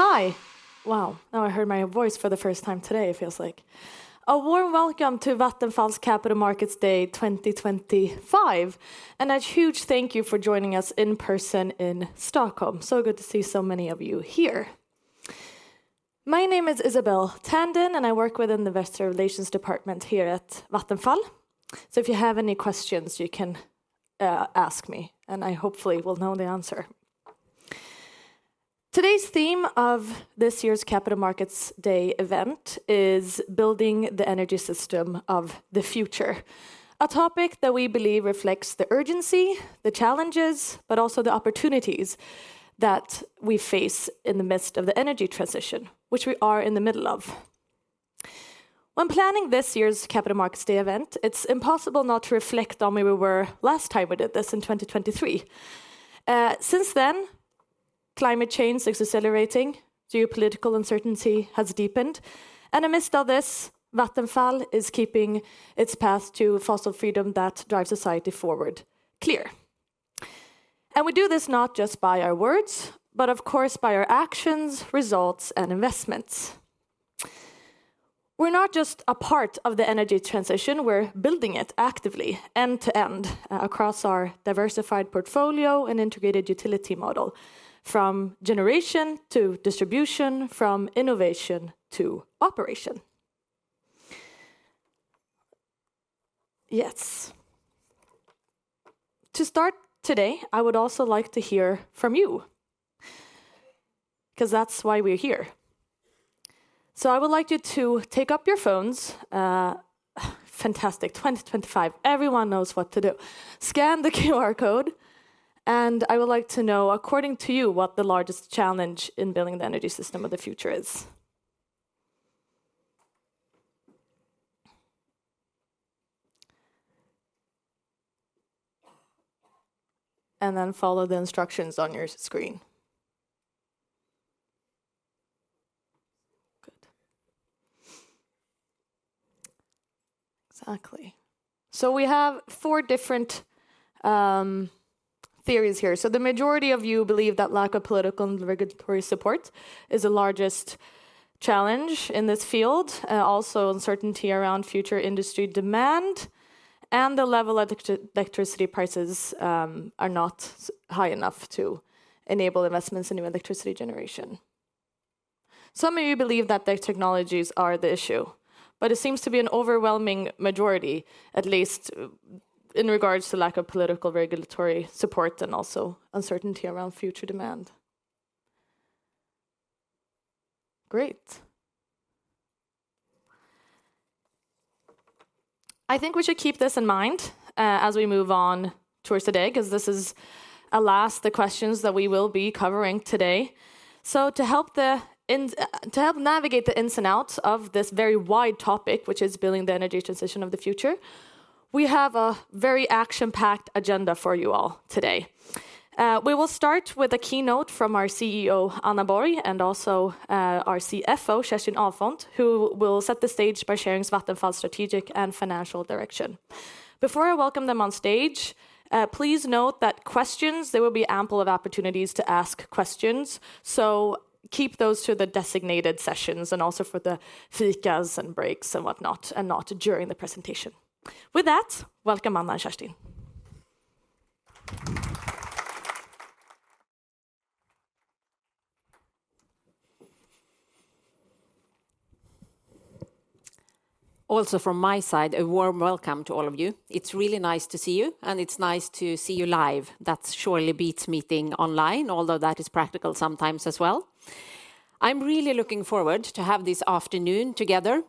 Hi. Wow, now I heard my voice for the first time today, it feels like. A warm welcome to Vattenfall's Capital Markets Day 2025, and a huge thank you for joining us in person in Stockholm. So good to see so many of you here. My name is Isabelle Tandan, and I work within the Investor Relations Department here at Vattenfall. If you have any questions, you can ask me, and I hopefully will know the answer. Today's theme of this year's Capital Markets Day event is Building the Energy System of the Future, a topic that we believe reflects the urgency, the challenges, but also the opportunities that we face in the midst of the energy transition, which we are in the middle of. When planning this year's Capital Markets Day event, it's impossible not to reflect on where we were last time we did this in 2023. Since then, climate change is accelerating, geopolitical uncertainty has deepened, and amidst all this, Vattenfall is keeping its path to fossil freedom that drives society forward clear. We do this not just by our words, but of course by our actions, results, and investments. We're not just a part of the energy transition; we're building it actively, end to end, across our diversified portfolio and integrated utility model, from generation to distribution, from innovation to operation. Yes. To start today, I would also like to hear from you, because that's why we're here. I would like you to take up your phones. Fantastic. 2025. Everyone knows what to do. Scan the QR code, and I would like to know, according to you, what the largest challenge in building the energy system of the future is. Then follow the instructions on your screen. Good. Exactly. We have four different theories here. The majority of you believe that lack of political and regulatory support is the largest challenge in this field, also uncertainty around future industry demand, and the level of electricity prices are not high enough to enable investments in new electricity generation. Some of you believe that their technologies are the issue, but it seems to be an overwhelming majority, at least in regards to lack of political regulatory support and also uncertainty around future demand. Great. I think we should keep this in mind as we move on towards the day, because this is alas the questions that we will be covering today. To help navigate the ins and outs of this very wide topic, which is building the energy transition of the future, we have a very action-packed agenda for you all today. We will start with a keynote from our CEO, Anna Borg, and also our CFO, Kerstin Ahlfont, who will set the stage by sharing Vattenfall's strategic and financial direction. Before I welcome them on stage, please note that questions, there will be ample opportunities to ask questions, so keep those to the designated sessions and also for the fikas and breaks and whatnot, and not during the presentation. With that, welcome Anna and Kerstin. Also from my side, a warm welcome to all of you. It is really nice to see you, and it is nice to see you live. That surely beats meeting online, although that is practical sometimes as well. I am really looking forward to having this afternoon together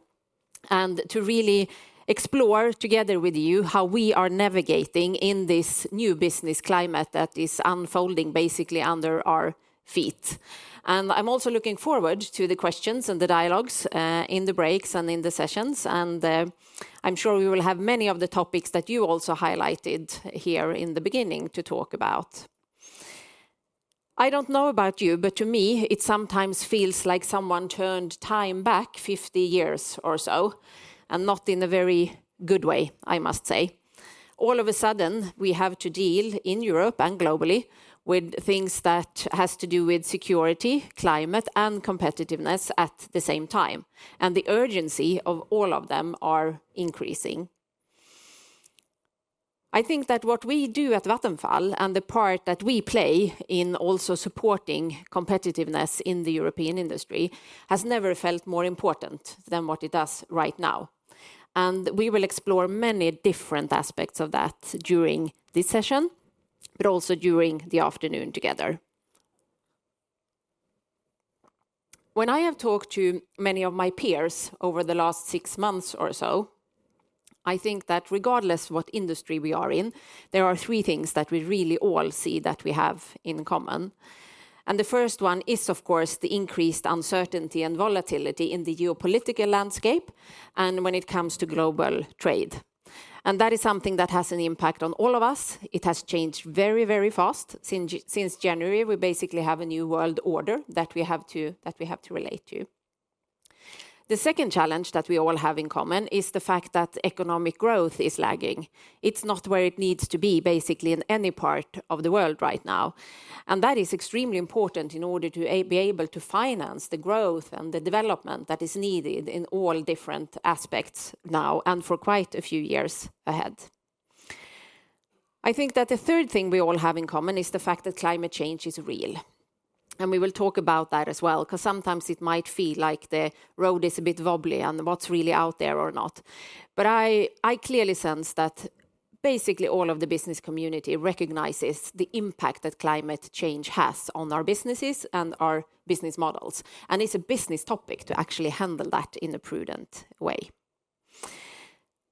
and to really explore together with you how we are navigating in this new business climate that is unfolding basically under our feet. I am also looking forward to the questions and the dialogues in the breaks and in the sessions, and I am sure we will have many of the topics that you also highlighted here in the beginning to talk about. I do not know about you, but to me, it sometimes feels like someone turned time back 50 years or so, and not in a very good way, I must say. All of a sudden, we have to deal in Europe and globally with things that have to do with security, climate, and competitiveness at the same time, and the urgency of all of them is increasing. I think that what we do at Vattenfall and the part that we play in also supporting competitiveness in the European industry has never felt more important than what it does right now. We will explore many different aspects of that during this session, but also during the afternoon together. When I have talked to many of my peers over the last six months or so, I think that regardless of what industry we are in, there are three things that we really all see that we have in common. The first one is, of course, the increased uncertainty and volatility in the geopolitical landscape and when it comes to global trade. That is something that has an impact on all of us. It has changed very, very fast. Since January, we basically have a new world order that we have to relate to. The second challenge that we all have in common is the fact that economic growth is lagging. It is not where it needs to be, basically in any part of the world right now. That is extremely important in order to be able to finance the growth and the development that is needed in all different aspects now and for quite a few years ahead. I think that the third thing we all have in common is the fact that climate change is real. We will talk about that as well, because sometimes it might feel like the road is a bit wobbly and what is really out there or not. I clearly sense that basically all of the business community recognizes the impact that climate change has on our businesses and our business models. It is a business topic to actually handle that in a prudent way.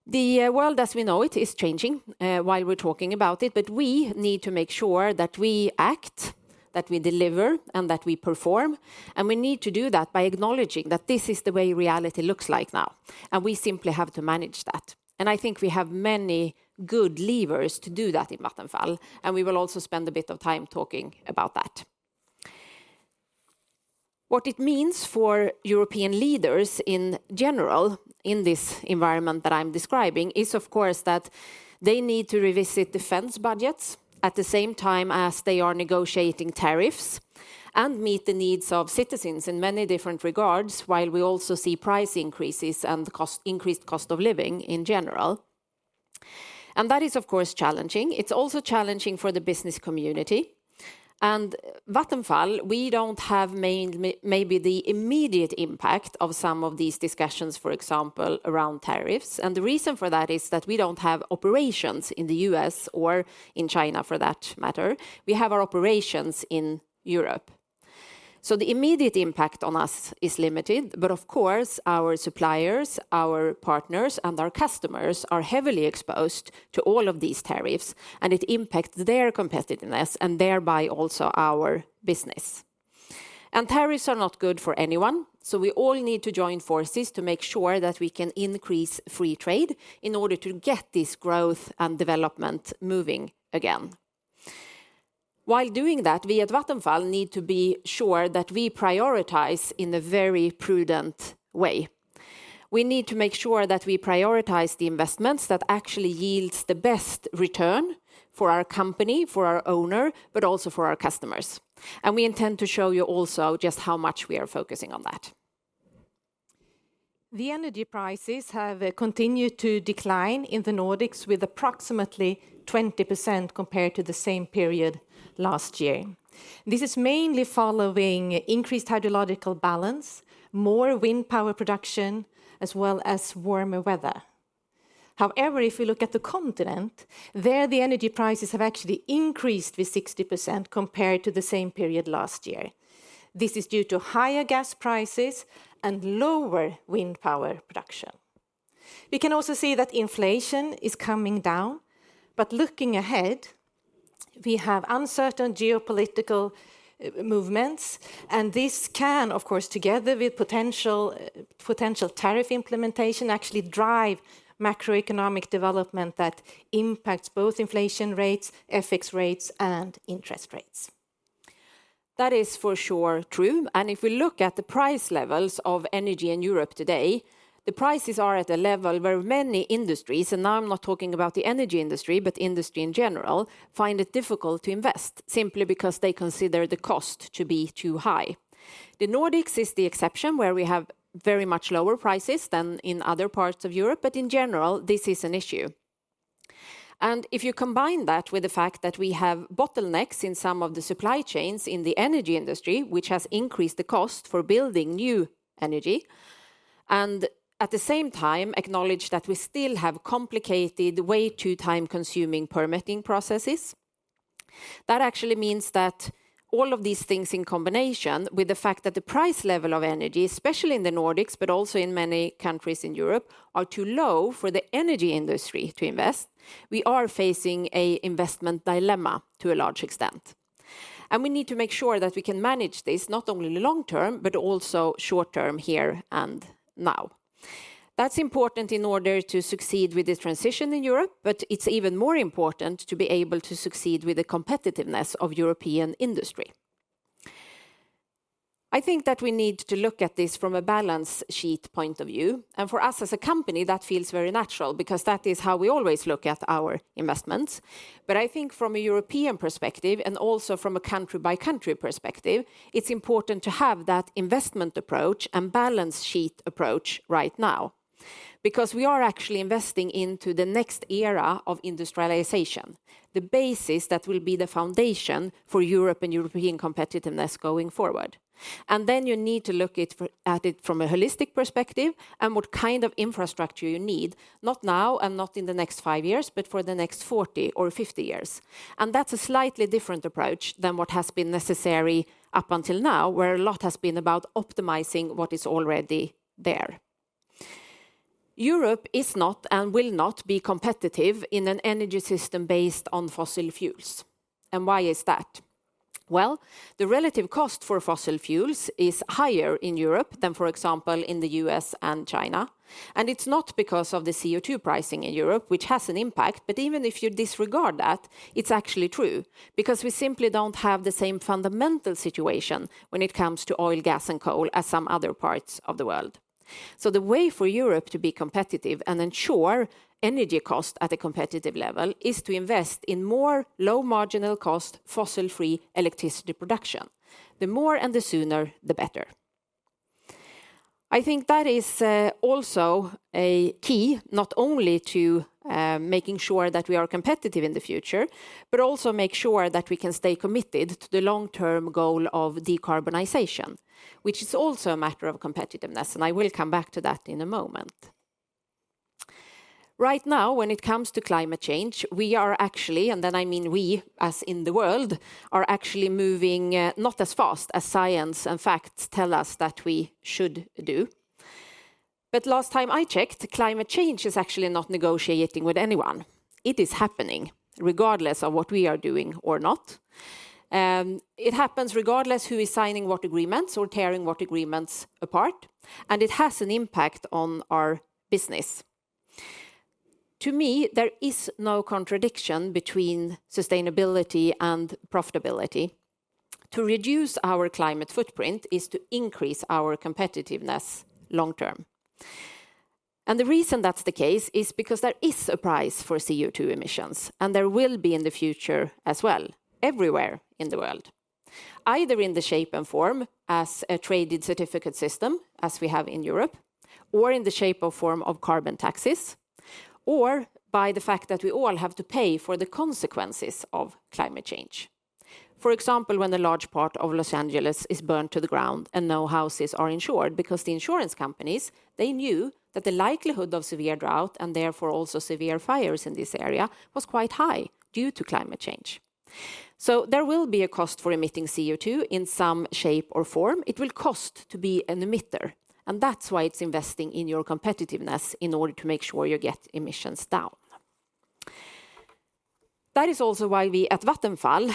The world as we know it is changing while we're talking about it, but we need to make sure that we act, that we deliver, and that we perform. We need to do that by acknowledging that this is the way reality looks like now, and we simply have to manage that. I think we have many good levers to do that in Vattenfall, and we will also spend a bit of time talking about that. What it means for European leaders in general in this environment that I'm describing is, of course, that they need to revisit defense budgets at the same time as they are negotiating tariffs and meet the needs of citizens in many different regards, while we also see price increases and increased cost of living in general. That is, of course, challenging. It's also challenging for the business community. At Vattenfall, we don't have maybe the immediate impact of some of these discussions, for example, around tariffs. The reason for that is that we don't have operations in the U.S. or in China for that matter. We have our operations in Europe. The immediate impact on us is limited, but of course, our suppliers, our partners, and our customers are heavily exposed to all of these tariffs, and it impacts their competitiveness and thereby also our business. Tariffs are not good for anyone, so we all need to join forces to make sure that we can increase free trade in order to get this growth and development moving again. While doing that, we at Vattenfall need to be sure that we prioritize in a very prudent way. We need to make sure that we prioritize the investments that actually yield the best return for our company, for our owner, but also for our customers. We intend to show you also just how much we are focusing on that. The energy prices have continued to decline in the Nordics with approximately 20% compared to the same period last year. This is mainly following increased hydrological balance, more wind power production, as well as warmer weather. However, if we look at the continent, there the energy prices have actually increased with 60% compared to the same period last year. This is due to higher gas prices and lower wind power production. We can also see that inflation is coming down, but looking ahead, we have uncertain geopolitical movements, and this can, of course, together with potential tariff implementation, actually drive macroeconomic development that impacts both inflation rates, FX rates, and interest rates. That is for sure true. If we look at the price levels of energy in Europe today, the prices are at a level where many industries, and I'm not talking about the energy industry, but industry in general, find it difficult to invest simply because they consider the cost to be too high. The Nordics is the exception where we have very much lower prices than in other parts of Europe, but in general, this is an issue. If you combine that with the fact that we have bottlenecks in some of the supply chains in the energy industry, which has increased the cost for building new energy, and at the same time acknowledge that we still have complicated, way too time-consuming permitting processes, that actually means that all of these things in combination with the fact that the price level of energy, especially in the Nordics, but also in many countries in Europe, are too low for the energy industry to invest, we are facing an investment dilemma to a large extent. We need to make sure that we can manage this not only in the long term, but also short term here and now. That's important in order to succeed with the transition in Europe, but it's even more important to be able to succeed with the competitiveness of European industry. I think that we need to look at this from a balance sheet point of view, and for us as a company, that feels very natural because that is how we always look at our investments. I think from a European perspective and also from a country-by-country perspective, it's important to have that investment approach and balance sheet approach right now, because we are actually investing into the next era of industrialization, the basis that will be the foundation for Europe and European competitiveness going forward. You need to look at it from a holistic perspective and what kind of infrastructure you need, not now and not in the next five years, but for the next 40 or 50 years. That is a slightly different approach than what has been necessary up until now, where a lot has been about optimizing what is already there. Europe is not and will not be competitive in an energy system based on fossil fuels. Why is that? The relative cost for fossil fuels is higher in Europe than, for example, in the U.S. and China. It is not because of the CO2 pricing in Europe, which has an impact, but even if you disregard that, it is actually true, because we simply do not have the same fundamental situation when it comes to oil, gas, and coal as some other parts of the world. The way for Europe to be competitive and ensure energy cost at a competitive level is to invest in more low-marginal cost fossil-free electricity production. The more and the sooner, the better. I think that is also a key not only to making sure that we are competitive in the future, but also make sure that we can stay committed to the long-term goal of decarbonization, which is also a matter of competitiveness, and I will come back to that in a moment. Right now, when it comes to climate change, we are actually, and then I mean we as in the world, are actually moving not as fast as science and facts tell us that we should do. Last time I checked, climate change is actually not negotiating with anyone. It is happening regardless of what we are doing or not. It happens regardless of who is signing what agreements or tearing what agreements apart, and it has an impact on our business. To me, there is no contradiction between sustainability and profitability. To reduce our climate footprint is to increase our competitiveness long term. The reason that's the case is because there is a price for CO2 emissions, and there will be in the future as well, everywhere in the world, either in the shape and form as a traded certificate system as we have in Europe, or in the shape or form of carbon taxes, or by the fact that we all have to pay for the consequences of climate change. For example, when a large part of Los Angeles is burned to the ground and no houses are insured because the insurance companies, they knew that the likelihood of severe drought and therefore also severe fires in this area was quite high due to climate change. There will be a cost for emitting CO2 in some shape or form. It will cost to be an emitter, and that is why it is investing in your competitiveness in order to make sure you get emissions down. That is also why we at Vattenfall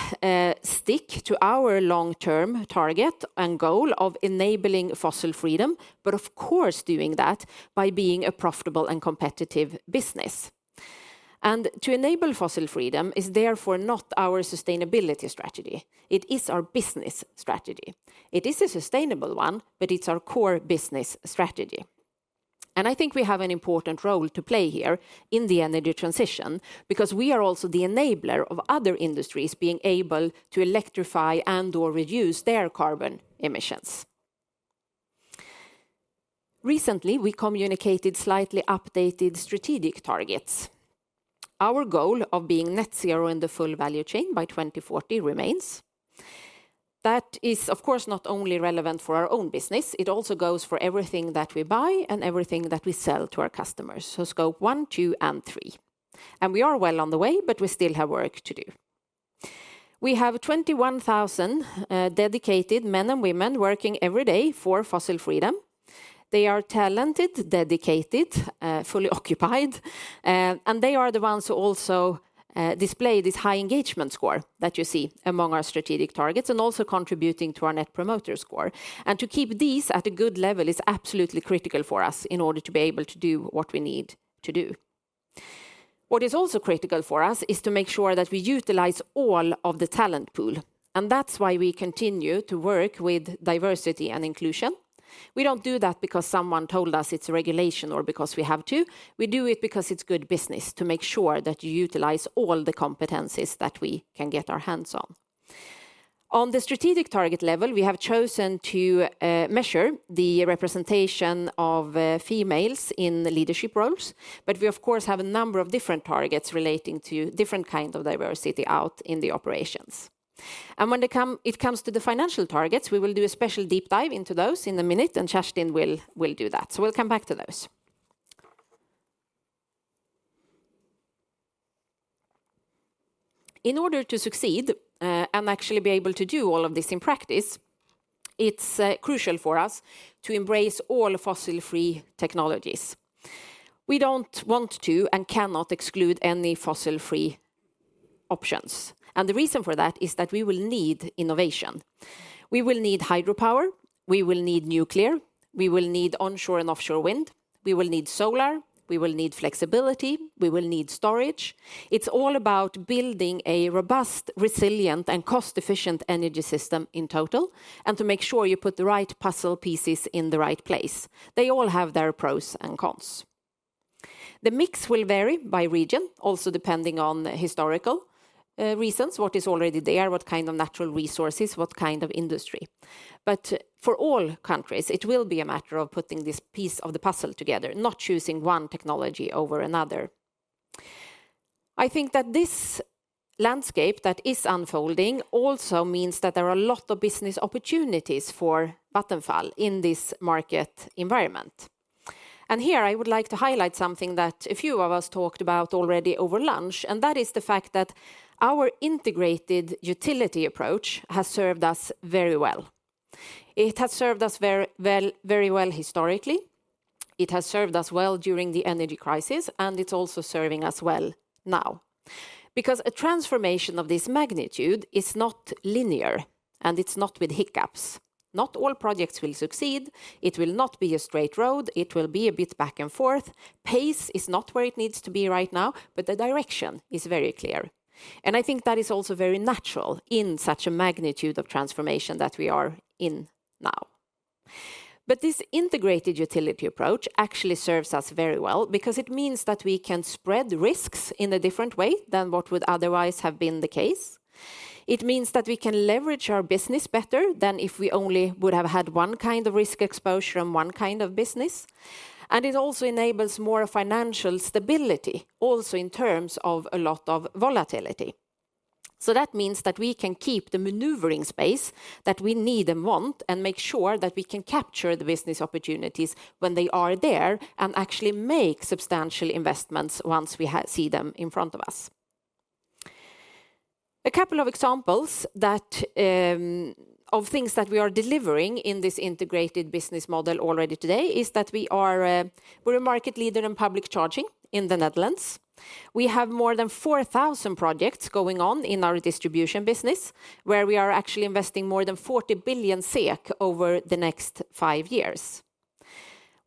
stick to our long-term target and goal of enabling fossil freedom, but of course doing that by being a profitable and competitive business. To enable fossil freedom is therefore not our sustainability strategy. It is our business strategy. It is a sustainable one, but it is our core business strategy. I think we have an important role to play here in the energy transition because we are also the enabler of other industries being able to electrify and/or reduce their carbon emissions. Recently, we communicated slightly updated strategic targets. Our goal of being net zero in the full value chain by 2040 remains. That is, of course, not only relevant for our own business. It also goes for everything that we buy and everything that we sell to our customers, so scope one, two, and three. We are well on the way, but we still have work to do. We have 21,000 dedicated men and women working every day for fossil freedom. They are talented, dedicated, fully occupied, and they are the ones who also display this high engagement score that you see among our strategic targets and also contributing to our net promoter score. To keep these at a good level is absolutely critical for us in order to be able to do what we need to do. What is also critical for us is to make sure that we utilize all of the talent pool, and that is why we continue to work with diversity and inclusion. We do not do that because someone told us it is a regulation or because we have to. We do it because it is good business to make sure that you utilize all the competencies that we can get our hands on. On the strategic target level, we have chosen to measure the representation of females in leadership roles, but we, of course, have a number of different targets relating to different kinds of diversity out in the operations. When it comes to the financial targets, we will do a special deep dive into those in a minute, and Kerstin will do that. We will come back to those. In order to succeed and actually be able to do all of this in practice, it is crucial for us to embrace all fossil-free technologies. We do not want to and cannot exclude any fossil-free options. The reason for that is that we will need innovation. We will need hydropower. We will need nuclear. We will need onshore and offshore wind. We will need solar. We will need flexibility. We will need storage. It is all about building a robust, resilient, and cost-efficient energy system in total and to make sure you put the right puzzle pieces in the right place. They all have their pros and cons. The mix will vary by region, also depending on historical reasons, what is already there, what kind of natural resources, what kind of industry. For all countries, it will be a matter of putting this piece of the puzzle together, not choosing one technology over another. I think that this landscape that is unfolding also means that there are a lot of business opportunities for Vattenfall in this market environment. Here I would like to highlight something that a few of us talked about already over lunch, and that is the fact that our integrated utility approach has served us very well. It has served us very well historically. It has served us well during the energy crisis, and it is also serving us well now because a transformation of this magnitude is not linear, and it is not without hiccups. Not all projects will succeed. It will not be a straight road. It will be a bit back and forth. Pace is not where it needs to be right now, but the direction is very clear. I think that is also very natural in such a magnitude of transformation that we are in now. This integrated utility approach actually serves us very well because it means that we can spread risks in a different way than what would otherwise have been the case. It means that we can leverage our business better than if we only would have had one kind of risk exposure and one kind of business. It also enables more financial stability, also in terms of a lot of volatility. That means that we can keep the maneuvering space that we need and want and make sure that we can capture the business opportunities when they are there and actually make substantial investments once we see them in front of us. A couple of examples of things that we are delivering in this integrated business model already today is that we are a market leader in public charging in the Netherlands. We have more than 4,000 projects going on in our distribution business where we are actually investing more than 40 billion over the next five years.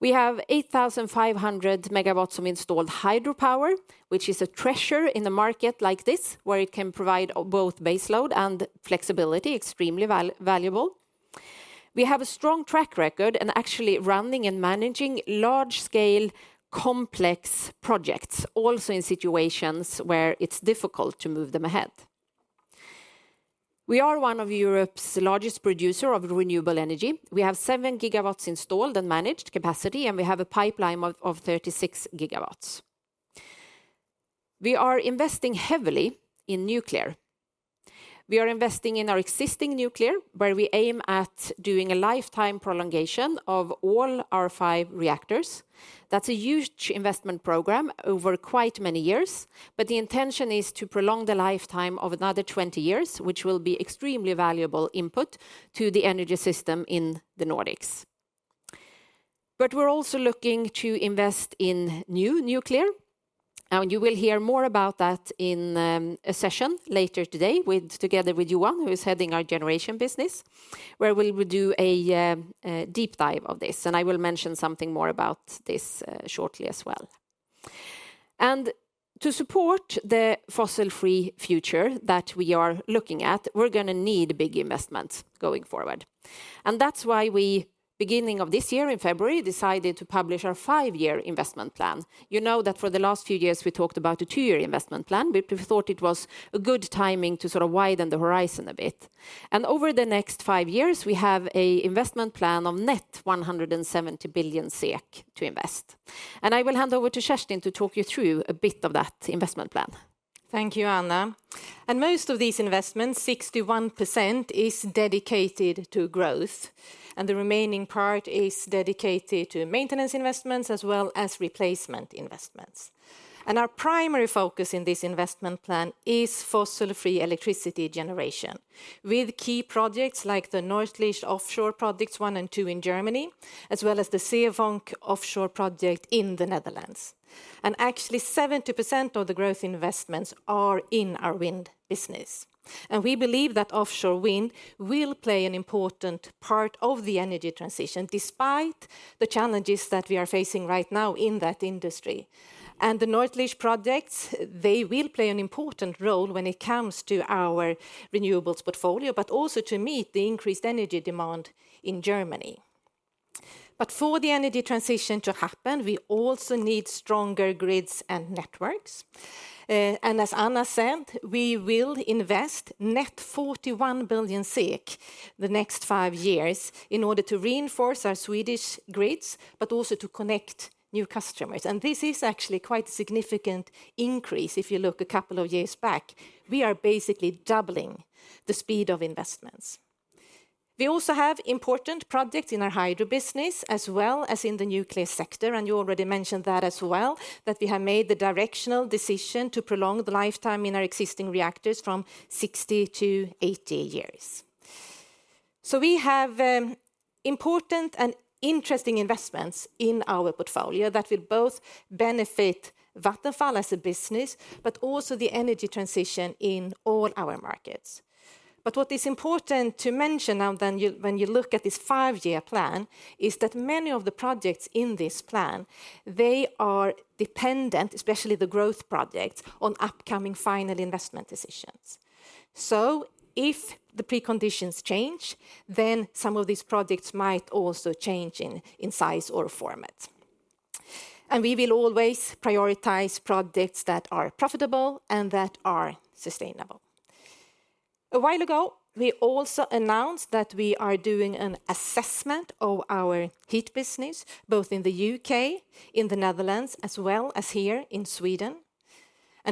We have 8,500 MW of installed hydropower, which is a treasure in a market like this where it can provide both baseload and flexibility, extremely valuable. We have a strong track record and actually running and managing large-scale complex projects, also in situations where it is difficult to move them ahead. We are one of Europe's largest producers of renewable energy. We have 7 GW installed and managed capacity, and we have a pipeline of 36 GW. We are investing heavily in nuclear. We are investing in our existing nuclear where we aim at doing a lifetime prolongation of all our five reactors. That's a huge investment program over quite many years, but the intention is to prolong the lifetime of another 20 years, which will be extremely valuable input to the energy system in the Nordics. We are also looking to invest in new nuclear. You will hear more about that in a session later today together with Johan, who is heading our Generation Business, where we will do a deep dive of this. I will mention something more about this shortly as well. To support the fossil-free future that we are looking at, we are going to need big investments going forward. That is why we, beginning of this year in February, decided to publish our five-year investment plan. You know that for the last few years we talked about a two-year investment plan, but we thought it was a good timing to sort of widen the horizon a bit. Over the next five years, we have an investment plan of net 170 billion SEK to invest. I will hand over to Kerstin to talk you through a bit of that investment plan. Thank you, Anna. Most of these investments, 61%, is dedicated to growth, and the remaining part is dedicated to maintenance investments as well as replacement investments. Our primary focus in this investment plan is fossil-free electricity generation with key projects like the Nordlicht Offshore Projects One and Two in Germany, as well as the Seeow Offshore Project in the Netherlands. Actually, 70% of the growth investments are in our wind business. We believe that offshore wind will play an important part of the energy transition despite the challenges that we are facing right now in that industry. The North Leach projects will play an important role when it comes to our renewables portfolio, but also to meet the increased energy demand in Germany. For the energy transition to happen, we also need stronger grids and networks. As Anna said, we will invest 41 billion SEK net over the next five years in order to reinforce our Swedish grids, but also to connect new customers. This is actually quite a significant increase. If you look a couple of years back, we are basically doubling the speed of investments. We also have important projects in our hydro business as well as in the nuclear sector. You already mentioned that as well, that we have made the directional decision to prolong the lifetime in our existing reactors from 60 years to 80 years. We have important and interesting investments in our portfolio that will both benefit Vattenfall as a business, but also the energy transition in all our markets. What is important to mention now, when you look at this five-year plan, is that many of the projects in this plan, they are dependent, especially the growth projects, on upcoming final investment decisions. If the preconditions change, then some of these projects might also change in size or format. We will always prioritize projects that are profitable and that are sustainable. A while ago, we also announced that we are doing an assessment of our heat business, both in the U.K., in the Netherlands, as well as here in Sweden.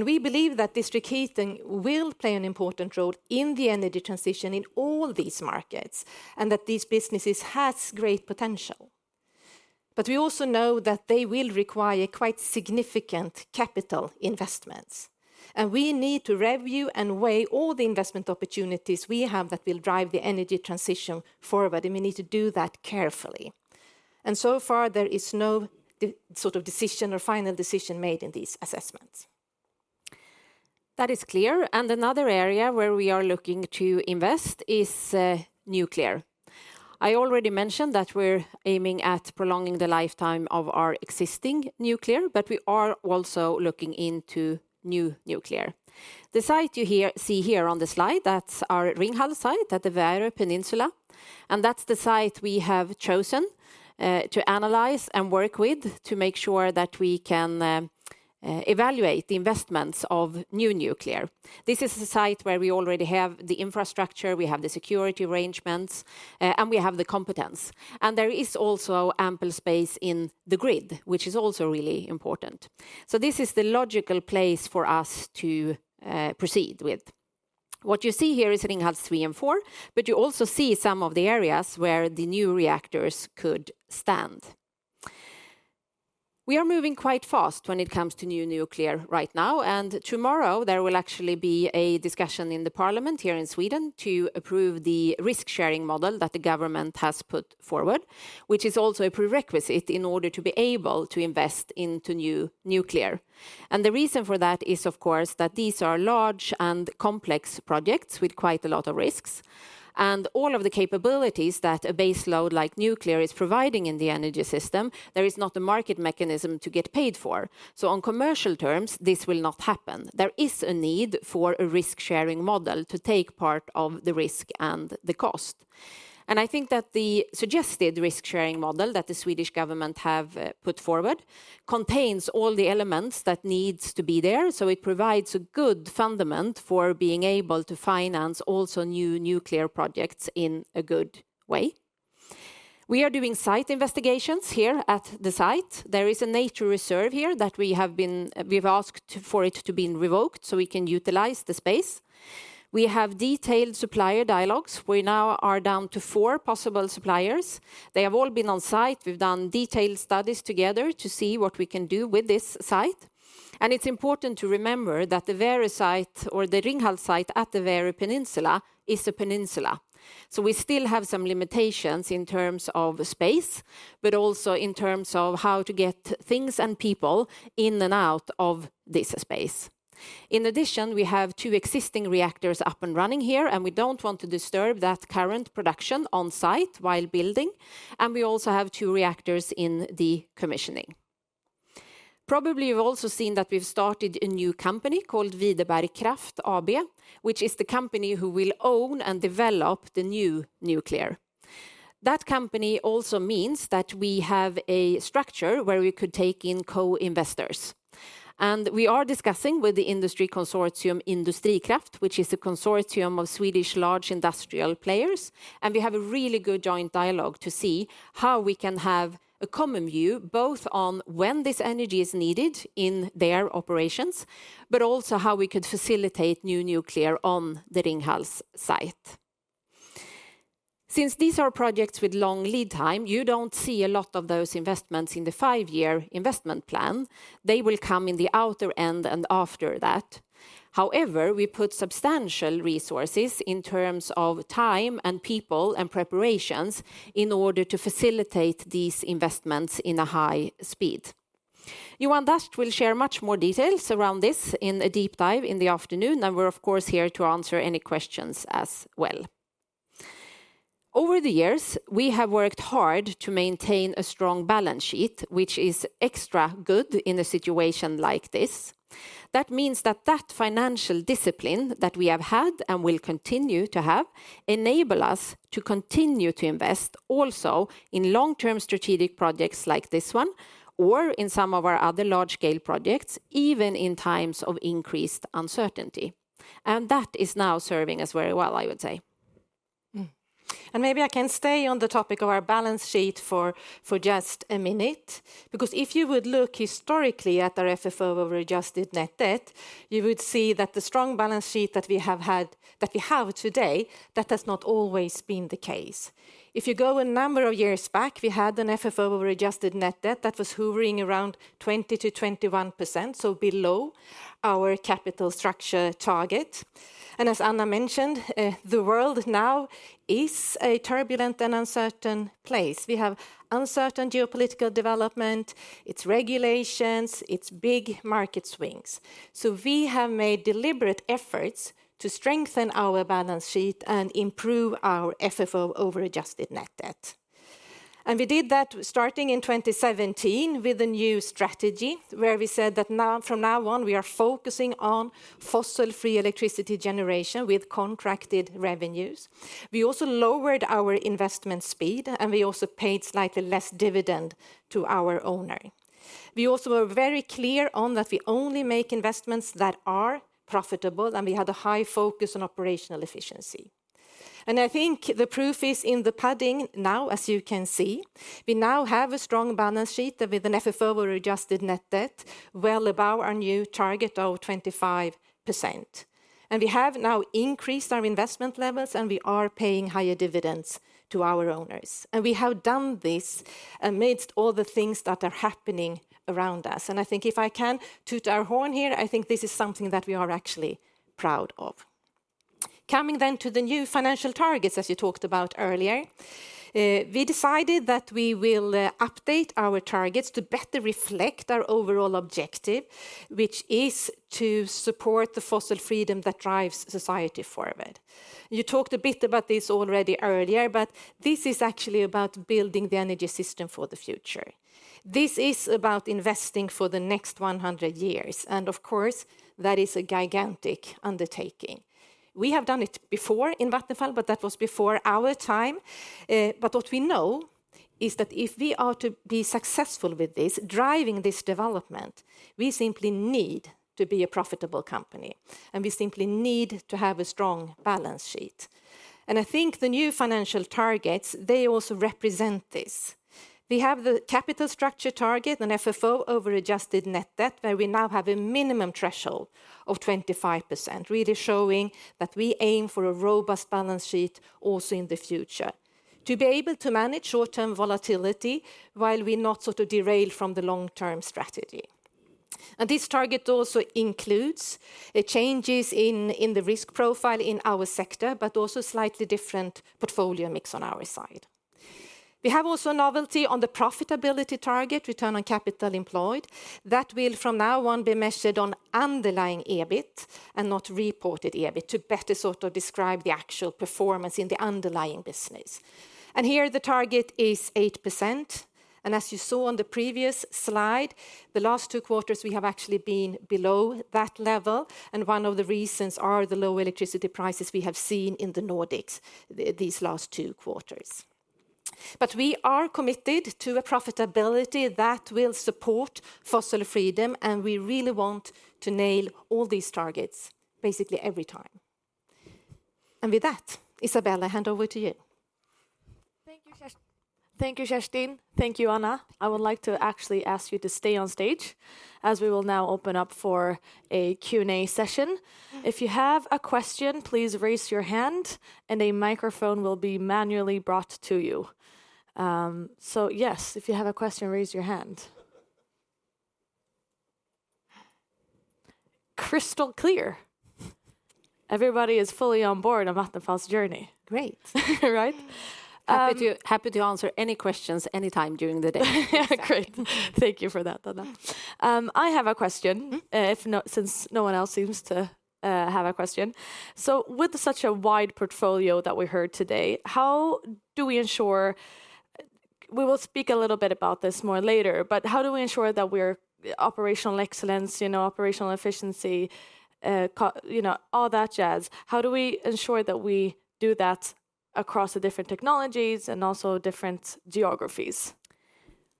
We believe that district heating will play an important role in the energy transition in all these markets and that these businesses have great potential. We also know that they will require quite significant capital investments. We need to review and weigh all the investment opportunities we have that will drive the energy transition forward but we need to do that carefully. So far, there is no sort of decision or final decision made in these assessments. That is clear. Another area where we are looking to invest is nuclear. I already mentioned that we're aiming at prolonging the lifetime of our existing nuclear, but we are also looking into new nuclear. The site you see here on the slide, that's our Ringhals site at the Värö Peninsula. That is the site we have chosen to analyze and work with to make sure that we can evaluate the investments of new nuclear. This is a site where we already have the infrastructure, we have the security arrangements, and we have the competence. There is also ample space in the grid, which is also really important. This is the logical place for us to proceed with. What you see here is Ringhals three and four, but you also see some of the areas where the new reactors could stand. We are moving quite fast when it comes to new nuclear right now. Tomorrow, there will actually be a discussion in the Parliament here in Sweden to approve the risk-sharing model that the government has put forward, which is also a prerequisite in order to be able to invest into new nuclear. The reason for that is, of course, that these are large and complex projects with quite a lot of risks. All of the capabilities that a baseload like nuclear is providing in the energy system, there is not a market mechanism to get paid for. On commercial terms, this will not happen. There is a need for a risk-sharing model to take part of the risk and the cost. I think that the suggested risk-sharing model that the Swedish government has put forward contains all the elements that need to be there. It provides a good fundament for being able to finance also new nuclear projects in a good way. We are doing site investigations here at the site. There is a nature reserve here that we have been asked for it to be revoked so we can utilize the space. We have detailed supplier dialogues. We now are down to four possible suppliers. They have all been on site. We've done detailed studies together to see what we can do with this site. It is important to remember that the Värö site or the Ringhals site at the Värö Peninsula is a peninsula. We still have some limitations in terms of space, but also in terms of how to get things and people in and out of this space. In addition, we have two existing reactors up and running here, and we do not want to disturb that current production on site while building. We also have two reactors in the commissioning. Probably you have also seen that we have started a new company called Videberg Kraft AB, which is the company who will own and develop the new nuclear. That company also means that we have a structure where we could take in co-investors. We are discussing with the industry consortium Industrikraft, which is a consortium of Swedish large industrial players. We have a really good joint dialogue to see how we can have a common view both on when this energy is needed in their operations, but also how we could facilitate new nuclear on the Ringhals site. Since these are projects with long lead time, you do not see a lot of those investments in the five-year investment plan. They will come in the outer end and after that. However, we put substantial resources in terms of time and people and preparations in order to facilitate these investments in a high speed. Johan Dasht will share much more details around this in a deep dive in the afternoon. We are, of course, here to answer any questions as well. Over the years, we have worked hard to maintain a strong balance sheet, which is extra good in a situation like this. That means that financial discipline that we have had and will continue to have enables us to continue to invest also in long-term strategic projects like this one or in some of our other large-scale projects, even in times of increased uncertainty. That is now serving us very well, I would say. Maybe I can stay on the topic of our balance sheet for just a minute, because if you would look historically at our FFO over adjusted net debt, you would see that the strong balance sheet that we have had, that we have today, that has not always been the case. If you go a number of years back, we had an FFO over adjusted net debt that was hovering around 20%-21%, so below our capital structure target. As Anna mentioned, the world now is a turbulent and uncertain place. We have uncertain geopolitical development, its regulations, its big market swings. We have made deliberate efforts to strengthen our balance sheet and improve our FFO over adjusted net debt. We did that starting in 2017 with a new strategy where we said that from now on, we are focusing on fossil-free electricity generation with contracted revenues. We also lowered our investment speed, and we also paid slightly less dividend to our owner. We also were very clear on that we only make investments that are profitable, and we had a high focus on operational efficiency. I think the proof is in the pudding now, as you can see. We now have a strong balance sheet with an FFO over adjusted net debt well above our new target of 25%. We have now increased our investment levels, and we are paying higher dividends to our owners. We have done this amidst all the things that are happening around us. I think if I can toot our horn here, I think this is something that we are actually proud of. Coming then to the new financial targets, as you talked about earlier, we decided that we will update our targets to better reflect our overall objective, which is to support the fossil freedom that drives society forward. You talked a bit about this already earlier, but this is actually about building the energy system for the future. This is about investing for the next 100 years. Of course, that is a gigantic undertaking. We have done it before in Vattenfall, but that was before our time. What we know is that if we are to be successful with this, driving this development, we simply need to be a profitable company. We simply need to have a strong balance sheet. I think the new financial targets, they also represent this. We have the capital structure target, an FFO over adjusted net debt, where we now have a minimum threshold of 25%, really showing that we aim for a robust balance sheet also in the future, to be able to manage short-term volatility while we not sort of derail from the long-term strategy. This target also includes changes in the risk profile in our sector, but also slightly different portfolio mix on our side. We have also a novelty on the profitability target, return on capital employed, that will from now on be measured on underlying EBIT and not reported EBIT to better sort of describe the actual performance in the underlying business. Here the target is 8%. As you saw on the previous slide, the last two quarters, we have actually been below that level. One of the reasons are the low electricity prices we have seen in the Nordics these last two quarters. We are committed to a profitability that will support fossil freedom, and we really want to nail all these targets basically every time. With that, Isabelle, I hand over to you. Thank you, Kerstin. Thank you, Anna. I would like to actually ask you to stay on stage as we will now open up for a Q&A session. If you have a question, please raise your hand and a microphone will be manually brought to you. Yes, if you have a question, raise your hand. Crystal clear. Everybody is fully on board on Vattenfall's journey. Great. Right? Happy to answer any questions anytime during the day. Great. Thank you for that, Anna. I have a question, since no one else seems to have a question. With such a wide portfolio that we heard today, how do we ensure—we will speak a little bit about this more later—but how do we ensure that we're operational excellence, you know, operational efficiency, you know, all that jazz? How do we ensure that we do that across the different technologies and also different geographies?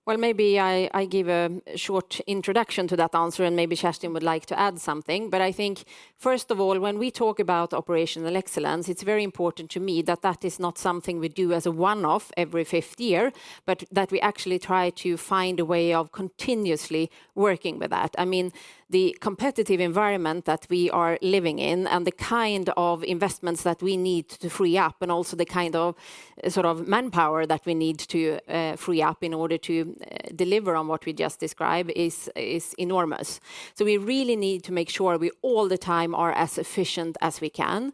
Maybe I give a short introduction to that answer, and maybe Kerstin would like to add something. I think, first of all, when we talk about operational excellence, it's very important to me that that is not something we do as a one-off every fifth year, but that we actually try to find a way of continuously working with that. I mean, the competitive environment that we are living in and the kind of investments that we need to free up, and also the kind of sort of manpower that we need to free up in order to deliver on what we just described is enormous. We really need to make sure we all the time are as efficient as we can.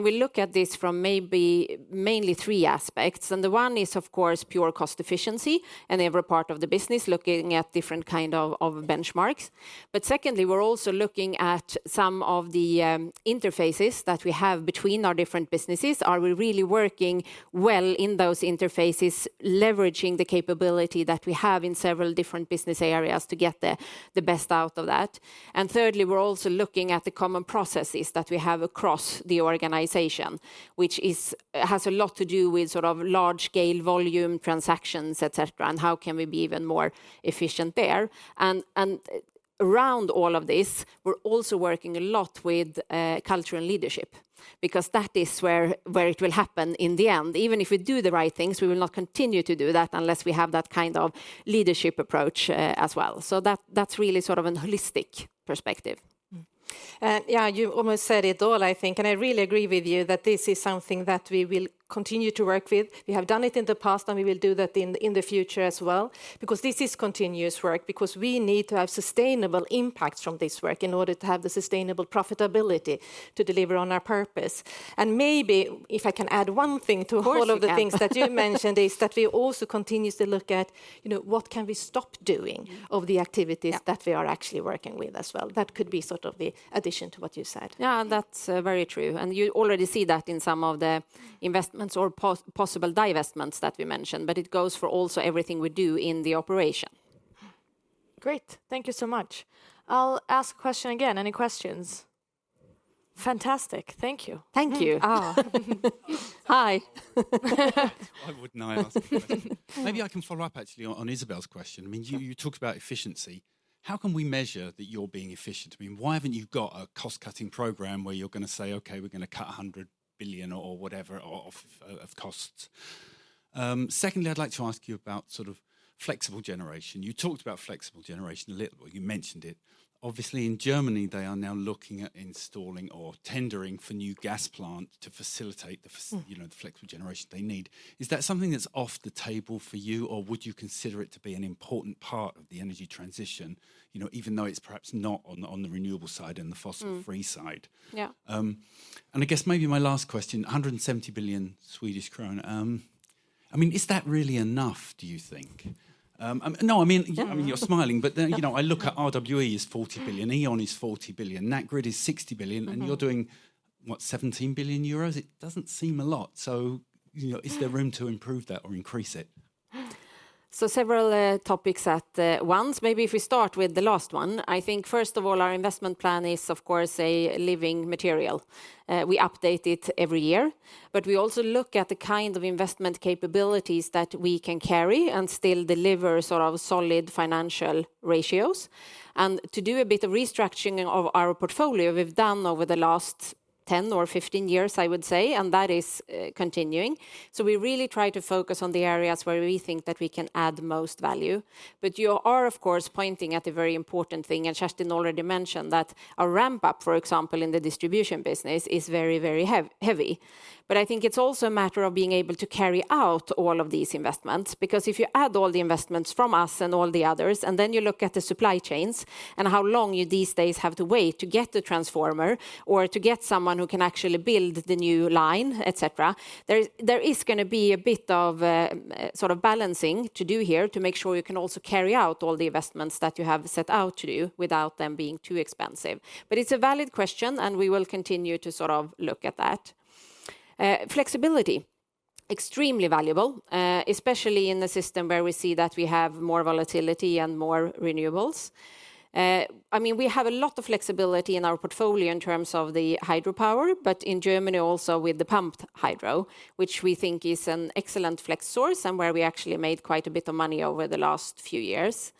We look at this from maybe mainly three aspects. The one is, of course, pure cost efficiency and every part of the business looking at different kinds of benchmarks. Secondly, we're also looking at some of the interfaces that we have between our different businesses. Are we really working well in those interfaces, leveraging the capability that we have in several different business areas to get the best out of that? Thirdly, we're also looking at the common processes that we have across the organization, which has a lot to do with sort of large-scale volume transactions, etc., and how can we be even more efficient there? Around all of this, we're also working a lot with culture and leadership because that is where it will happen in the end. Even if we do the right things, we will not continue to do that unless we have that kind of leadership approach as well. That's really sort of a holistic perspective. Yeah, you almost said it all, I think. I really agree with you that this is something that we will continue to work with. We have done it in the past, and we will do that in the future as well, because this is continuous work, because we need to have sustainable impacts from this work in order to have the sustainable profitability to deliver on our purpose. Maybe if I can add one thing to all of the things that you mentioned, it is that we also continue to look at, you know, what can we stop doing of the activities that we are actually working with as well. That could be sort of the addition to what you said. Yeah, that's very true. You already see that in some of the investments or possible divestments that we mentioned, but it goes for also everything we do in the operation. Great. Thank you so much. I'll ask a question again. Any questions? Fantastic. Thank you. Thank you. Hi. I wouldn't know. Maybe I can follow up actually on Isabelle's question. I mean, you talked about efficiency. How can we measure that you're being efficient? I mean, why haven't you got a cost-cutting program where you're going to say, okay, we're going to cut 100 billion or whatever of costs? Secondly, I'd like to ask you about sort of flexible generation. You talked about flexible generation a little, but you mentioned it. Obviously, in Germany, they are now looking at installing or tendering for new gas plants to facilitate the flexible generation they need. Is that something that's off the table for you, or would you consider it to be an important part of the energy transition, you know, even though it's perhaps not on the renewable side and the fossil-free side? Yeah. I guess maybe my last question, 170 billion Swedish krona. I mean, is that really enough, do you think? No, I mean, you're smiling, but you know, I look at RWE is 40 billion, E.ON is 40 billion, National Grid is 60 billion, and you're doing what, 17 billion euros? It does not seem a lot. You know, is there room to improve that or increase it? Several topics at once. Maybe if we start with the last one, I think first of all, our investment plan is, of course, a living material. We update it every year, but we also look at the kind of investment capabilities that we can carry and still deliver sort of solid financial ratios. To do a bit of restructuring of our portfolio we have done over the last 10 or 15 years, I would say, and that is continuing. We really try to focus on the areas where we think that we can add most value. You are, of course, pointing at a very important thing, and Kerstin already mentioned that our ramp-up, for example, in the distribution business is very, very heavy. I think it is also a matter of being able to carry out all of these investments, because if you add all the investments from us and all the others, and then you look at the supply chains and how long you these days have to wait to get the transformer or to get someone who can actually build the new line, etc., there is going to be a bit of sort of balancing to do here to make sure you can also carry out all the investments that you have set out to do without them being too expensive. It is a valid question, and we will continue to sort of look at that. Flexibility, extremely valuable, especially in a system where we see that we have more volatility and more renewables. I mean, we have a lot of flexibility in our portfolio in terms of the hydropower, but in Germany also with the pumped hydro, which we think is an excellent flex source and where we actually made quite a bit of money over the last few years.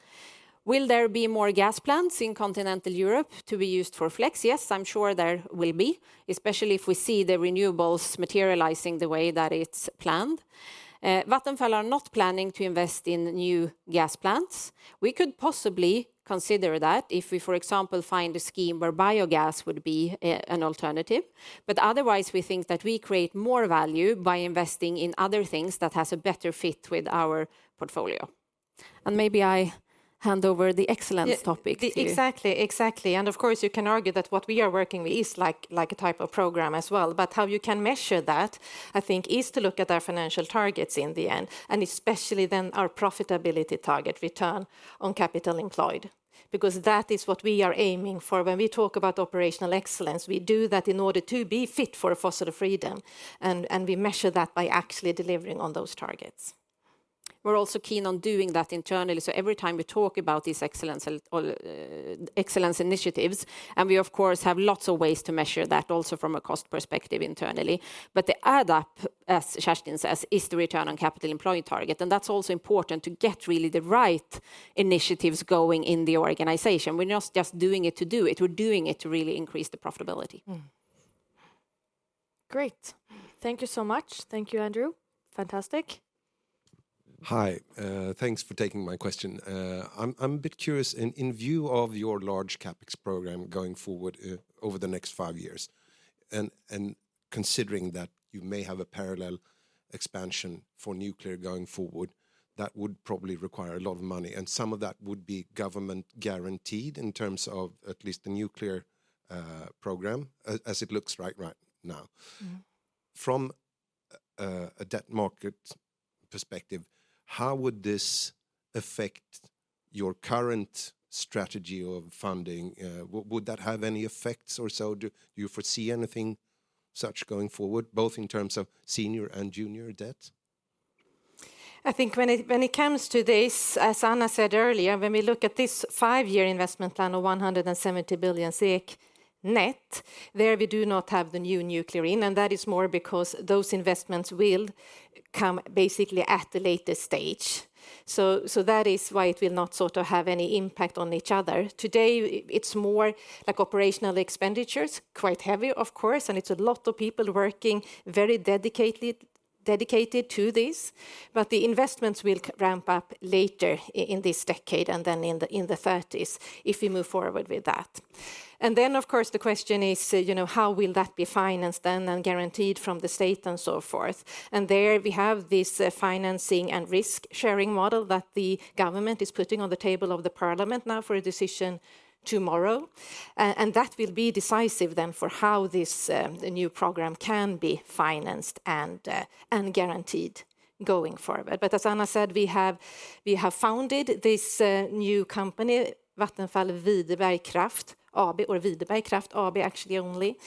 Will there be more gas plants in continental Europe to be used for flex? Yes, I am sure there will be, especially if we see the renewables materializing the way that it is planned. Vattenfall are not planning to invest in new gas plants. We could possibly consider that if we, for example, find a scheme where biogas would be an alternative. Otherwise, we think that we create more value by investing in other things that have a better fit with our portfolio. Maybe I hand over the excellence topic. Exactly, exactly. Of course, you can argue that what we are working with is like a type of program as well. How you can measure that, I think, is to look at our financial targets in the end, and especially then our profitability target return on capital employed, because that is what we are aiming for when we talk about operational excellence. We do that in order to be fit for fossil freedom, and we measure that by actually delivering on those targets. We are also keen on doing that internally. Every time we talk about these excellence initiatives, and we, of course, have lots of ways to measure that also from a cost perspective internally. The add-up, as Kerstin says, is the return on capital employed target. That is also important to get really the right initiatives going in the organization. We are not just doing it to do it. We are doing it to really increase the profitability. Great. Thank you so much. Thank you, Andrew. Fantastic. Hi. Thanks for taking my question. I am a bit curious, in view of your large CapEx program going forward over the next five years, and considering that you may have a parallel expansion for nuclear going forward, that would probably require a lot of money. Some of that would be government guaranteed in terms of at least the nuclear program, as it looks right now. From a debt market perspective, how would this affect your current strategy of funding? Would that have any effects or so? Do you foresee anything such going forward, both in terms of senior and junior debt? I think when it comes to this, as Anna said earlier, when we look at this five-year investment plan of 170 billion SEK net, there we do not have the new nuclear in. That is more because those investments will come basically at the latest stage. That is why it will not sort of have any impact on each other. Today, it is more like operational expenditures, quite heavy, of course. It is a lot of people working very dedicated to this. The investments will ramp up later in this decade and then in the 2030s if we move forward with that. Of course, the question is, you know, how will that be financed then and guaranteed from the state and so forth? There we have this financing and risk-sharing model that the government is putting on the table of the Parliament now for a decision tomorrow. That will be decisive then for how this new program can be financed and guaranteed going forward. As Anna said, we have founded this new company, Vattenfall Videberg Kraft AB or Videberg Kraft AB actually only.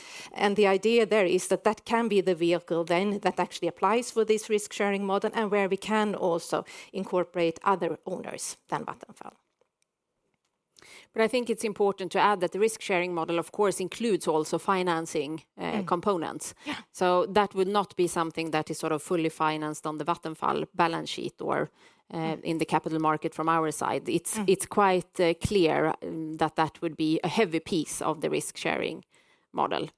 The idea there is that that can be the vehicle then that actually applies for this risk-sharing model and where we can also incorporate other owners than Vattenfall. I think it is important to add that the risk-sharing model, of course, includes also financing components. That would not be something that is sort of fully financed on the Vattenfall balance sheet or in the capital market from our side. It is quite clear that that would be a heavy piece of the risk-sharing model.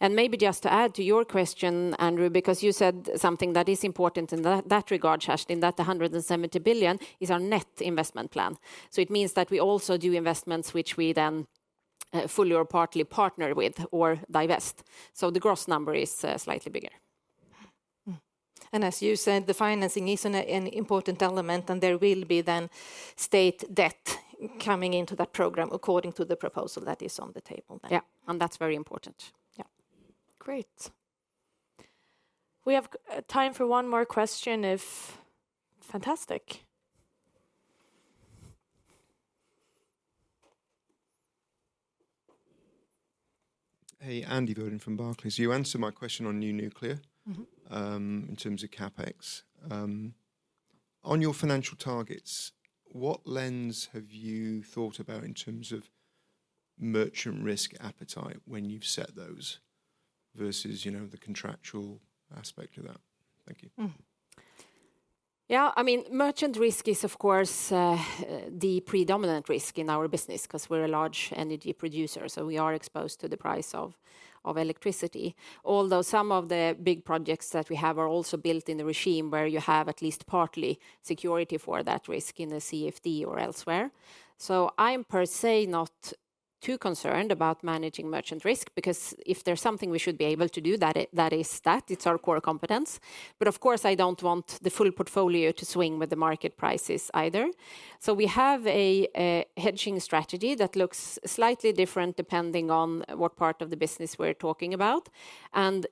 Maybe just to add to your question, Andrew, because you said something that is important in that regard, Kerstin, that the 170 billion is our net investment plan. It means that we also do investments which we then fully or partly partner with or divest. The gross number is slightly bigger. As you said, the financing is an important element, and there will be state debt coming into that program according to the proposal that is on the table. Yeah, that is very important. Great. We have time for one more question, if. Fantastic. Hey, Andy Verdin from Barclays. You answered my question on new nuclear in terms of CapEx. On your financial targets, what lens have you thought about in terms of merchant risk appetite when you have set those versus, you know, the contractual aspect of that? Thank you. Yeah, I mean, merchant risk is, of course, the predominant risk in our business because we're a large energy producer. So we are exposed to the price of electricity. Although some of the big projects that we have are also built in the regime where you have at least partly security for that risk in a CFD or elsewhere. So I'm per se not too concerned about managing merchant risk because if there's something we should be able to do, that is that. It's our core competence. Of course, I don't want the full portfolio to swing with the market prices either. We have a hedging strategy that looks slightly different depending on what part of the business we're talking about.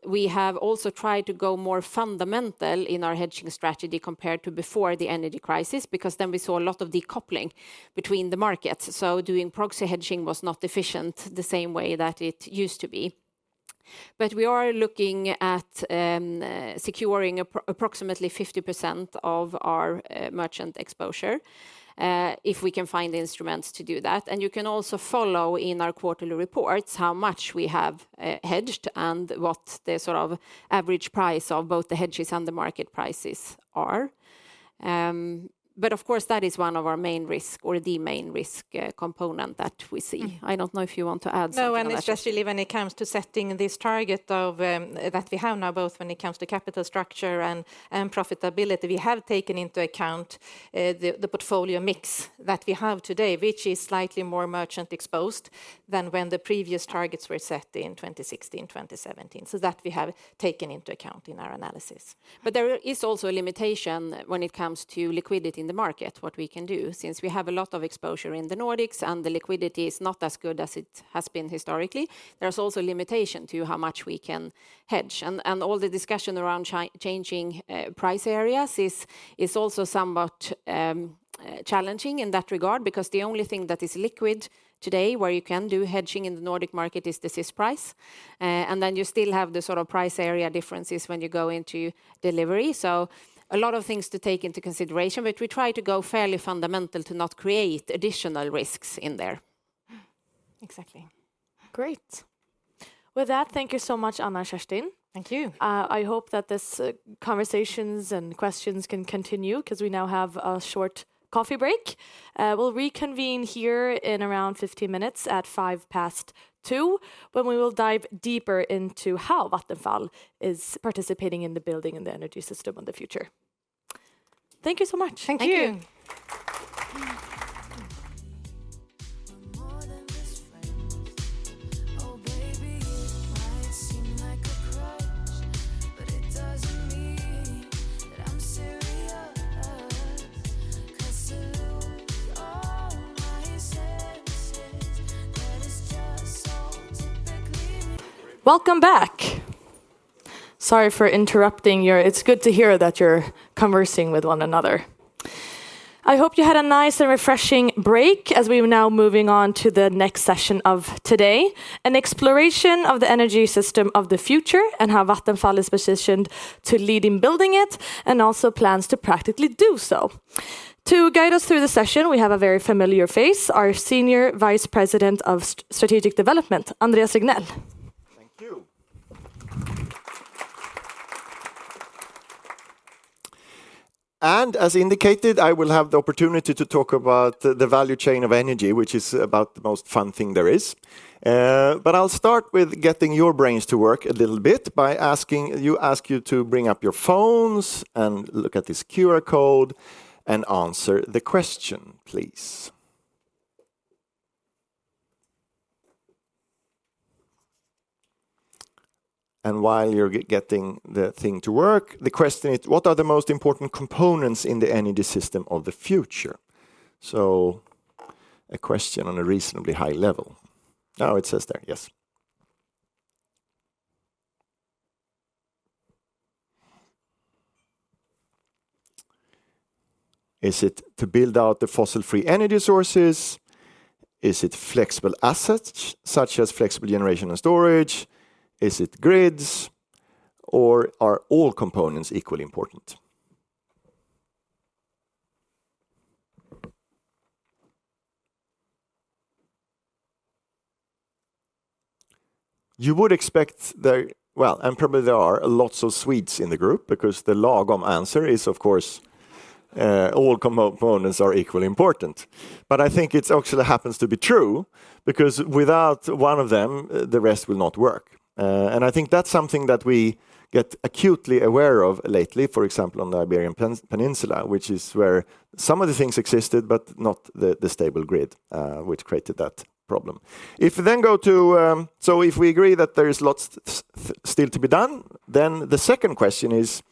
We have also tried to go more fundamental in our hedging strategy compared to before the energy crisis because then we saw a lot of decoupling between the markets. Doing proxy hedging was not efficient the same way that it used to be. We are looking at securing approximately 50% of our merchant exposure if we can find instruments to do that. You can also follow in our quarterly reports how much we have hedged and what the sort of average price of both the hedges and the market prices are. Of course, that is one of our main risk or the main risk component that we see. I do not know if you want to add something. No, and especially when it comes to setting this target that we have now, both when it comes to capital structure and profitability, we have taken into account the portfolio mix that we have today, which is slightly more merchant exposed than when the previous targets were set in 2016, 2017. That we have taken into account in our analysis. There is also a limitation when it comes to liquidity in the market, what we can do, since we have a lot of exposure in the Nordics and the liquidity is not as good as it has been historically. There is also a limitation to how much we can hedge. All the discussion around changing price areas is also somewhat challenging in that regard because the only thing that is liquid today where you can do hedging in the Nordic market is the SIS price. You still have the sort of price area differences when you go into delivery. A lot of things to take into consideration, but we try to go fairly fundamental to not create additional risks in there. Exactly. Great. With that, thank you so much, Anna and Kerstin. Thank you. I hope that these conversations and questions can continue because we now have a short coffee break. We will reconvene here in around 15 minutes at 2:05 P.M., when we will dive deeper into how Vattenfall is participating in the building and the energy system in the future. Thank you so much. Thank you. Thank you. I'm more than just friends. Oh, baby, it might seem like a crutch, but it does not mean that I'm serious. 'Cause to lose all my senses, that is just... Welcome back. Sorry for interrupting your. It's good to hear that you're conversing with one another. I hope you had a nice and refreshing break as we are now moving on to the next session of today, an exploration of the energy system of the future and how Vattenfall is positioned to lead in building it and also plans to practically do so. To guide us through the session, we have a very familiar face, our Senior Vice President of Strategic Development, Andreas Regnell. As indicated, I will have the opportunity to talk about the value chain of energy, which is about the most fun thing there is. I will start with getting your brains to work a little bit by asking you to bring up your phones and look at this QR code and answer the question, please. While you're getting the thing to work, the question is, what are the most important components in the energy system of the future? A question on a reasonably high level. Now it says there, yes. Is it to build out the fossil-free energy sources? Is it flexible assets such as flexible generation and storage? Is it grids? Or are all components equally important? You would expect there, probably there are lots of Swedes in the group because the lagom answer is, of course, all components are equally important. I think it actually happens to be true because without one of them, the rest will not work. I think that's something that we get acutely aware of lately, for example, on the Iberian Peninsula, which is where some of the things existed, but not the stable grid which created that problem. If we then go to, if we agree that there is lots still to be done, the second question is,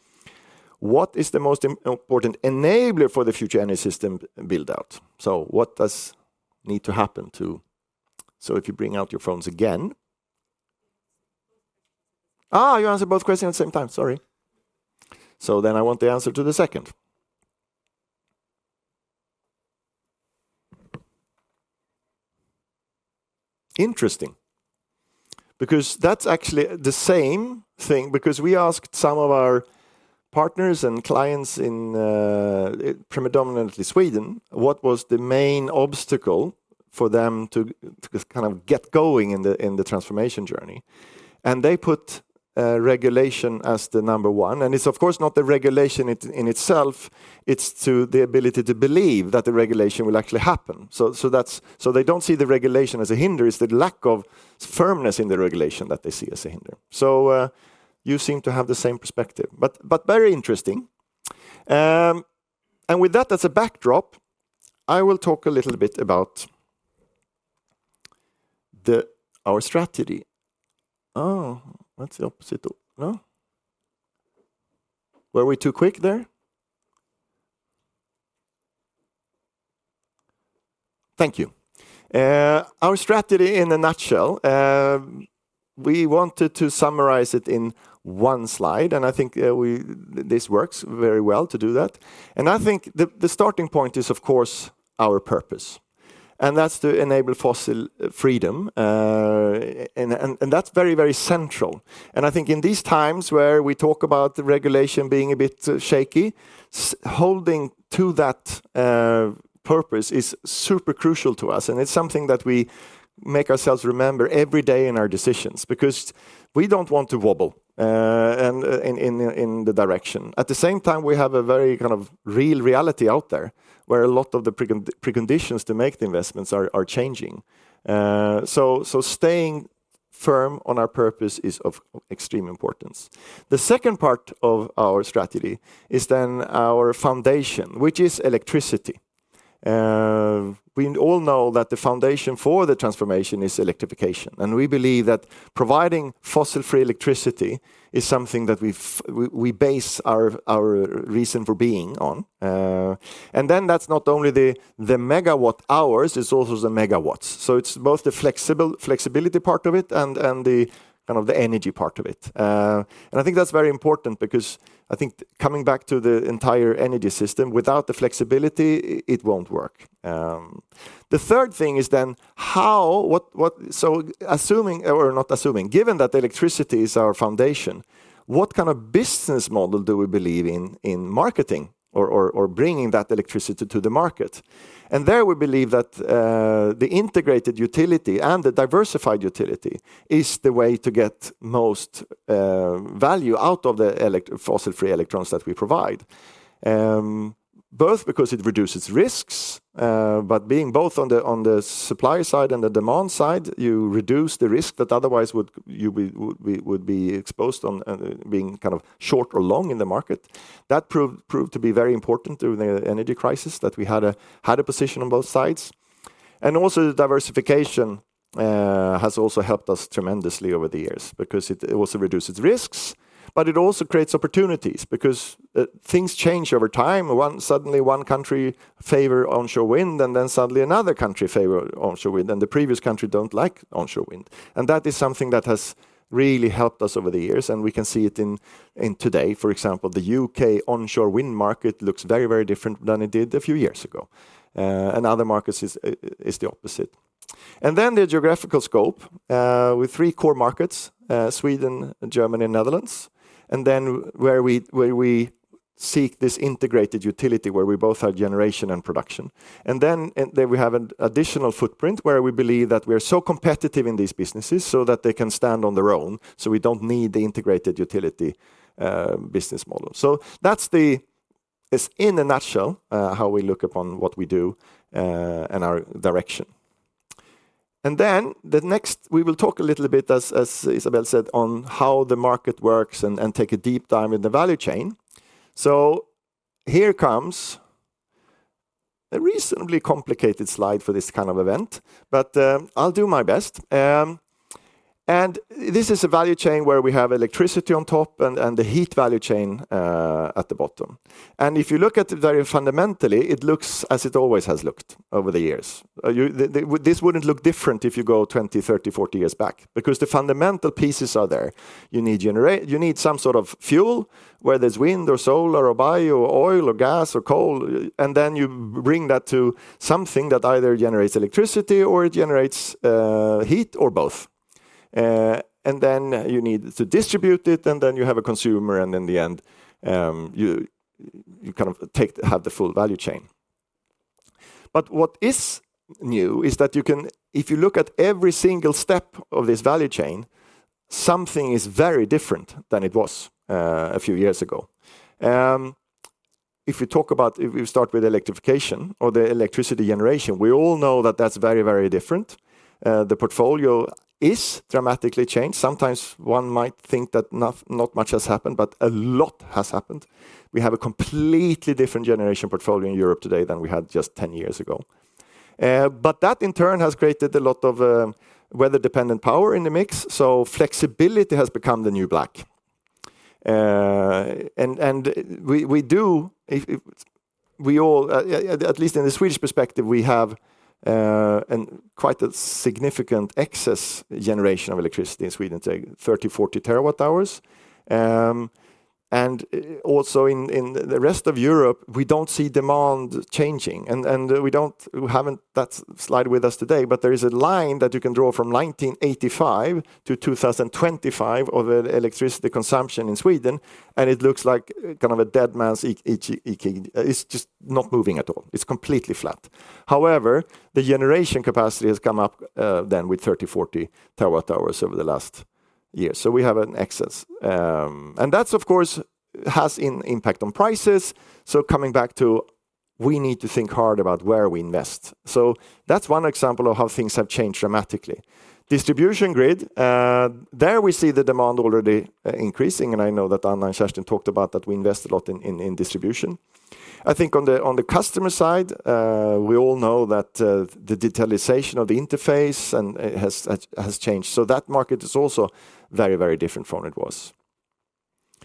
what is the most important enabler for the future energy system build-out? What does need to happen to, if you bring out your phones again, you answer both questions at the same time. Sorry. I want the answer to the second. Interesting. That is actually the same thing, because we asked some of our partners and clients in predominantly Sweden what was the main obstacle for them to kind of get going in the transformation journey. They put regulation as the number one. It is, of course, not the regulation in itself. It is the ability to believe that the regulation will actually happen. They do not see the regulation as a hinder. is the lack of firmness in the regulation that they see as a hinder. You seem to have the same perspective. Very interesting. With that as a backdrop, I will talk a little bit about our strategy. Oh, that is the opposite. Were we too quick there? Thank you. Our strategy in a nutshell, we wanted to summarize it in one slide. I think this works very well to do that. I think the starting point is, of course, our purpose. That is to enable fossil freedom. That is very, very central. I think in these times where we talk about the regulation being a bit shaky, holding to that purpose is super crucial to us. It is something that we make ourselves remember every day in our decisions because we do not want to wobble in the direction. At the same time, we have a very kind of real reality out there where a lot of the preconditions to make the investments are changing. Staying firm on our purpose is of extreme importance. The second part of our strategy is then our foundation, which is electricity. We all know that the foundation for the transformation is electrification. We believe that providing fossil-free electricity is something that we base our reason for being on. That is not only the megawatt hours, it is also the megawatts. It is both the flexibility part of it and the energy part of it. I think that is very important because I think coming back to the entire energy system, without the flexibility, it will not work. The third thing is then how, so assuming or not assuming, given that electricity is our foundation, what kind of business model do we believe in marketing or bringing that electricity to the market? There we believe that the integrated utility and the diversified utility is the way to get most value out of the fossil-free electrons that we provide. Both because it reduces risks, but being both on the supply side and the demand side, you reduce the risk that otherwise you would be exposed to being kind of short or long in the market. That proved to be very important during the energy crisis that we had a position on both sides. The diversification has also helped us tremendously over the years because it also reduces risks, but it also creates opportunities because things change over time. Suddenly one country favors onshore wind and then suddenly another country favors onshore wind and the previous country does not like onshore wind. That is something that has really helped us over the years and we can see it today. For example, the U.K. onshore wind market looks very, very different than it did a few years ago. Other markets are the opposite. The geographical scope with three core markets, Sweden, Germany, and Netherlands. We seek this integrated utility where we both have generation and production. We have an additional footprint where we believe that we are so competitive in these businesses so that they can stand on their own. We do not need the integrated utility business model. That is in a nutshell how we look upon what we do and our direction. Next, we will talk a little bit, as Isabelle said, on how the market works and take a deep dive in the value chain. Here comes a reasonably complicated slide for this kind of event, but I'll do my best. This is a value chain where we have electricity on top and the heat value chain at the bottom. If you look at it very fundamentally, it looks as it always has looked over the years. This would not look different if you go 20, 30, 40 years back because the fundamental pieces are there. You need some sort of fuel, whether it is wind or solar or bio or oil or gas or coal. Then you bring that to something that either generates electricity or it generates heat or both. You need to distribute it and then you have a consumer and in the end, you kind of have the full value chain. What is new is that if you look at every single step of this value chain, something is very different than it was a few years ago. If we talk about, if we start with electrification or the electricity generation, we all know that that is very, very different. The portfolio is dramatically changed. Sometimes one might think that not much has happened, but a lot has happened. We have a completely different generation portfolio in Europe today than we had just 10 years ago. That in turn has created a lot of weather-dependent power in the mix. Flexibility has become the new black. At least in the Swedish perspective, we have quite a significant excess generation of electricity in Sweden today, 30-40 terawatt hours. Also in the rest of Europe, we do not see demand changing. We have not got that slide with us today, but there is a line that you can draw from 1985 to 2025 of the electricity consumption in Sweden. It looks like kind of a dead man's It is just not moving at all. It is completely flat. However, the generation capacity has come up then with 30TW-40 TW hours over the last year. We have an excess, and that, of course, has an impact on prices. Coming back to, we need to think hard about where we invest. That is one example of how things have changed dramatically. Distribution grid, there we see the demand already increasing. I know that Anna and Kerstin talked about that we invest a lot in distribution. I think on the customer side, we all know that the digitalization of the interface has changed. That market is also very, very different from what it was.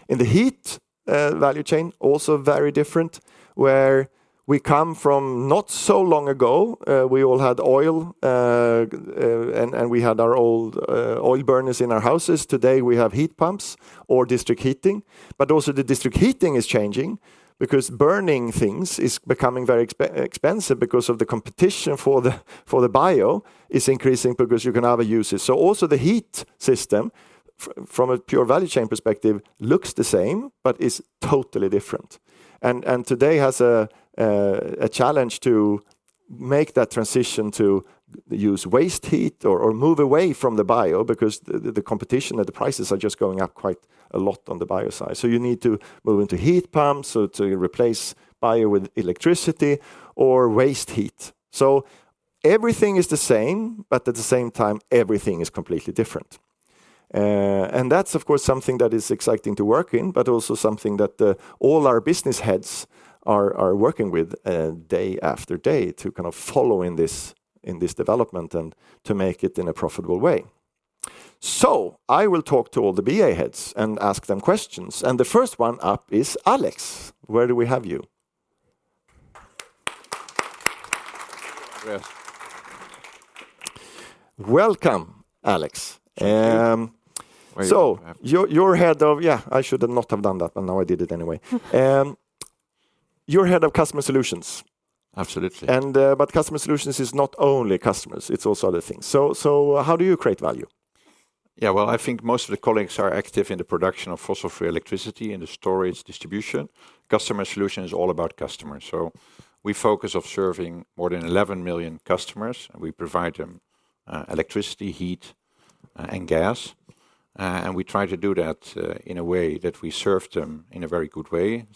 In the heat value chain, also very different, where we come from not so long ago, we all had oil and we had our old oil burners in our houses. Today we have heat pumps or district heating. Also, the district heating is changing because burning things is becoming very expensive because the competition for the bio is increasing because you can have a usage. The heat system from a pure value chain perspective looks the same, but is totally different. Today has a challenge to make that transition to use waste heat or move away from the bio because the competition and the prices are just going up quite a lot on the bio side. You need to move into heat pumps to replace bio with electricity or waste heat. Everything is the same, but at the same time, everything is completely different. That is, of course, something that is exciting to work in, but also something that all our business heads are working with day after day to kind of follow in this development and to make it in a profitable way. I will talk to all the BA heads and ask them questions. The first one up is Alex. Where do we have you? Welcome, Alex. You are head of, yeah, I should have not done that, but now I did it anyway. You're head of customer solutions. Absolutely. Customer solutions is not only customers, it's also other things. How do you create value? Yeah, I think most of the colleagues are active in the production of fossil-free electricity, in the storage, distribution. Customer solution is all about customers. We focus on serving more than 11 million customers. We provide them electricity, heat, and gas. We try to do that in a way that we serve them in a very good way.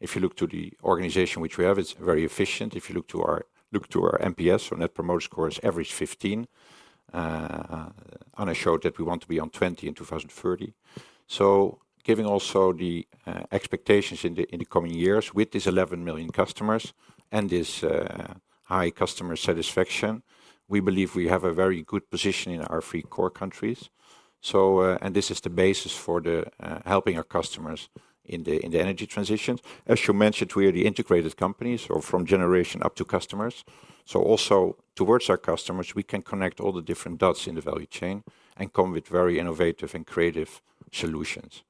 If you look to the organization which we have, it's very efficient. If you look to our NPS or net promoter score, it's average 15. Anna showed that we want to be on 20 in 2030. Giving also the expectations in the coming years with these 11 million customers and this high customer satisfaction, we believe we have a very good position in our three core countries. This is the basis for helping our customers in the energy transition. As you mentioned, we are the integrated companies from generation up to customers. Also towards our customers, we can connect all the different dots in the value chain and come with very innovative and creative solutions.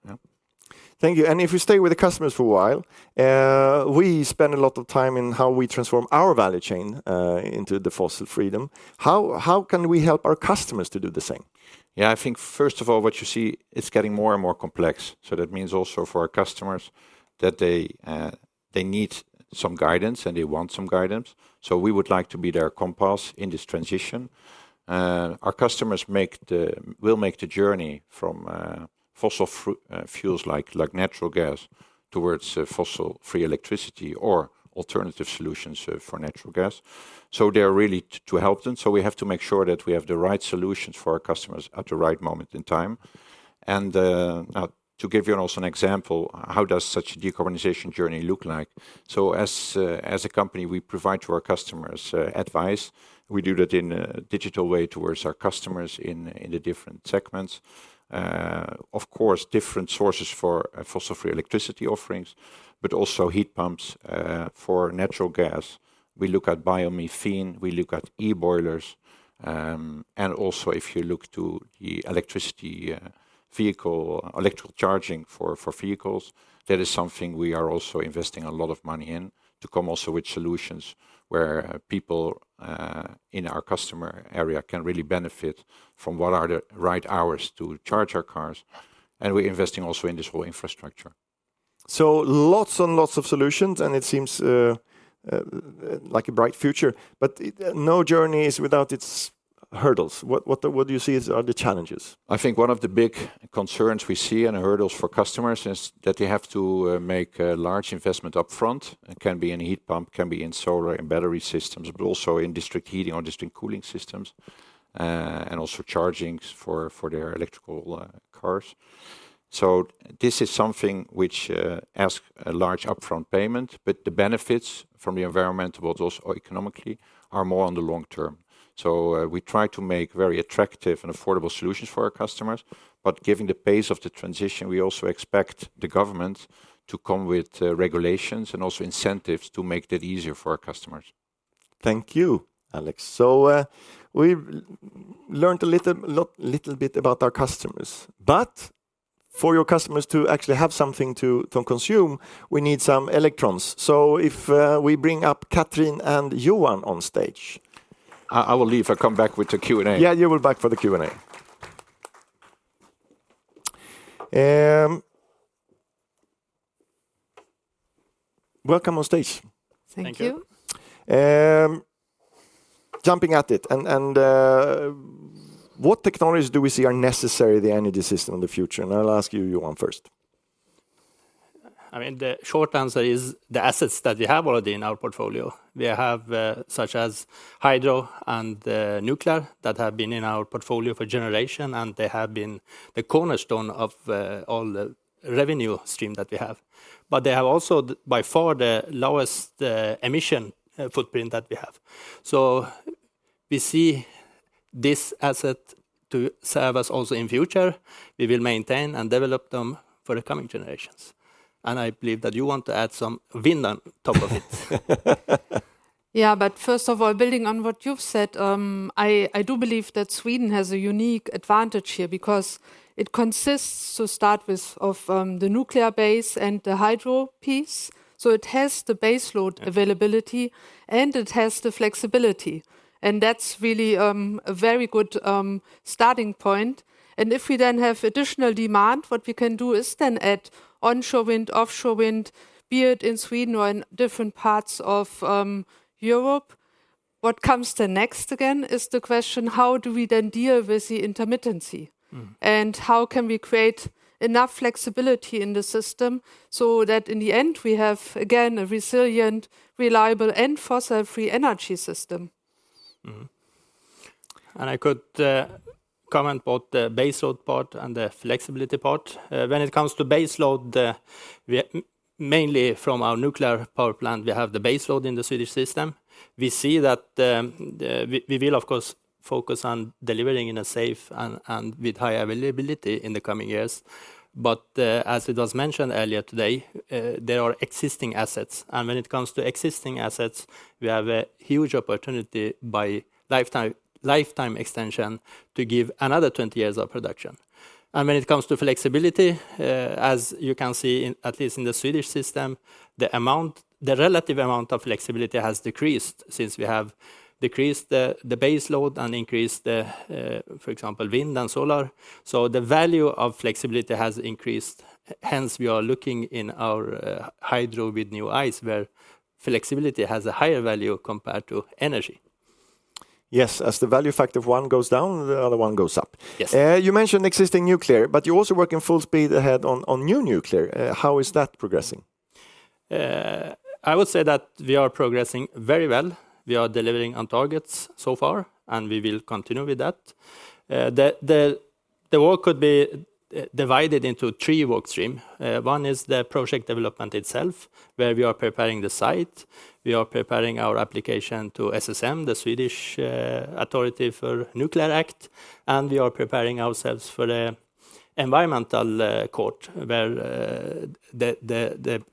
Thank you. If we stay with the customers for a while, we spend a lot of time in how we transform our value chain into the fossil freedom. How can we help our customers to do the same? Yeah, I think first of all, what you see is getting more and more complex. That means also for our customers that they need some guidance and they want some guidance. We would like to be their compass in this transition. Our customers will make the journey from fossil fuels like natural gas towards fossil-free electricity or alternative solutions for natural gas. They are really to help them. We have to make sure that we have the right solutions for our customers at the right moment in time. To give you also an example, how does such a decarbonization journey look like? As a company, we provide to our customers advice. We do that in a digital way towards our customers in the different segments. Of course, different sources for fossil-free electricity offerings, but also heat pumps for natural gas. We look at biomethane. We look at e-boilers. If you look to the electricity vehicle, electrical charging for vehicles, that is something we are also investing a lot of money in to come also with solutions where people in our customer area can really benefit from what are the right hours to charge our cars. We are investing also in this whole infrastructure. Lots and lots of solutions, and it seems like a bright future. No journey is without its hurdles. What do you see are the challenges? I think one of the big concerns we see and hurdles for customers is that they have to make a large investment upfront. It can be in heat pump, can be in solar and battery systems, but also in district heating or district cooling systems, and also charging for their electrical cars. This is something which asks a large upfront payment, but the benefits from the environment, but also economically, are more on the long term. We try to make very attractive and affordable solutions for our customers. Given the pace of the transition, we also expect the government to come with regulations and also incentives to make that easier for our customers. Thank you, Alex. We learned a little bit about our customers. For your customers to actually have something to consume, we need some electrons. If we bring up Catrin and Johan on stage. I will leave. I'll come back with the Q&A. Yeah, you will be back for the Q&A. Welcome on stage. Thank you. Thank you. Jumping at it. What technologies do we see are necessary in the energy system in the future? I'll ask you, Johan, first. I mean, the short answer is the assets that we have already in our portfolio. We have such as hydro and nuclear that have been in our portfolio for generation, and they have been the cornerstone of all the revenue stream that we have. They have also by far the lowest emission footprint that we have. We see this asset to serve us also in the future. We will maintain and develop them for the coming generations. I believe that you want to add some wind on top of it. Yeah, first of all, building on what you've said, I do believe that Sweden has a unique advantage here because it consists to start with the nuclear base and the hydro piece. It has the baseload availability, and it has the flexibility. That is really a very good starting point. If we then have additional demand, what we can do is add onshore wind, offshore wind, be it in Sweden or in different parts of Europe. What comes next again is the question, how do we then deal with the intermittency? How can we create enough flexibility in the system so that in the end we have a resilient, reliable, and fossil-free energy system? I could comment on both the baseload part and the flexibility part. When it comes to baseload, mainly from our nuclear power plant, we have the baseload in the Swedish system. We see that we will, of course, focus on delivering in a safe way and with high availability in the coming years. As it was mentioned earlier today, there are existing assets. When it comes to existing assets, we have a huge opportunity by lifetime extension to give another 20 years of production. When it comes to flexibility, as you can see, at least in the Swedish system, the relative amount of flexibility has decreased since we have decreased the baseload and increased, for example, wind and solar. The value of flexibility has increased. Hence, we are looking in our hydro with new eyes where flexibility has a higher value compared to energy. Yes, as the value factor one goes down, the other one goes up. You mentioned existing nuclear, but you also work in full speed ahead on new nuclear. How is that progressing? I would say that we are progressing very well. We are delivering on targets so far, and we will continue with that. The work could be divided into three work streams. One is the project development itself, where we are preparing the site. We are preparing our application to SSM, the Swedish Authority for Nuclear Act. We are preparing ourselves for the environmental court, where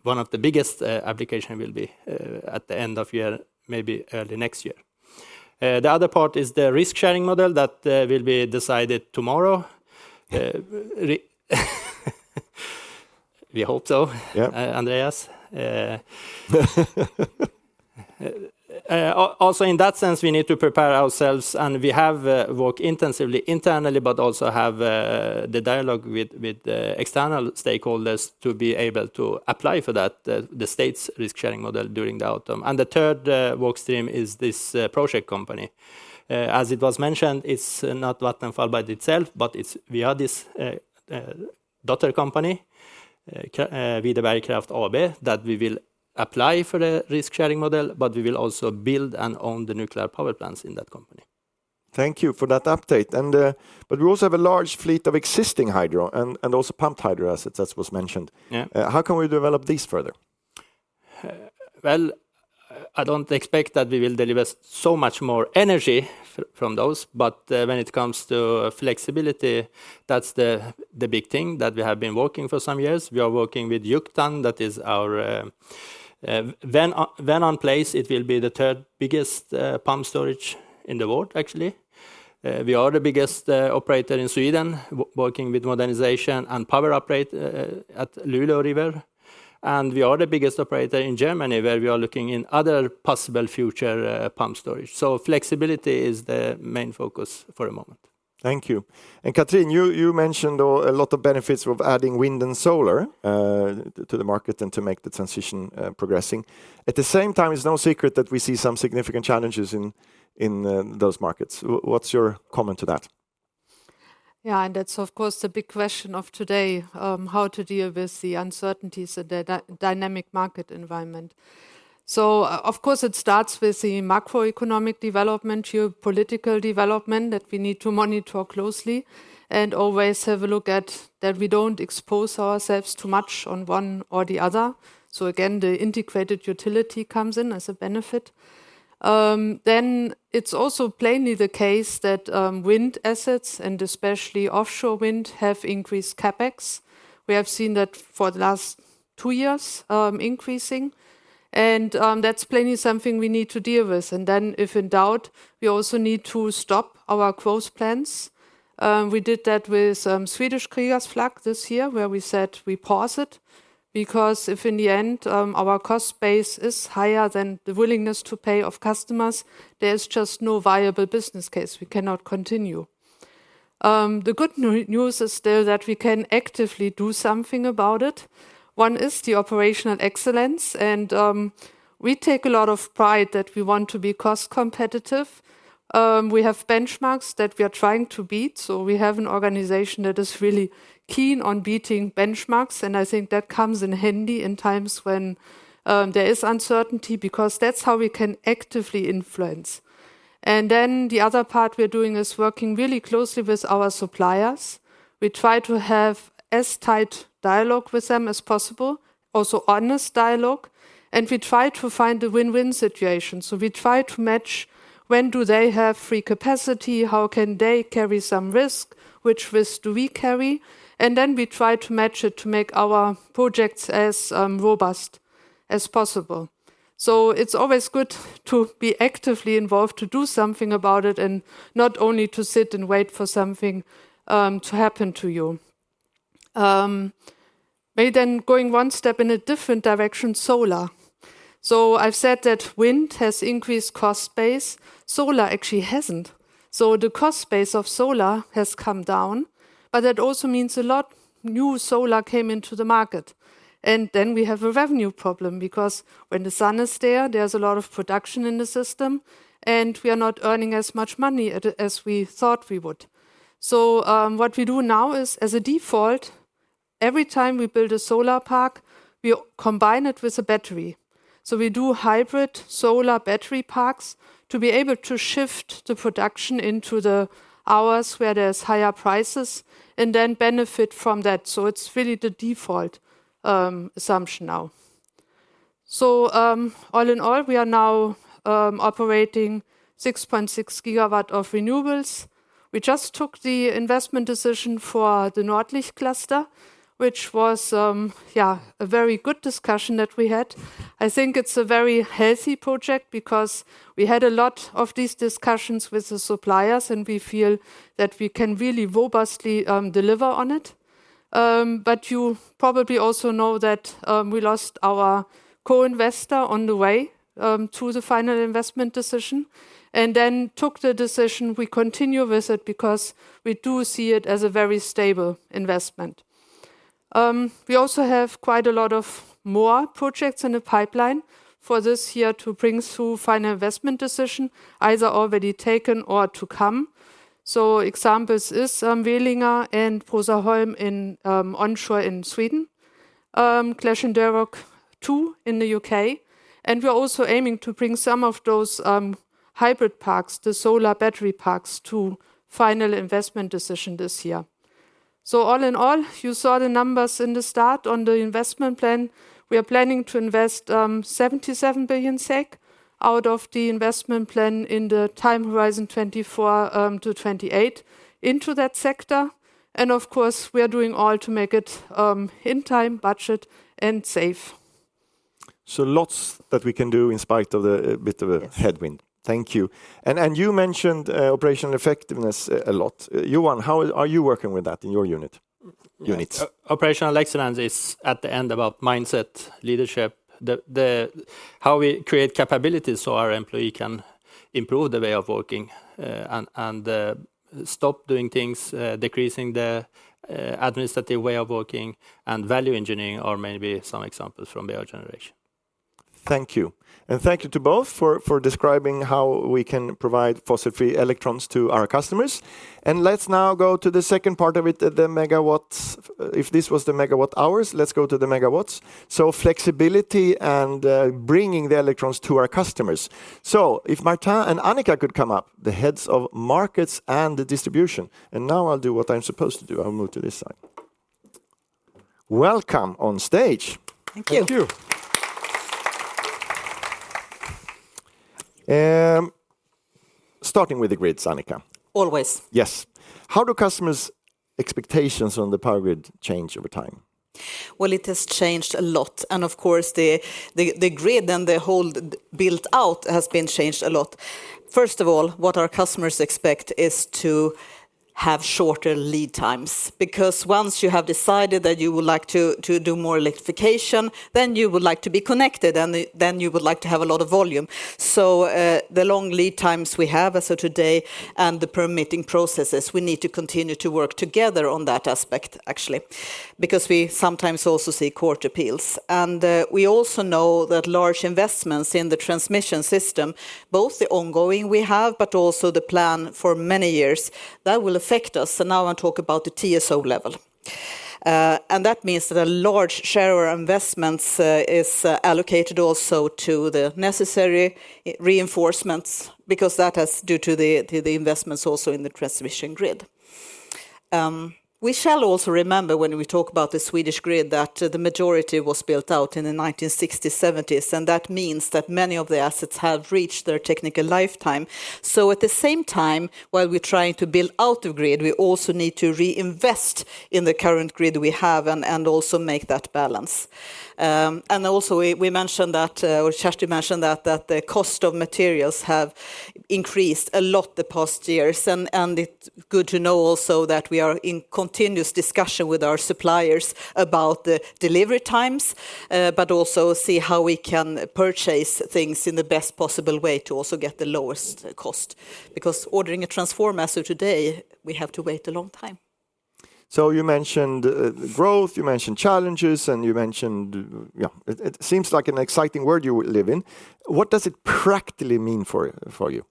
one of the biggest applications will be at the end of the year, maybe early next year. The other part is the risk-sharing model that will be decided tomorrow. We hope so, Andreas. Also in that sense, we need to prepare ourselves, and we have worked intensively internally, but also have the dialogue with external stakeholders to be able to apply for that, the state's risk-sharing model during the autumn. The third work stream is this project company. As it was mentioned, it's not Vattenfall by itself, but we are this daughter company, Videberg Kraft AB, that we will apply for the risk-sharing model, but we will also build and own the nuclear power plants in that company. Thank you for that update. We also have a large fleet of existing hydro and also pumped hydro assets, as was mentioned. How can we develop these further? I don't expect that we will deliver so much more energy from those. When it comes to flexibility, that's the big thing that we have been working for some years. We are working with Juktån, that is our, when on place, it will be the third biggest pump storage in the world, actually. We are the biggest operator in Sweden, working with modernization and power upgrade at Luleå River. We are the biggest operator in Germany, where we are looking into other possible future pump storage. Flexibility is the main focus for the moment. Thank you. Catrin, you mentioned a lot of benefits of adding wind and solar to the market and to make the transition progress. At the same time, it is no secret that we see some significant challenges in those markets. What is your comment to that? Yeah, that is of course the big question of today, how to deal with the uncertainties in the dynamic market environment. It starts with the macroeconomic development, geopolitical development that we need to monitor closely and always have a look at so that we do not expose ourselves too much on one or the other. Again, the integrated utility comes in as a benefit. It is also plainly the case that wind assets, and especially offshore wind, have increased CapEx. We have seen that for the last two years increasing. That is plainly something we need to deal with. If in doubt, we also need to stop our growth plans. We did that with Swedish Kriegers Flak this year, where we said we pause it. Because if in the end our cost base is higher than the willingness to pay of customers, there is just no viable business case. We cannot continue. The good news is still that we can actively do something about it. One is the operational excellence. We take a lot of pride that we want to be cost competitive. We have benchmarks that we are trying to beat. We have an organization that is really keen on beating benchmarks. I think that comes in handy in times when there is uncertainty because that's how we can actively influence. The other part we're doing is working really closely with our suppliers. We try to have as tight dialogue with them as possible, also honest dialogue. We try to find the win-win situation. We try to match when do they have free capacity, how can they carry some risk, which risk do we carry. We try to match it to make our projects as robust as possible. It is always good to be actively involved to do something about it and not only to sit and wait for something to happen to you. Maybe then going one step in a different direction, solar. I have said that wind has increased cost base. Solar actually has not. The cost base of solar has come down. That also means a lot of new solar came into the market. We have a revenue problem because when the sun is there, there is a lot of production in the system. We are not earning as much money as we thought we would. What we do now is as a default, every time we build a solar park, we combine it with a battery. We do hybrid solar battery parks to be able to shift the production into the hours where there are higher prices and then benefit from that. It is really the default assumption now. All in all, we are now operating 6.6 GW of renewables. We just took the investment decision for the Nordlicht cluster, which was a very good discussion that we had. I think it's a very healthy project because we had a lot of these discussions with the suppliers and we feel that we can really robustly deliver on it. You probably also know that we lost our co-investor on the way to the final investment decision and then took the decision we continue with it because we do see it as a very stable investment. We also have quite a lot of more projects in the pipeline for this year to bring through final investment decision, either already taken or to come. Examples are Velinga and Bruzaholm onshore in Sweden, Clashindarroch II in the U.K. We are also aiming to bring some of those hybrid parks, the solar battery parks, to final investment decision this year. All in all, you saw the numbers in the start on the investment plan. We are planning to invest 77 billion SEK out of the investment plan in the time horizon 2024-2028 into that sector. Of course, we are doing all to make it in time, budget, and safe. Lots that we can do in spite of a bit of a headwind. Thank you. You mentioned operational effectiveness a lot. Johan, how are you working with that in your unit? Operational excellence is at the end about mindset, leadership, how we create capabilities so our employee can improve the way of working and stop doing things, decreasing the administrative way of working and value engineering are maybe some examples from the other generation. Thank you. Thank you to both for describing how we can provide fossil-free electrons to our customers. Let's now go to the second part of it, the megawatts. If this was the megawatt-hours, let's go to the megawatts. Flexibility and bringing the electrons to our customers. If Marti and Annika could come up, the heads of markets and the distribution. Now I'll do what I'm supposed to do. I'll move to this side. Welcome on stage. Thank you. Thank you Starting with the grid, Annika. Always. Yes. How do customers' expectations on the power grid change over time? It has changed a lot. Of course, the grid and the whole buildout has been changed a lot. First of all, what our customers expect is to have shorter lead times. Because once you have decided that you would like to do more electrification, you would like to be connected, and you would like to have a lot of volume. The long lead times we have as of today and the permitting processes, we need to continue to work together on that aspect, actually. Because we sometimes also see court appeals. We also know that large investments in the transmission system, both the ongoing we have, but also the plan for many years that will affect us. Now I will talk about the TSO level. That means that a large share of our investments is allocated also to the necessary reinforcements because that has due to the investments also in the transmission grid. We shall also remember when we talk about the Swedish grid that the majority was built out in the 1960s, 1970s. That means that many of the assets have reached their technical lifetime. At the same time, while we're trying to build out the grid, we also need to reinvest in the current grid we have and also make that balance. We mentioned that, or Kerstin mentioned that, the cost of materials has increased a lot the past years. It's good to know also that we are in continuous discussion with our suppliers about the delivery times, but also see how we can purchase things in the best possible way to also get the lowest cost. Because ordering a transformer today, we have to wait a long time. You mentioned growth, you mentioned challenges, and you mentioned, yeah, it seems like an exciting world you live in. What does it practically mean for you?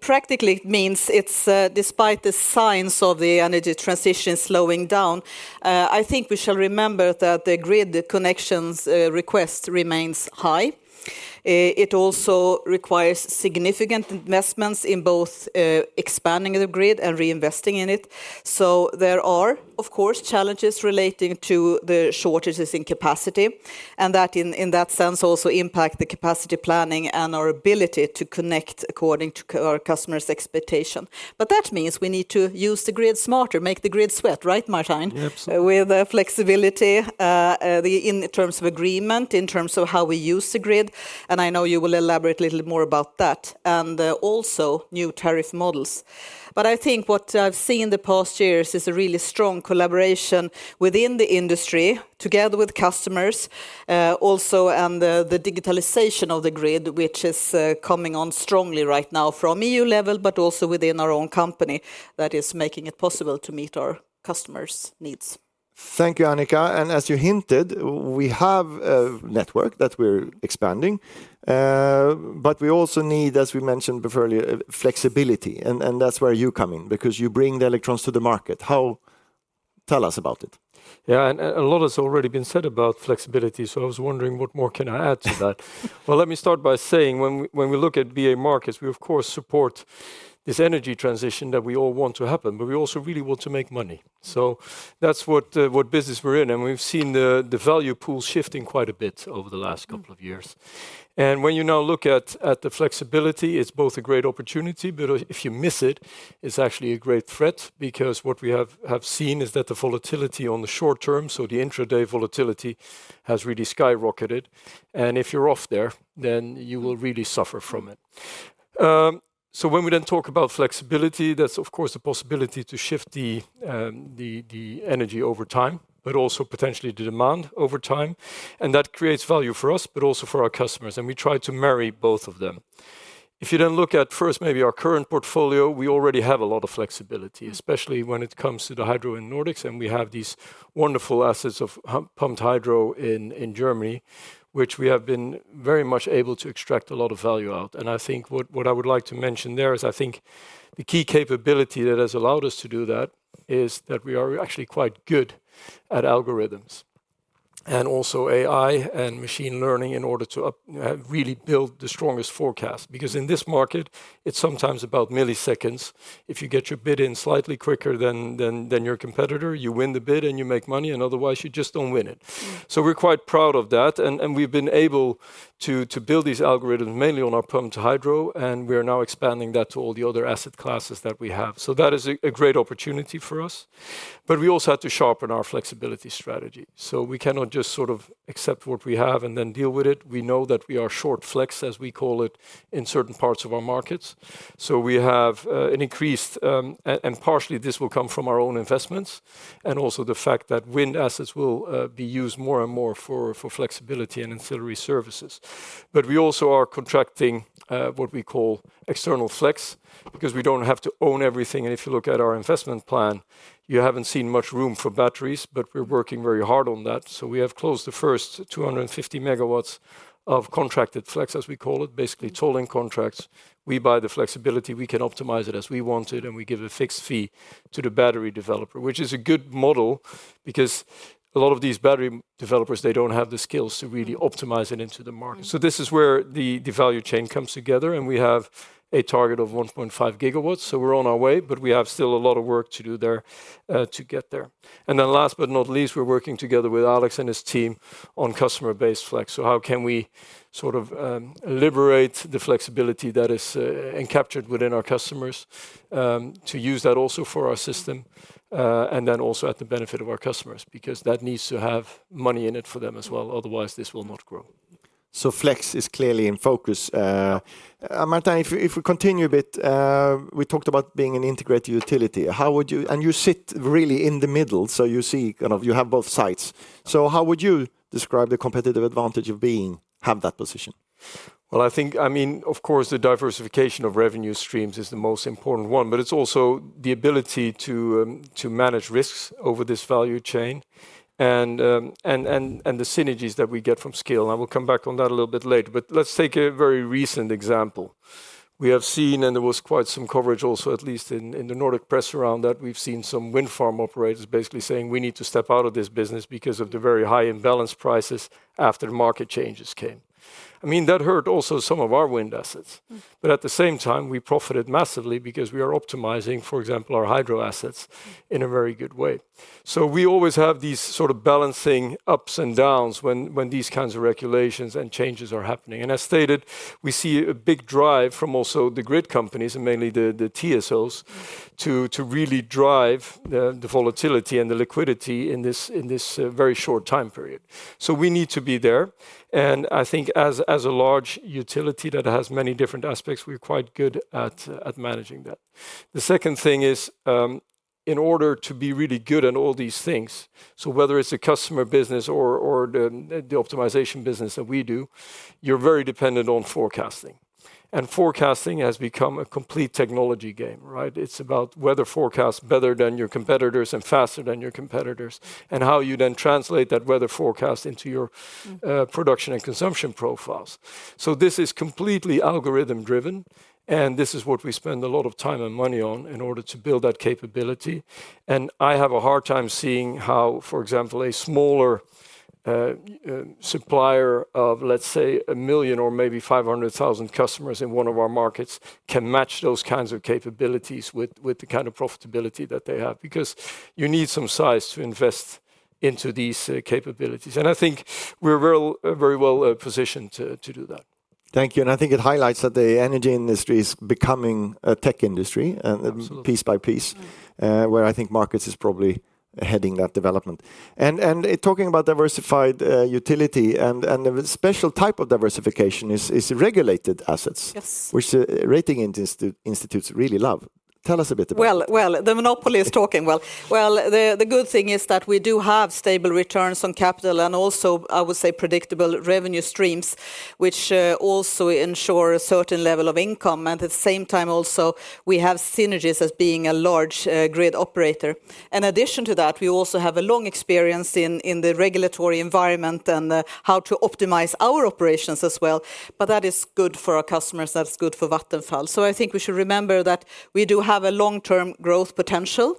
Practically it means it's despite the signs of the energy transition slowing down, I think we shall remember that the grid connections request remains high. It also requires significant investments in both expanding the grid and reinvesting in it. There are, of course, challenges relating to the shortages in capacity. That in that sense also impacts the capacity planning and our ability to connect according to our customers' expectation. That means we need to use the grid smarter, make the grid sweat, right, Martijn? Yeah sure with flexibility in terms of agreement, in terms of how we use the grid. I know you will elaborate a little more about that and also new tariff models. I think what I have seen the past years is a really strong collaboration within the industry together with customers also, and the digitalization of the grid, which is coming on strongly right now from EU level, but also within our own company that is making it possible to meet our customers' needs. Thank you, Annika. As you hinted, we have a network that we are expanding. We also need, as we mentioned before, flexibility. That is where you come in because you bring the electrons to the market. How, tell us about it. Yeah, a lot has already been said about flexibility. I was wondering what more can I add to that. Let me start by saying when we look at BA markets, we of course support this energy transition that we all want to happen, but we also really want to make money. That is what business we are in. We have seen the value pool shifting quite a bit over the last couple of years. When you now look at the flexibility, it is both a great opportunity, but if you miss it, it is actually a great threat because what we have seen is that the volatility on the short term, so the intraday volatility, has really skyrocketed. If you are off there, then you will really suffer from it. When we then talk about flexibility, that is of course the possibility to shift the energy over time, but also potentially the demand over time. That creates value for us, but also for our customers. We try to marry both of them. If you then look at first, maybe our current portfolio, we already have a lot of flexibility, especially when it comes to the hydro in Nordics. We have these wonderful assets of pumped hydro in Germany, which we have been very much able to extract a lot of value out. I think what I would like to mention there is I think the key capability that has allowed us to do that is that we are actually quite good at algorithms and also AI and machine learning in order to really build the strongest forecast. In this market, it's sometimes about milliseconds. If you get your bid in slightly quicker than your competitor, you win the bid and you make money. Otherwise, you just do not win it. We are quite proud of that. We have been able to build these algorithms mainly on our pumped hydro. We are now expanding that to all the other asset classes that we have. That is a great opportunity for us. We also had to sharpen our flexibility strategy. We cannot just sort of accept what we have and then deal with it. We know that we are short flex, as we call it, in certain parts of our markets. We have increased, and partially this will come from our own investments, and also the fact that wind assets will be used more and more for flexibility and ancillary services. We also are contracting what we call external flex because we do not have to own everything. If you look at our investment plan, you have not seen much room for batteries, but we are working very hard on that. We have closed the first 250 MW of contracted flex, as we call it, basically tolling contracts. We buy the flexibility. We can optimize it as we want it. We give a fixed fee to the battery developer, which is a good model because a lot of these battery developers, they do not have the skills to really optimize it into the market. This is where the value chain comes together. We have a target of 1.5 GW. We are on our way, but we have still a lot of work to do there to get there. Last but not least, we are working together with Alex and his team on customer-based flex. How can we sort of liberate the flexibility that is captured within our customers to use that also for our system and then also at the benefit of our customers because that needs to have money in it for them as well. Otherwise, this will not grow. Flex is clearly in focus. Martjin, if we continue a bit, we talked about being an integrated utility. You sit really in the middle. You see, kind of, you have both sides. How would you describe the competitive advantage of having that position? I think, I mean, of course, the diversification of revenue streams is the most important one, but it is also the ability to manage risks over this value chain and the synergies that we get from scale. We will come back on that a little bit later. Let us take a very recent example. We have seen, and there was quite some coverage also, at least in the Nordic press around that, we have seen some wind farm operators basically saying we need to step out of this business because of the very high imbalance prices after market changes came. I mean, that hurt also some of our wind assets. At the same time, we profited massively because we are optimizing, for example, our hydro assets in a very good way. We always have these sort of balancing ups and downs when these kinds of regulations and changes are happening. As stated, we see a big drive from also the grid companies and mainly the TSOs to really drive the volatility and the liquidity in this very short time period. We need to be there. I think as a large utility that has many different aspects, we're quite good at managing that. The second thing is in order to be really good at all these things, whether it's a customer business or the optimization business that we do, you're very dependent on forecasting. Forecasting has become a complete technology game, right? It's about weather forecasts better than your competitors and faster than your competitors and how you then translate that weather forecast into your production and consumption profiles. This is completely algorithm-driven. This is what we spend a lot of time and money on in order to build that capability. I have a hard time seeing how, for example, a smaller supplier of, let's say, a million or maybe 500,000 customers in one of our markets can match those kinds of capabilities with the kind of profitability that they have because you need some size to invest into these capabilities. I think we're very well positioned to do that. Thank you. I think it highlights that the energy industry is becoming a tech industry and piece by piece where I think markets is probably heading that development. Talking about diversified utility and a special type of diversification is regulated assets, which the rating institutes really love. Tell us a bit about that. The monopoly is talking. The good thing is that we do have stable returns on capital and also, I would say, predictable revenue streams, which also ensure a certain level of income. At the same time, also we have synergies as being a large grid operator. In addition to that, we also have a long experience in the regulatory environment and how to optimize our operations as well. That is good for our customers. That is good for Vattenfall. I think we should remember that we do have a long-term growth potential.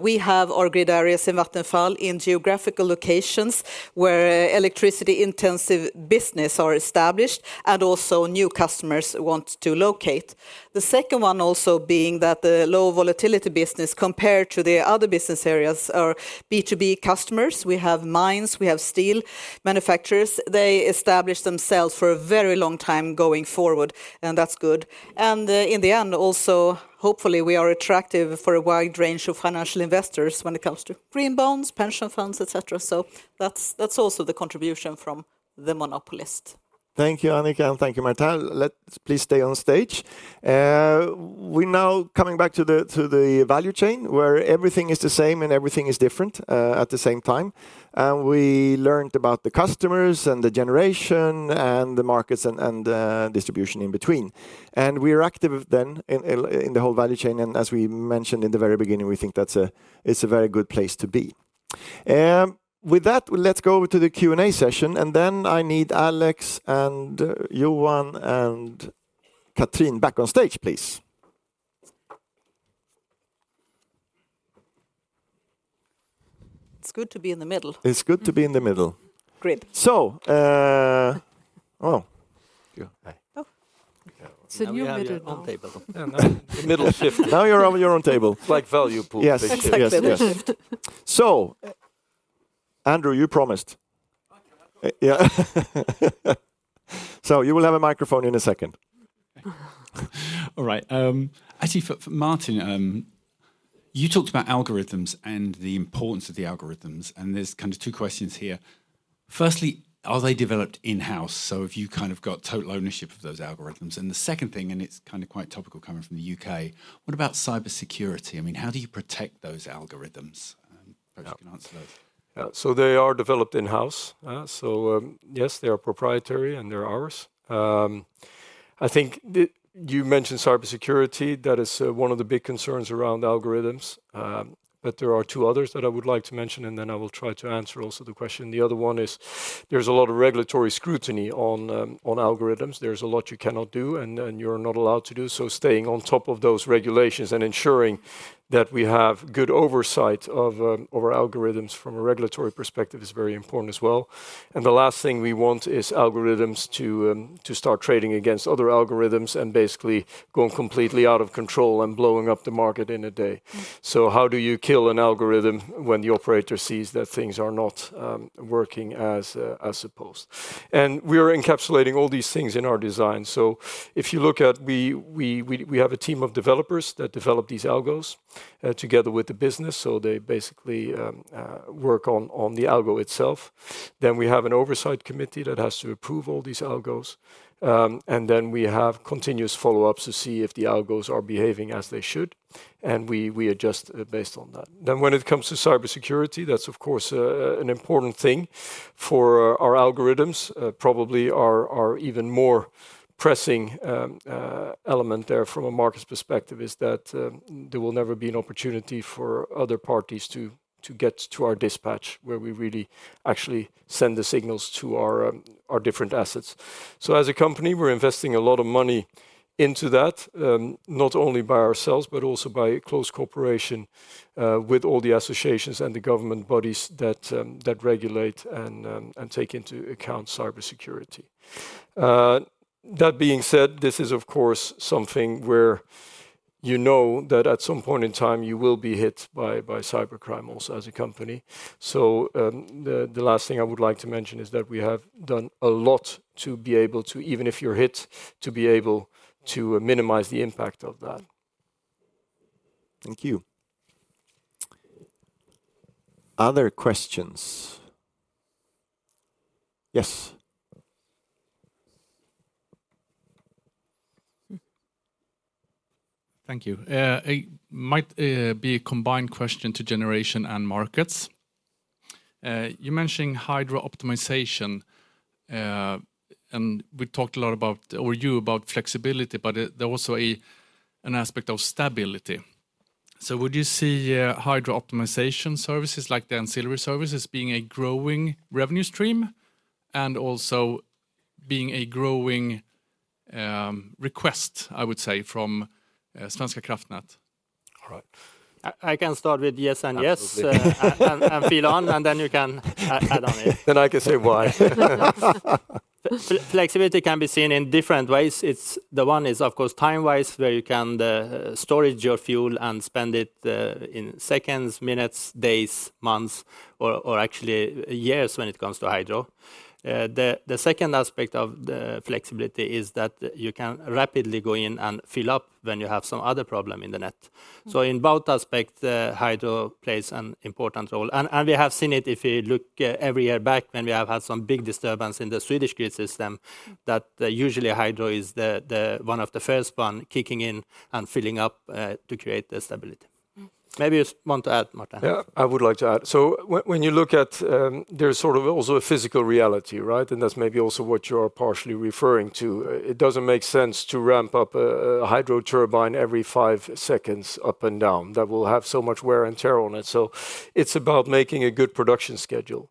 We have our grid areas in Vattenfall in geographical locations where electricity-intensive businesses are established and also new customers want to locate. The second one also being that the low volatility business compared to the other business areas are B2B customers. We have mines, we have steel manufacturers. They established themselves for a very long time going forward. That is good. In the end, also hopefully we are attractive for a wide range of financial investors when it comes to green bonds, pension funds, etc. That is also the contribution from the monopolist. Thank you, Annika, and thank you, Martjin. Please stay on stage. We are now coming back to the value chain where everything is the same and everything is different at the same time. We learned about the customers and the generation and the markets and the distribution in between. We are active then in the whole value chain. As we mentioned in the very beginning, we think that is a very good place to be. With that, let's go over to the Q&A session. I need Alex and Johan and Catrin back on stage, please. It's good to be in the middle. It's good to be in the middle. Grid. Oh. It's a new middle on table. Middle shift. Now you're on table. It's like value pool. Yes, exactly. So Andrew, you promised. Yeah. You will have a microphone in a second. All right. Actually, for Martijn, you talked about algorithms and the importance of the algorithms. There's kind of two questions here. Firstly, are they developed in-house? Have you kind of got total ownership of those algorithms? The second thing, and it's kind of quite topical coming from the U.K., what about cybersecurity? I mean, how do you protect those algorithms? If you can answer those. They are developed in-house. Yes, they are proprietary and they're ours. I think you mentioned cybersecurity. That is one of the big concerns around algorithms. There are two others that I would like to mention, and then I will try to answer also the question. The other one is there's a lot of regulatory scrutiny on algorithms. There's a lot you cannot do and you're not allowed to do. Staying on top of those regulations and ensuring that we have good oversight of our algorithms from a regulatory perspective is very important as well. The last thing we want is algorithms to start trading against other algorithms and basically going completely out of control and blowing up the market in a day. How do you kill an algorithm when the operator sees that things are not working as supposed? We are encapsulating all these things in our design. If you look at, we have a team of developers that develop these algos together with the business. They basically work on the algo itself. We have an oversight committee that has to approve all these algos. We have continuous follow-ups to see if the algos are behaving as they should. We adjust based on that. When it comes to cybersecurity, that is of course an important thing for our algorithms. Probably our even more pressing element there from a market perspective is that there will never be an opportunity for other parties to get to our dispatch where we really actually send the signals to our different assets. As a company, we're investing a lot of money into that, not only by ourselves, but also by close cooperation with all the associations and the government bodies that regulate and take into account cybersecurity. That being said, this is of course something where you know that at some point in time, you will be hit by cybercrime also as a company. The last thing I would like to mention is that we have done a lot to be able to, even if you're hit, to be able to minimize the impact of that. Thank you. Other questions? Yes. Thank you. It might be a combined question to generation and markets. You mentioned hydro optimization. We talked a lot about, or you about flexibility, but there was also an aspect of stability. Would you see hydro optimization services like the ancillary services being a growing revenue stream and also being a growing request, I would say, from Svenska Kraftnät? All right. I can start with yes and yes and fill on, and then you can add on it. Then I can say why. Flexibility can be seen in different ways. The one is, of course, time-wise, where you can store your fuel and spend it in seconds, minutes, days, months, or actually years when it comes to hydro. The second aspect of flexibility is that you can rapidly go in and fill up when you have some other problem in the net. In both aspects, hydro plays an important role. We have seen it if you look every year back when we have had some big disturbance in the Swedish grid system, that usually hydro is one of the first ones kicking in and filling up to create the stability. Maybe you want to add, Martijn? Yeah, I would like to add. When you look at, there is sort of also a physical reality, right? That is maybe also what you are partially referring to. It does not make sense to ramp up a hydro turbine every five seconds up and down. That will have so much wear and tear on it. It is about making a good production schedule.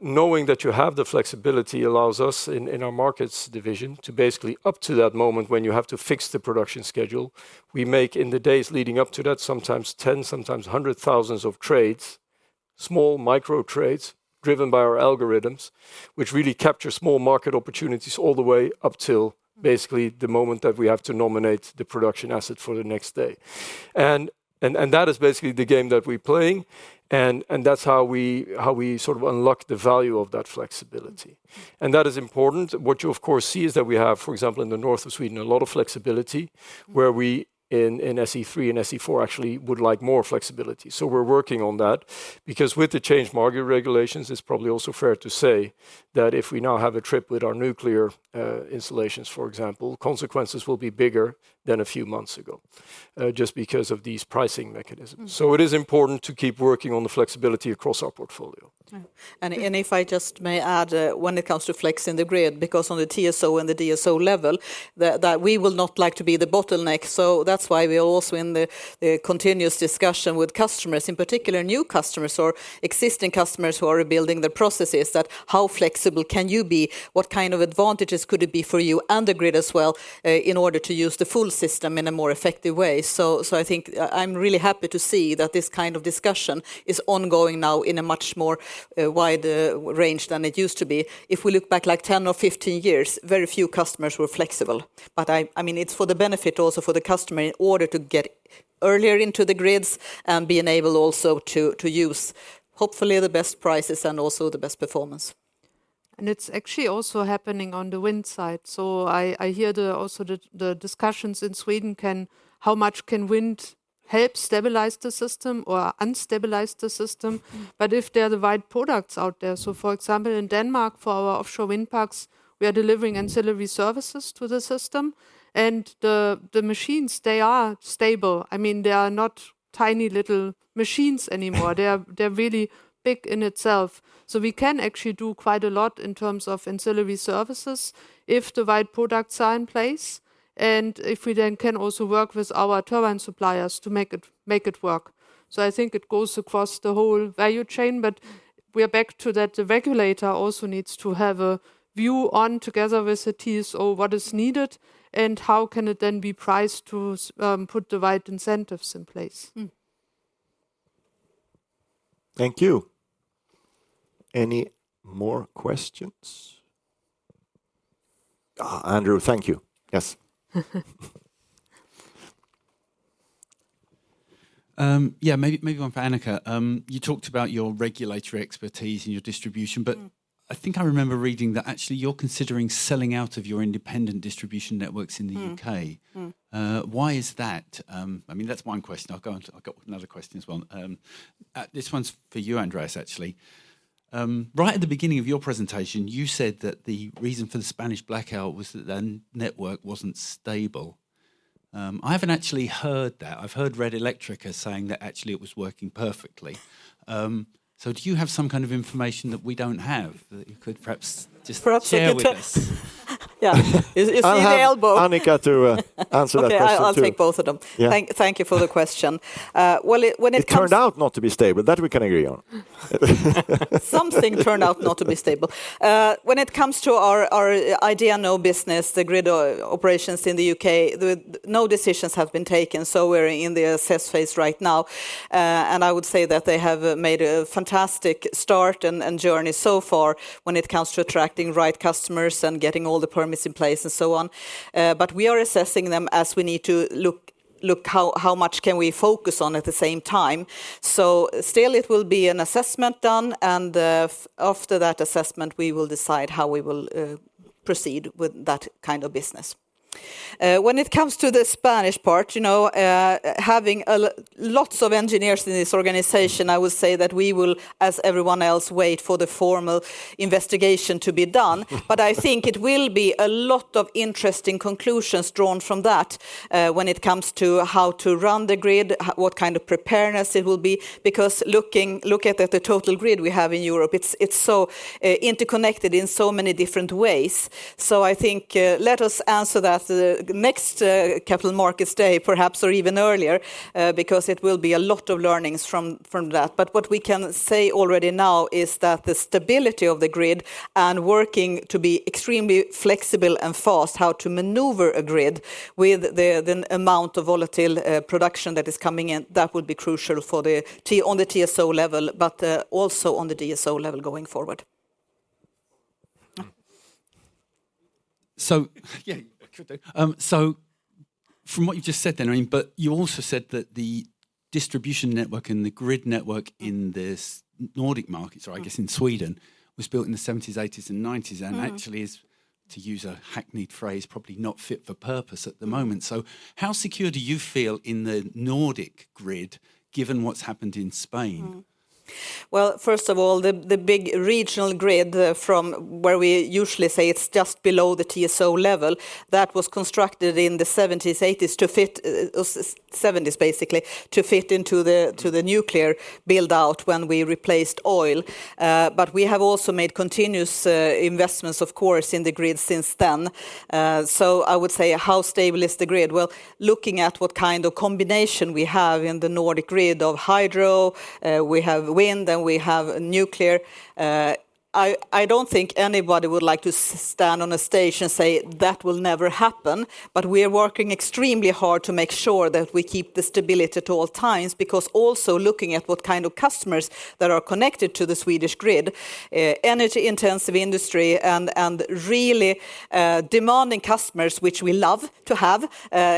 Knowing that you have the flexibility allows us in our markets division to basically, up to that moment when you have to fix the production schedule, we make in the days leading up to that, sometimes tens, sometimes hundred thousands of trades, small micro trades driven by our algorithms, which really capture small market opportunities all the way up till basically the moment that we have to nominate the production asset for the next day. That is basically the game that we're playing. That is how we sort of unlock the value of that flexibility. That is important. What you, of course, see is that we have, for example, in the north of Sweden, a lot of flexibility where we in SE3 and SE4 actually would like more flexibility. We're working on that because with the changed market regulations, it's probably also fair to say that if we now have a trip with our nuclear installations, for example, consequences will be bigger than a few months ago just because of these pricing mechanisms. It is important to keep working on the flexibility across our portfolio. If I just may add, when it comes to flexing the grid, because on the TSO and the DSO level, we will not like to be the bottleneck. That's why we are also in continuous discussion with customers, in particular new customers or existing customers who are building the processes, about how flexible can you be. What kind of advantages could it be for you and the grid as well in order to use the full system in a more effective way? I think I'm really happy to see that this kind of discussion is ongoing now in a much more wide range than it used to be. If we look back like 10 years or 15 years, very few customers were flexible. I mean, it's for the benefit also for the customer in order to get earlier into the grids and be enabled also to use hopefully the best prices and also the best performance. It's actually also happening on the wind side. I hear also the discussions in Sweden, how much can wind help stabilize the system or unstabilize the system? If there are the right products out there, for example, in Denmark for our offshore wind parks, we are delivering ancillary services to the system. The machines, they are stable. I mean, they are not tiny little machines anymore. They're really big in itself. We can actually do quite a lot in terms of ancillary services if the right products are in place. If we then can also work with our turbine suppliers to make it work. I think it goes across the whole value chain, but we are back to that the regulator also needs to have a view on, together with the TSO, what is needed and how can it then be priced to put the right incentives in place. Thank you. Any more questions? Andrew, thank you. Yes. Yeah, maybe one for Annika. You talked about your regulatory expertise and your distribution, but I think I remember reading that actually you're considering selling out of your independent distribution networks in the U.K. Why is that? I mean, that's one question. I'll go on to another question as well. This one's for you, Andreas, actually. Right at the beginning of your presentation, you said that the reason for the Spanish blackout was that the network was not stable. I have not actually heard that. I have heard Red Eléctrica saying that actually it was working perfectly. Do you have some kind of information that we do not have that you could perhaps just share with us? Perhaps a little bit. Yeah. Is it available? Annika, to answer that question. Yeah, I'll take both of them. Thank you for the question. When it comes to... It turned out not to be stable. That we can agree on. Something turned out not to be stable. When it comes to our IdeaNOW business, the grid operations in the U.K., no decisions have been taken. We are in the assess phase right now. I would say that they have made a fantastic start and journey so far when it comes to attracting the right customers and getting all the permits in place and so on. We are assessing them as we need to look how much can we focus on at the same time. Still, it will be an assessment done. After that assessment, we will decide how we will proceed with that kind of business. When it comes to the Spanish part, you know, having lots of engineers in this organization, I would say that we will, as everyone else, wait for the formal investigation to be done. I think it will be a lot of interesting conclusions drawn from that when it comes to how to run the grid, what kind of preparedness it will be. Because looking at the total grid we have in Europe, it is so interconnected in so many different ways. I think let us answer that at the next capital markets day, perhaps, or even earlier, because there will be a lot of learnings from that. What we can say already now is that the stability of the grid and working to be extremely flexible and fast, how to maneuver a grid with the amount of volatile production that is coming in, that will be crucial at the TSO level, but also at the DSO level going forward. From what you just said then, I mean, you also said that the distribution network and the grid network in the Nordic markets, or I guess in Sweden, was built in the 1970s, 1980s, and 1990s. To use a Hackney phrase, probably not fit for purpose at the moment. How secure do you feel in the Nordic grid, given what has happened in Spain? First of all, the big regional grid from where we usually say it is just below the TSO level, that was constructed in the 1970s, 1980s to fit, 1970s basically, to fit into the nuclear build-out when we replaced oil. We have also made continuous investments, of course, in the grid since then. I would say how stable is the grid? Looking at what kind of combination we have in the Nordic grid of hydro, we have wind, and we have nuclear. I do not think anybody would like to stand on a stage and say that will never happen. We are working extremely hard to make sure that we keep the stability at all times. Because also looking at what kind of customers that are connected to the Swedish grid, energy-intensive industry, and really demanding customers, which we love to have,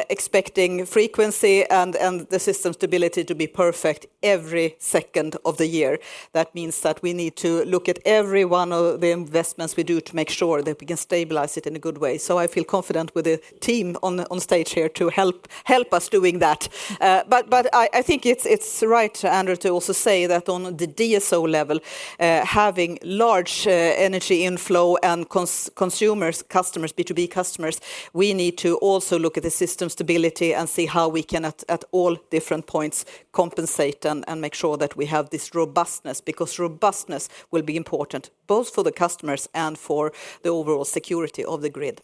expecting frequency and the system stability to be perfect every second of the year. That means that we need to look at every one of the investments we do to make sure that we can stabilize it in a good way. I feel confident with the team on stage here to help us doing that. I think it is right, Andrew, to also say that on the DSO level, having large energy inflow and consumers, customers, B2B customers, we need to also look at the system stability and see how we can at all different points compensate and make sure that we have this robustness. Robustness will be important both for the customers and for the overall security of the grid.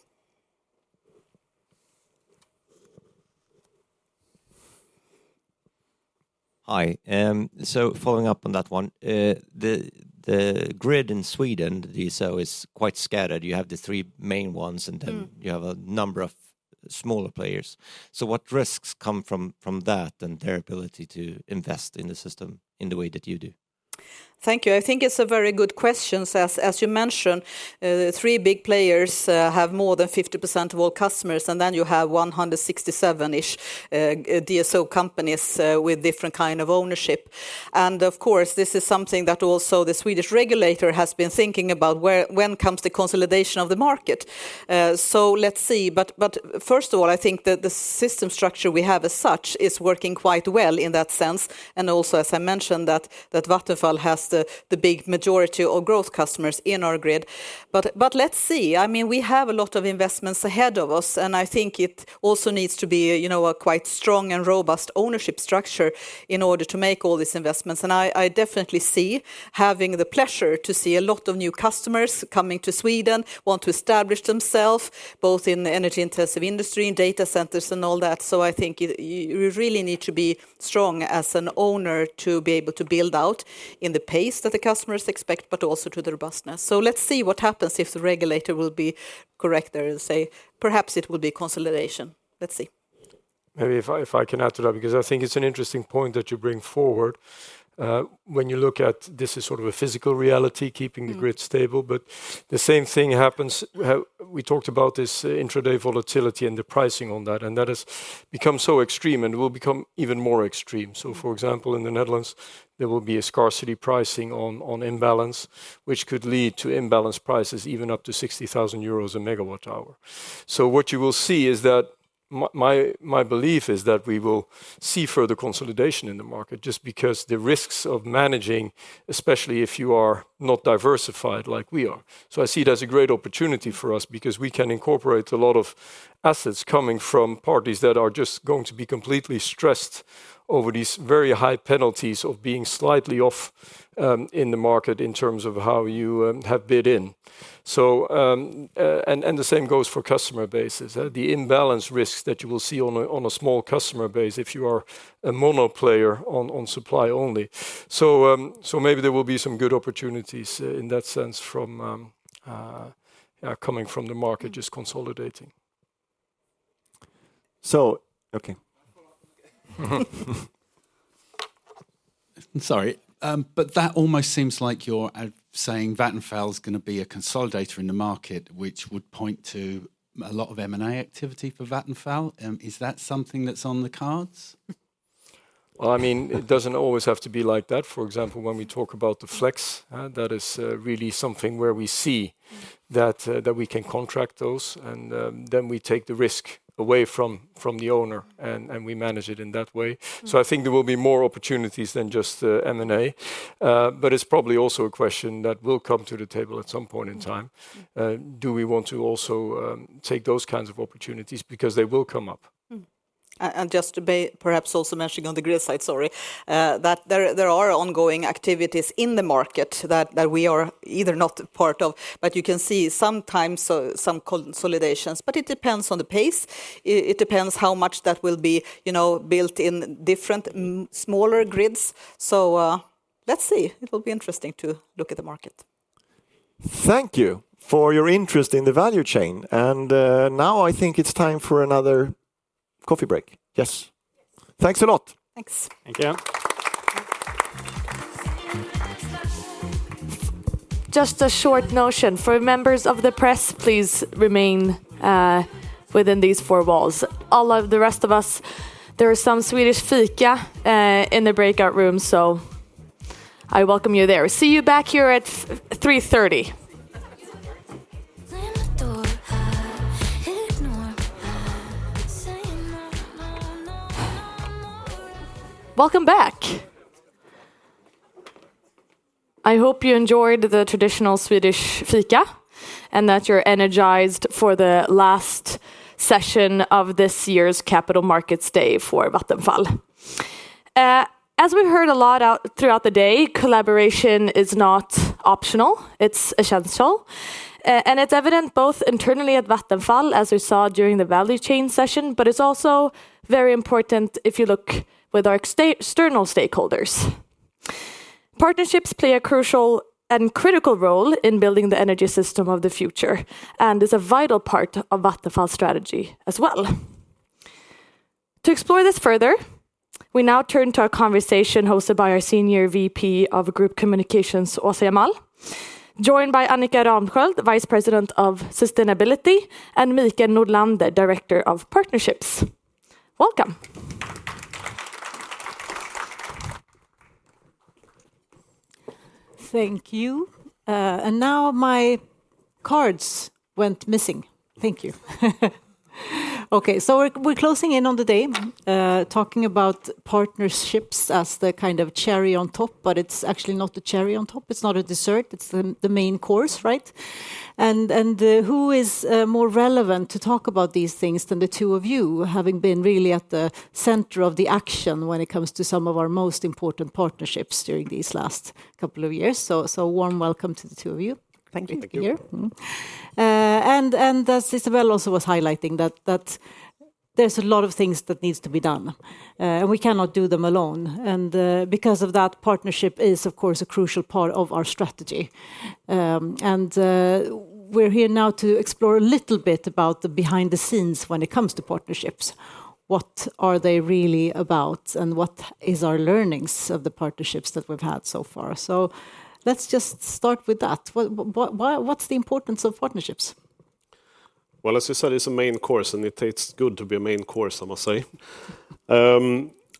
Hi. Following up on that one, the grid in Sweden, the DSO is quite scattered. You have the three main ones, and then you have a number of smaller players. What risks come from that and their ability to invest in the system in the way that you do? Thank you. I think it is a very good question. As you mentioned, three big players have more than 50% of all customers, and then you have 167-ish DSO companies with different kinds of ownership. Of course, this is something that also the Swedish regulator has been thinking about when it comes to the consolidation of the market. Let us see. First of all, I think that the system structure we have as such is working quite well in that sense. Also, as I mentioned, Vattenfall has the big majority of growth customers in our grid. Let us see. I mean, we have a lot of investments ahead of us. I think it also needs to be a quite strong and robust ownership structure in order to make all these investments. I definitely see having the pleasure to see a lot of new customers coming to Sweden, want to establish themselves, both in the energy-intensive industry, in data centers and all that. I think you really need to be strong as an owner to be able to build out in the pace that the customers expect, but also to the robustness. Let's see what happens if the regulator will be correct there and say, perhaps it will be consolidation. Let's see. Maybe if I can add to that, because I think it's an interesting point that you bring forward. When you look at this as sort of a physical reality, keeping the grid stable, the same thing happens. We talked about this intraday volatility and the pricing on that. That has become so extreme and will become even more extreme. For example, in the Netherlands, there will be a scarcity pricing on imbalance, which could lead to imbalance prices even up to 60,000 euros a Megawatt-hour. What you will see is that my belief is that we will see further consolidation in the market just because the risks of managing, especially if you are not diversified like we are. I see it as a great opportunity for us because we can incorporate a lot of assets coming from parties that are just going to be completely stressed over these very high penalties of being slightly off in the market in terms of how you have bid in. The same goes for customer bases, the imbalance risks that you will see on a small customer base if you are a monoplayer on supply only. Maybe there will be some good opportunities in that sense coming from the market just consolidating. Sorry. That almost seems like you're saying Vattenfall is going to be a consolidator in the market, which would point to a lot of M&A activity for Vattenfall. Is that something that's on the cards? I mean, it doesn't always have to be like that. For example, when we talk about the flex, that is really something where we see that we can contract those. Then we take the risk away from the owner and we manage it in that way. I think there will be more opportunities than just M&A. It is probably also a question that will come to the table at some point in time. Do we want to also take those kinds of opportunities because they will come up? Perhaps also mentioning on the grid side, sorry, there are ongoing activities in the market that we are either not part of. You can see sometimes some consolidations, but it depends on the pace. It depends how much that will be built in different smaller grids. Let us see. It will be interesting to look at the market. Thank you for your interest in the value chain. I think it's time for another coffee break. Yes. Thanks a lot. Thanks. Thank you. Just a short notion for members of the press, please remain within these four walls. All of the rest of us, there is some Swedish fika in the breakout room, so I welcome you there. See you back here at 3:30 P.M. Welcome back. I hope you enjoyed the traditional Swedish fika and that you're energized for the last session of this year's Capital Markets Day for Vattenfall. As we heard a lot throughout the day, collaboration is not optional. It's essential. It's evident both internally at Vattenfall, as we saw during the value chain session, but it's also very important if you look with our external stakeholders. Partnerships play a crucial and critical role in building the energy system of the future and is a vital part of Vattenfall's strategy as well. To explore this further, we now turn to our conversation hosted by our Senior VP of Group Communications, Åsa Jamal, joined by Annika Ramsköld, Vice President of Sustainability, and Mikael Nordlander, Director of Partnerships. Welcome. Thank you. And now my cards went missing. Thank you. Okay, we are closing in on the day, talking about partnerships as the kind of cherry on top, but it's actually not the cherry on top. It's not a dessert. It's the main course, right? Who is more relevant to talk about these things than the two of you, having been really at the center of the action when it comes to some of our most important partnerships during these last couple of years? Warm welcome to the two of you. Thank you for being here. Thank you. As Isabelle also was highlighting, there's a lot of things that need to be done. We cannot do them alone. Because of that, partnership is, of course, a crucial part of our strategy. We're here now to explore a little bit about the behind the scenes when it comes to partnerships. What are they really about and what are our learnings of the partnerships that we've had so far? Let's just start with that. What's the importance of partnerships? As you said, it's a main course, and it tastes good to be a main course, I must say.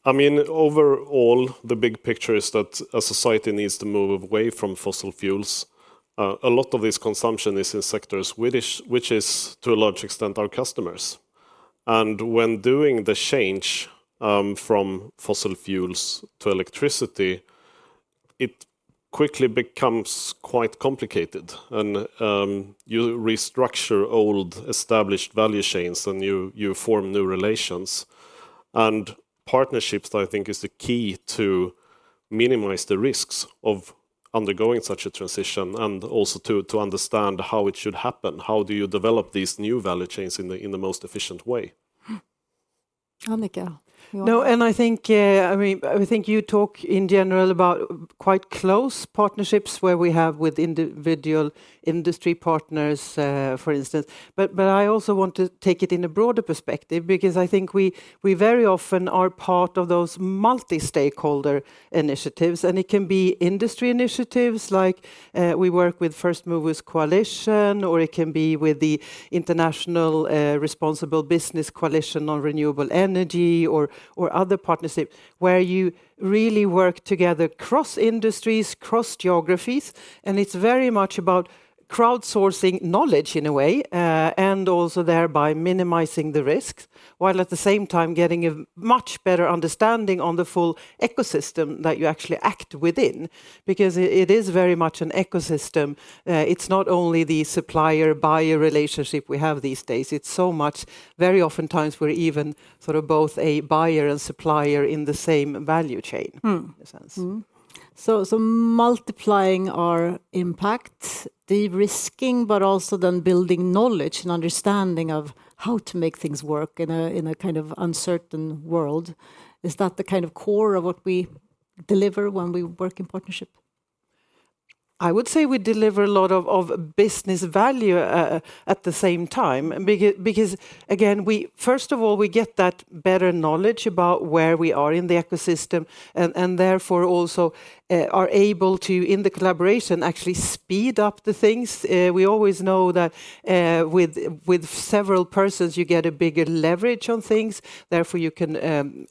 I mean, overall, the big picture is that a society needs to move away from fossil fuels. A lot of this consumption is in sectors which is, to a large extent, our customers. When doing the change from fossil fuels to electricity, it quickly becomes quite complicated. You restructure old established value chains and you form new relations. Partnerships, I think, is the key to minimize the risks of undergoing such a transition and also to understand how it should happen. How do you develop these new value chains in the most efficient way? Annika. No, I think, I mean, I think you talk in general about quite close partnerships where we have with individual industry partners, for instance. I also want to take it in a broader perspective because I think we very often are part of those multi-stakeholder initiatives. It can be industry initiatives like we work with First Movers Coalition, or it can be with the International Responsible Business Coalition on Renewable Energy or other partnerships where you really work together across industries, across geographies. It is very much about crowdsourcing knowledge in a way and also thereby minimizing the risks, while at the same time getting a much better understanding of the full ecosystem that you actually act within. Because it is very much an ecosystem. It is not only the supplier-buyer relationship we have these days. Very oftentimes, we are even sort of both a buyer and supplier in the same value chain in a sense. Multiplying our impact, de-risking, but also then building knowledge and understanding of how to make things work in a kind of uncertain world. Is that the kind of core of what we deliver when we work in partnership? I would say we deliver a lot of business value at the same time. Because again, first of all, we get that better knowledge about where we are in the ecosystem and therefore also are able to, in the collaboration, actually speed up the things. We always know that with several persons, you get a bigger leverage on things. Therefore, you can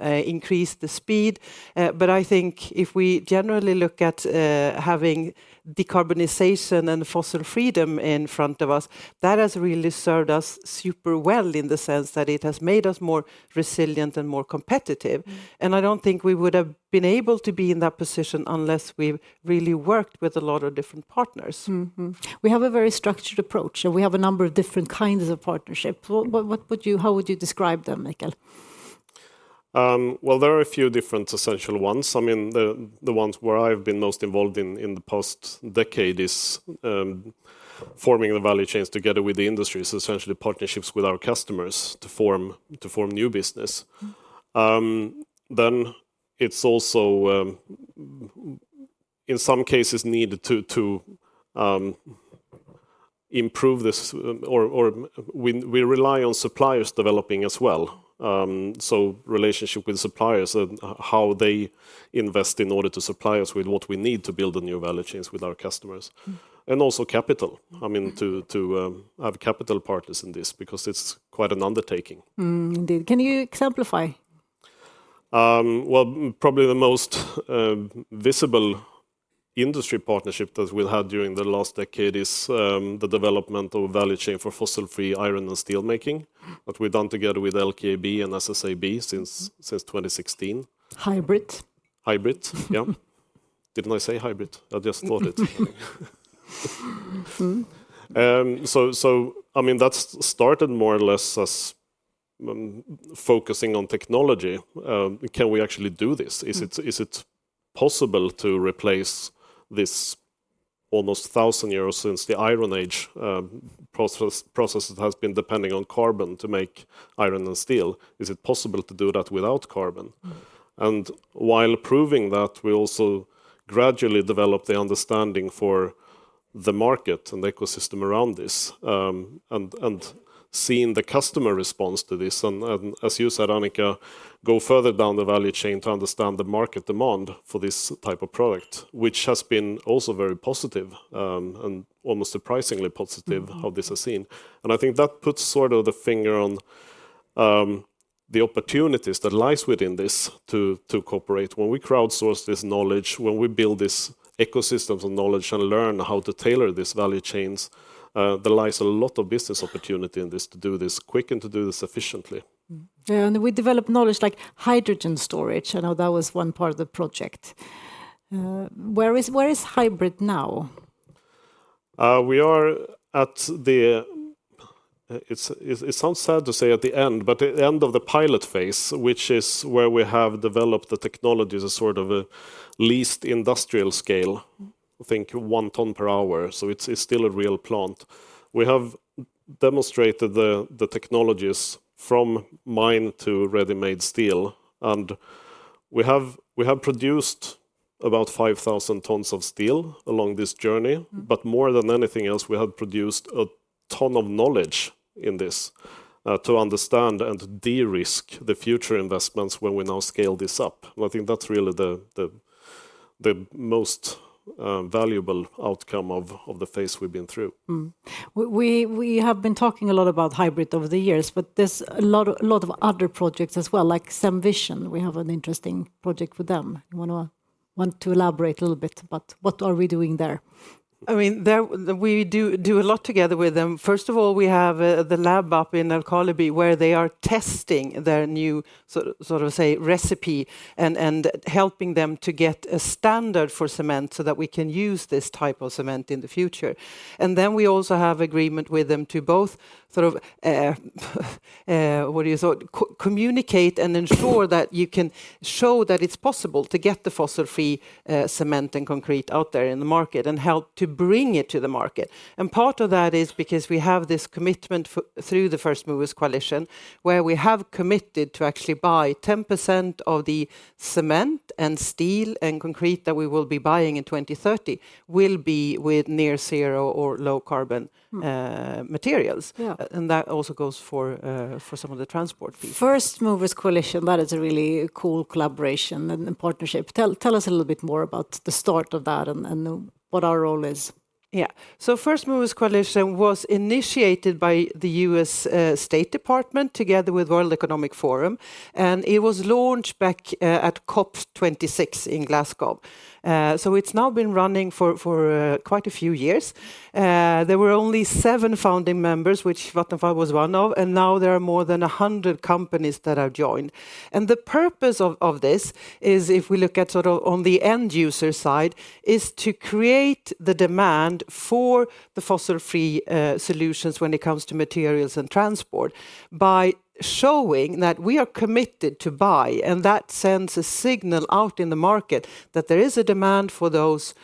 increase the speed. I think if we generally look at having decarbonization and fossil freedom in front of us, that has really served us super well in the sense that it has made us more resilient and more competitive. I do not think we would have been able to be in that position unless we really worked with a lot of different partners. We have a very structured approach, and we have a number of different kinds of partnerships. How would you describe them, Mikael? There are a few different essential ones. I mean, the ones where I've been most involved in the past decade is forming the value chains together with the industries, essentially partnerships with our customers to form new business. Then it's also, in some cases, needed to improve this, or we rely on suppliers developing as well. So relationship with suppliers and how they invest in order to supply us with what we need to build new value chains with our customers. And also capital, I mean, to have capital partners in this because it's quite an undertaking. Can you exemplify? Probably the most visible industry partnership that we have had during the last decade is the development of a value chain for fossil-free iron and steelmaking that we have done together with LKAB and SSAB since 2016. HYBRIT. HYBRIT, yeah. Did I not say HYBRIT? I just thought it. I mean, that started more or less as focusing on technology. Can we actually do this? Is it possible to replace this almost thousand years since the Iron Age process that has been depending on carbon to make iron and steel? Is it possible to do that without carbon? While proving that, we also gradually developed the understanding for the market and the ecosystem around this and seeing the customer response to this. As you said, Annika, go further down the value chain to understand the market demand for this type of product, which has been also very positive and almost surprisingly positive how this has seen. I think that puts sort of the finger on the opportunities that lie within this to cooperate. When we crowdsource this knowledge, when we build these ecosystems of knowledge and learn how to tailor these value chains, there lies a lot of business opportunity in this to do this quick and to do this efficiently. We develop knowledge like hydrogen storage. I know that was one part of the project. Where is HYBRIT now? We are at the, it sounds sad to say at the end, but at the end of the pilot phase, which is where we have developed the technology as a sort of at least industrial scale, I think one ton per hour. It is still a real plant. We have demonstrated the technologies from mine to ready-made steel. We have produced about 5,000 tons of steel along this journey. More than anything else, we have produced a ton of knowledge in this to understand and de-risk the future investments when we now scale this up. I think that is really the most valuable outcome of the phase we have been through. We have been talking a lot about HYBRIT over the years, but there are a lot of other projects as well, like SEMVision. We have an interesting project with them. You want to elaborate a little bit about what are we doing there? I mean, we do a lot together with them. First of all, we have the lab up in LKAB where they are testing their new sort of recipe and helping them to get a standard for cement so that we can use this type of cement in the future. We also have agreement with them to both sort of, what do you call it, communicate and ensure that you can show that it's possible to get the fossil-free cement and concrete out there in the market and help to bring it to the market. Part of that is because we have this commitment through the First Movers Coalition where we have committed to actually buy 10% of the cement and steel and concrete that we will be buying in 2030 will be with near zero or low carbon materials. That also goes for some of the transport. First Movers Coalition, that is a really cool collaboration and partnership. Tell us a little bit more about the start of that and what our role is. Yeah, First Movers Coalition was initiated by the U.S. State Department together with World Economic Forum. It was launched back at COP26 in Glasgow. It has now been running for quite a few years. There were only seven founding members, which Vattenfall was one of. Now there are more than 100 companies that have joined. The purpose of this is, if we look at sort of on the end user side, is to create the demand for the fossil-free solutions when it comes to materials and transport by showing that we are committed to buy. That sends a signal out in the market that there is a demand for those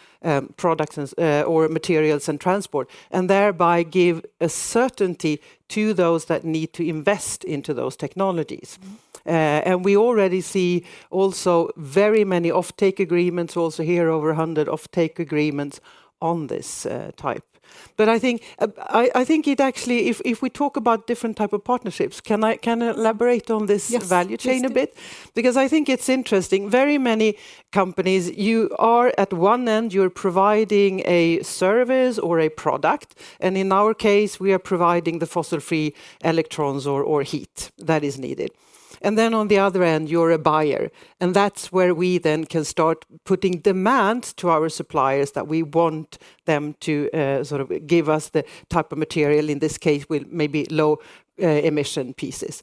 products or materials and transport and thereby gives a certainty to those that need to invest into those technologies. We already see also very many offtake agreements, also here over 100 offtake agreements on this type. I think it actually, if we talk about different types of partnerships, can I elaborate on this value chain a bit? Yes. I think it is interesting. Very many companies, you are at one end, you are providing a service or a product. In our case, we are providing the fossil-free electrons or heat that is needed. On the other end, you are a buyer. That is where we then can start putting demand to our suppliers that we want them to sort of give us the type of material, in this case, maybe low emission pieces.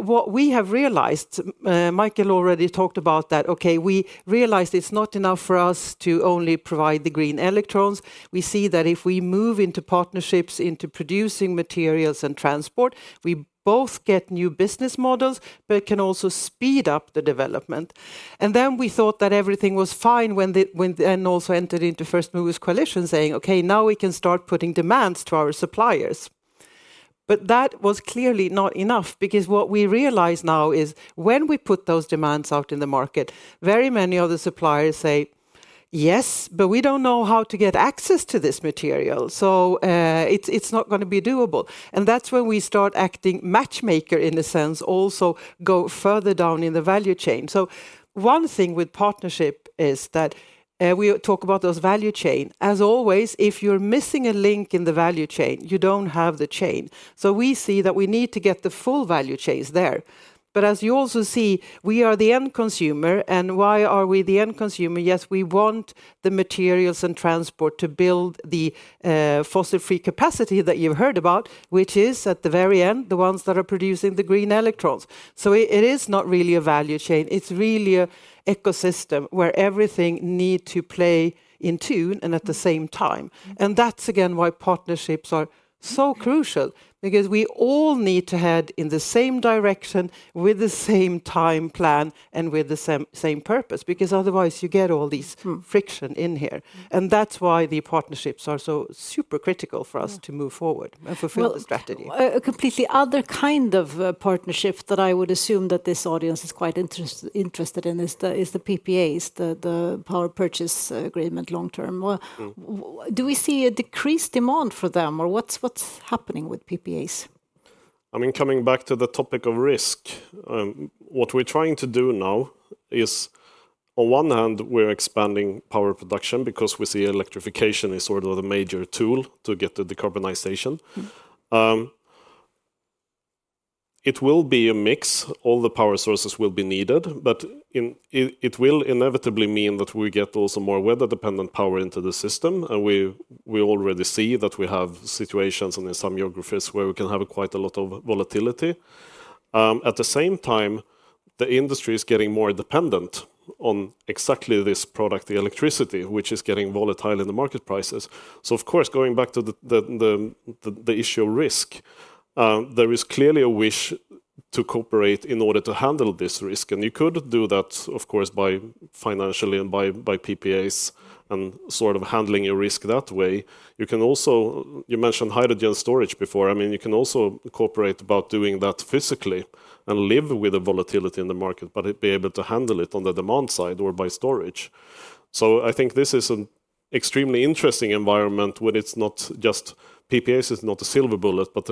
What we have realized, Mikael already talked about that, we realized it is not enough for us to only provide the green electrons. We see that if we move into partnerships, into producing materials and transport, we both get new business models but can also speed up the development. We thought that everything was fine when we then also entered into First Movers Coalition saying, now we can start putting demands to our suppliers. That was clearly not enough because what we realize now is when we put those demands out in the market, very many of the suppliers say, yes, but we do not know how to get access to this material. It is not going to be doable. That is when we start acting matchmaker in a sense, also go further down in the value chain. One thing with partnership is that we talk about those value chains. As always, if you are missing a link in the value chain, you do not have the chain. We see that we need to get the full value chains there. As you also see, we are the end consumer. Why are we the end consumer? Yes, we want the materials and transport to build the fossil-free capacity that you've heard about, which is at the very end, the ones that are producing the green electrons. It is not really a value chain. It is really an ecosystem where everything needs to play in tune and at the same time. That is again why partnerships are so crucial because we all need to head in the same direction with the same time plan and with the same purpose. Otherwise, you get all this friction in here. That is why the partnerships are so super critical for us to move forward and fulfill the strategy. A completely other kind of partnership that I would assume that this audience is quite interested in is the PPAs, the Power Purchase Agreement long term. Do we see a decreased demand for them or what is happening with PPAs? I mean, coming back to the topic of risk, what we're trying to do now is, on one hand, we're expanding power production because we see electrification is sort of the major tool to get the decarbonization. It will be a mix. All the power sources will be needed, but it will inevitably mean that we get also more weather-dependent power into the system. We already see that we have situations in some geographies where we can have quite a lot of volatility. At the same time, the industry is getting more dependent on exactly this product, the electricity, which is getting volatile in the market prices. Of course, going back to the issue of risk, there is clearly a wish to cooperate in order to handle this risk. You could do that, of course, financially and by PPAs and sort of handling your risk that way. You mentioned hydrogen storage before. I mean, you can also cooperate about doing that physically and live with the volatility in the market, but be able to handle it on the demand side or by storage. I think this is an extremely interesting environment when it's not just PPAs is not a silver bullet, but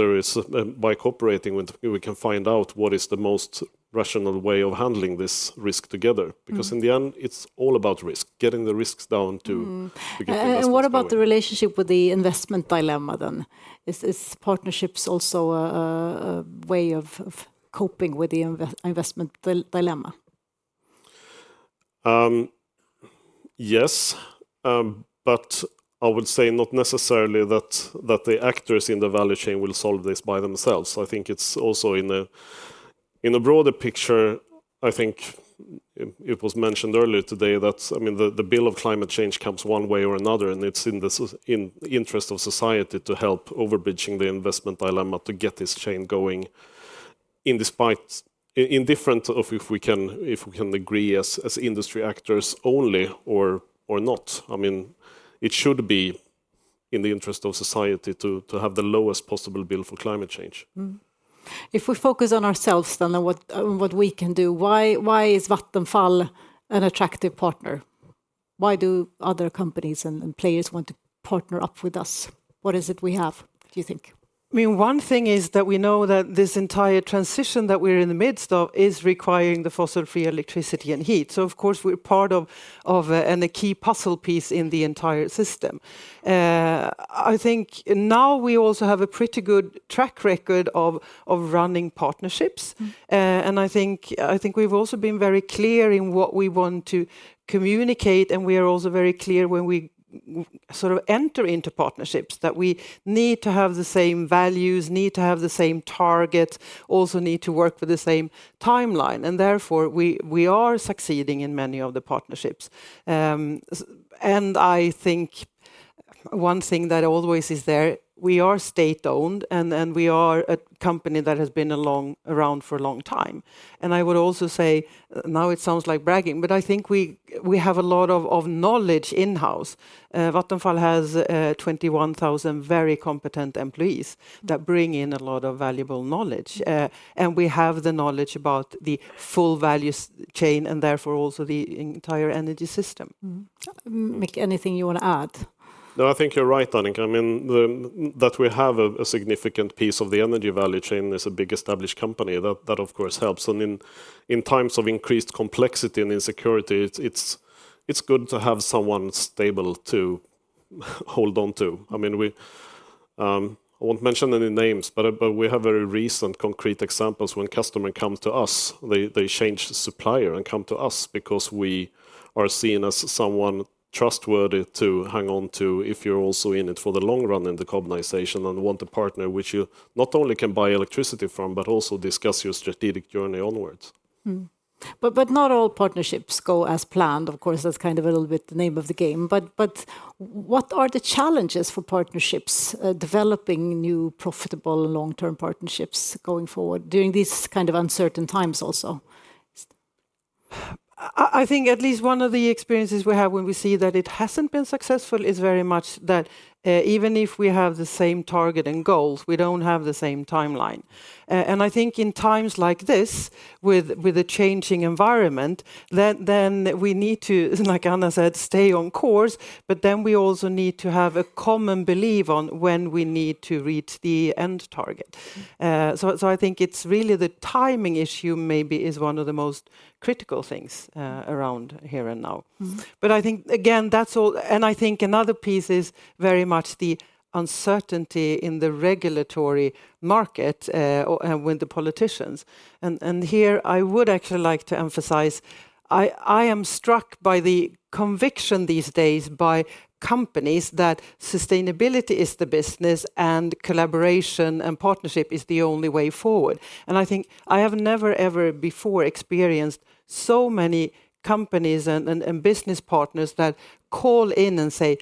by cooperating with, we can find out what is the most rational way of handling this risk together. Because in the end, it's all about risk, getting the risks down too. What about the relationship with the investment dilemma then? Is partnerships also a way of coping with the investment dilemma? Yes, but I would say not necessarily that the actors in the value chain will solve this by themselves. I think it is also in a broader picture. I think it was mentioned earlier today that, I mean, the bill of climate change comes one way or another, and it is in the interest of society to help overbridging the investment dilemma to get this chain going in different if we can agree as industry actors only or not. I mean, it should be in the interest of society to have the lowest possible bill for climate change. If we focus on ourselves then and what we can do, why is Vattenfall an attractive partner? Why do other companies and players want to partner up with us? What is it we have, do you think? I mean, one thing is that we know that this entire transition that we're in the midst of is requiring the fossil-free electricity and heat. Of course, we're part of and a key puzzle piece in the entire system. I think now we also have a pretty good track record of running partnerships. I think we've also been very clear in what we want to communicate. We are also very clear when we sort of enter into partnerships that we need to have the same values, need to have the same targets, also need to work with the same timeline. Therefore, we are succeeding in many of the partnerships. I think one thing that always is there, we are state-owned and we are a company that has been around for a long time. I would also say, now it sounds like bragging, but I think we have a lot of knowledge in-house. Vattenfall has 21,000 very competent employees that bring in a lot of valuable knowledge. We have the knowledge about the full value chain and therefore also the entire energy system. Mick, anything you want to add? No, I think you're right, Annika. I mean, that we have a significant piece of the energy value chain is a big established company. That, of course, helps. In times of increased complexity and insecurity, it's good to have someone stable to hold on to. I mean, I won't mention any names, but we have very recent concrete examples when customers come to us, they change supplier and come to us because we are seen as someone trustworthy to hang on to if you're also in it for the long run in the carbonization and want a partner which you not only can buy electricity from, but also discuss your strategic journey onwards. Not all partnerships go as planned. Of course, that's kind of a little bit the name of the game. What are the challenges for partnerships developing new profitable and long-term partnerships going forward during these kind of uncertain times also? I think at least one of the experiences we have when we see that it hasn't been successful is very much that even if we have the same target and goals, we don't have the same timeline. I think in times like this with a changing environment, we need to, like Anna said, stay on course. We also need to have a common belief on when we need to reach the end target. I think the timing issue maybe is one of the most critical things around here and now. I think, again, that's all. I think another piece is very much the uncertainty in the regulatory market and with the politicians. Here I would actually like to emphasize, I am struck by the conviction these days by companies that sustainability is the business and collaboration and partnership is the only way forward. I think I have never, ever before experienced so many companies and business partners that call in and say,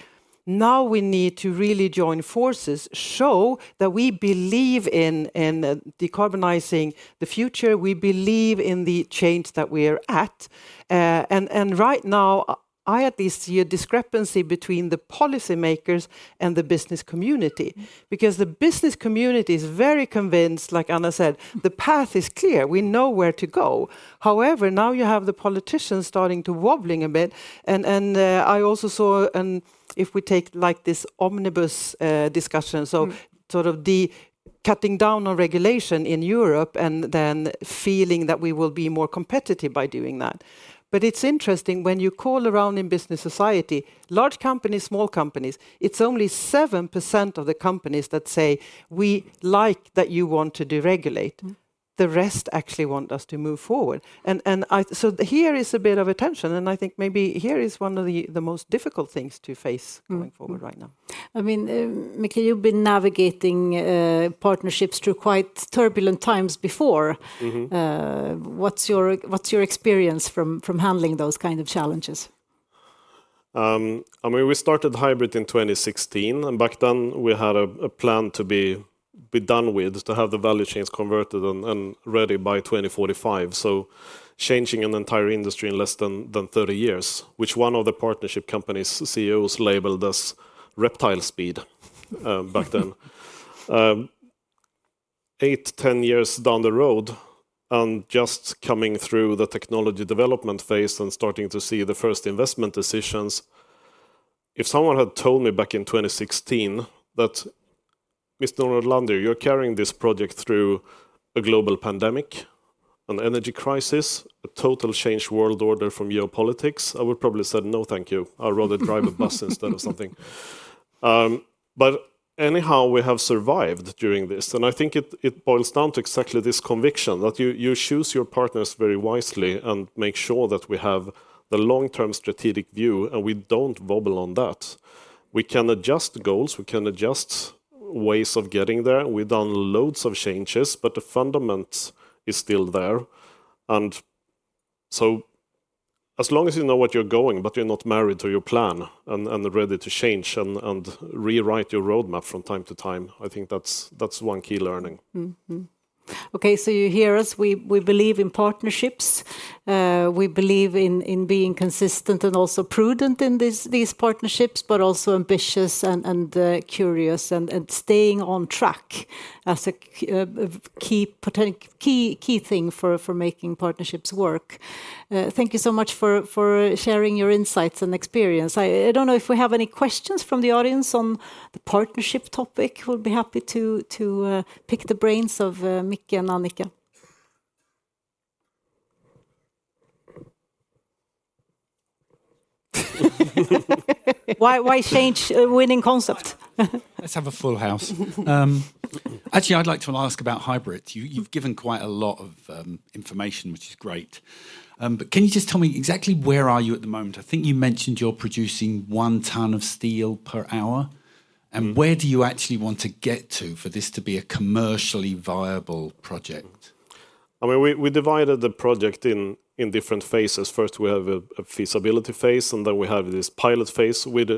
now we need to really join forces, show that we believe in decarbonizing the future, we believe in the change that we are at. Right now, I at least see a discrepancy between the policymakers and the business community. The business community is very convinced, like Anna said, the path is clear, we know where to go. However, now you have the politicians starting to wobble a bit. I also saw, and if we take like this omnibus discussion, so sort of the cutting down on regulation in Europe and then feeling that we will be more competitive by doing that. It's interesting when you call around in business society, large companies, small companies, it's only 7% of the companies that say, we like that you want to deregulate. The rest actually want us to move forward. Here is a bit of a tension. I think maybe here is one of the most difficult things to face going forward right now. I mean, Mick, you've been navigating partnerships through quite turbulent times before. What's your experience from handling those kinds of challenges? I mean, we started HYBRIT in 2016. Back then, we had a plan to be done with, to have the value chains converted and ready by 2045. Changing an entire industry in less than 30 years, which one of the partnership companies' CEOs labeled as reptile speed back then. Eight, ten years down the road, and just coming through the technology development phase and starting to see the first investment decisions. If someone had told me back in 2016 that, Mr. Nordlander, you're carrying this project through a global pandemic, an energy crisis, a total change world order from geopolitics, I would probably say, no thank you. I'd rather drive a bus instead of something. Anyhow, we have survived during this. I think it boils down to exactly this conviction that you choose your partners very wisely and make sure that we have the long-term strategic view and we do not wobble on that. We can adjust goals, we can adjust ways of getting there. We've done loads of changes, but the fundaments is still there. As long as you know what you're going, but you're not married to your plan and ready to change and rewrite your roadmap from time to time, I think that's one key learning. You hear us. We believe in partnerships. We believe in being consistent and also prudent in these partnerships, but also ambitious and curious and staying on track as a key thing for making partnerships work. Thank you so much for sharing your insights and experience. I don't know if we have any questions from the audience on the partnership topic. We'll be happy to pick the brains of Mick and Annika. Why change a winning concept? Let's have a full house. Actually, I'd like to ask about HYBRIT. You've given quite a lot of information, which is great. But can you just tell me exactly where are you at the moment? I think you mentioned you're producing one ton of steel per hour. Where do you actually want to get to for this to be a commercially viable project? I mean, we divided the project in different phases. First, we have a feasibility phase, and then we have this pilot phase with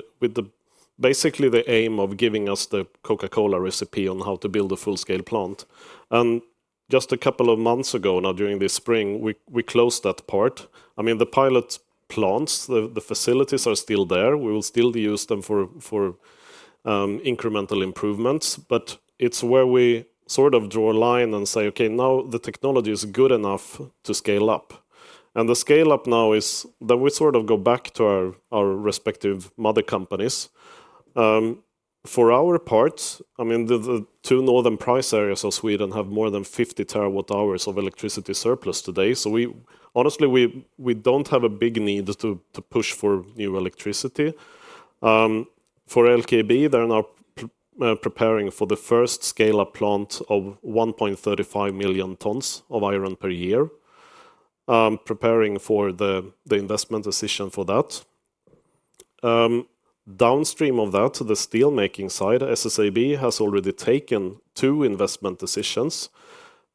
basically the aim of giving us the Coca-Cola recipe on how to build a full-scale plant. Just a couple of months ago, now during this spring, we closed that part. I mean, the pilot plants, the facilities are still there. We will still use them for incremental improvements. It is where we sort of draw a line and say, okay, now the technology is good enough to scale up. The scale-up now is that we sort of go back to our respective mother companies. For our part, I mean, the two northern price areas of Sweden have more than 50 TWh of electricity surplus today. Honestly, we do not have a big need to push for new electricity. For LKAB, they are now preparing for the first scale-up plant of 1.35 million tons of iron per year, preparing for the investment decision for that. Downstream of that, the steelmaking side, SSAB has already taken two investment decisions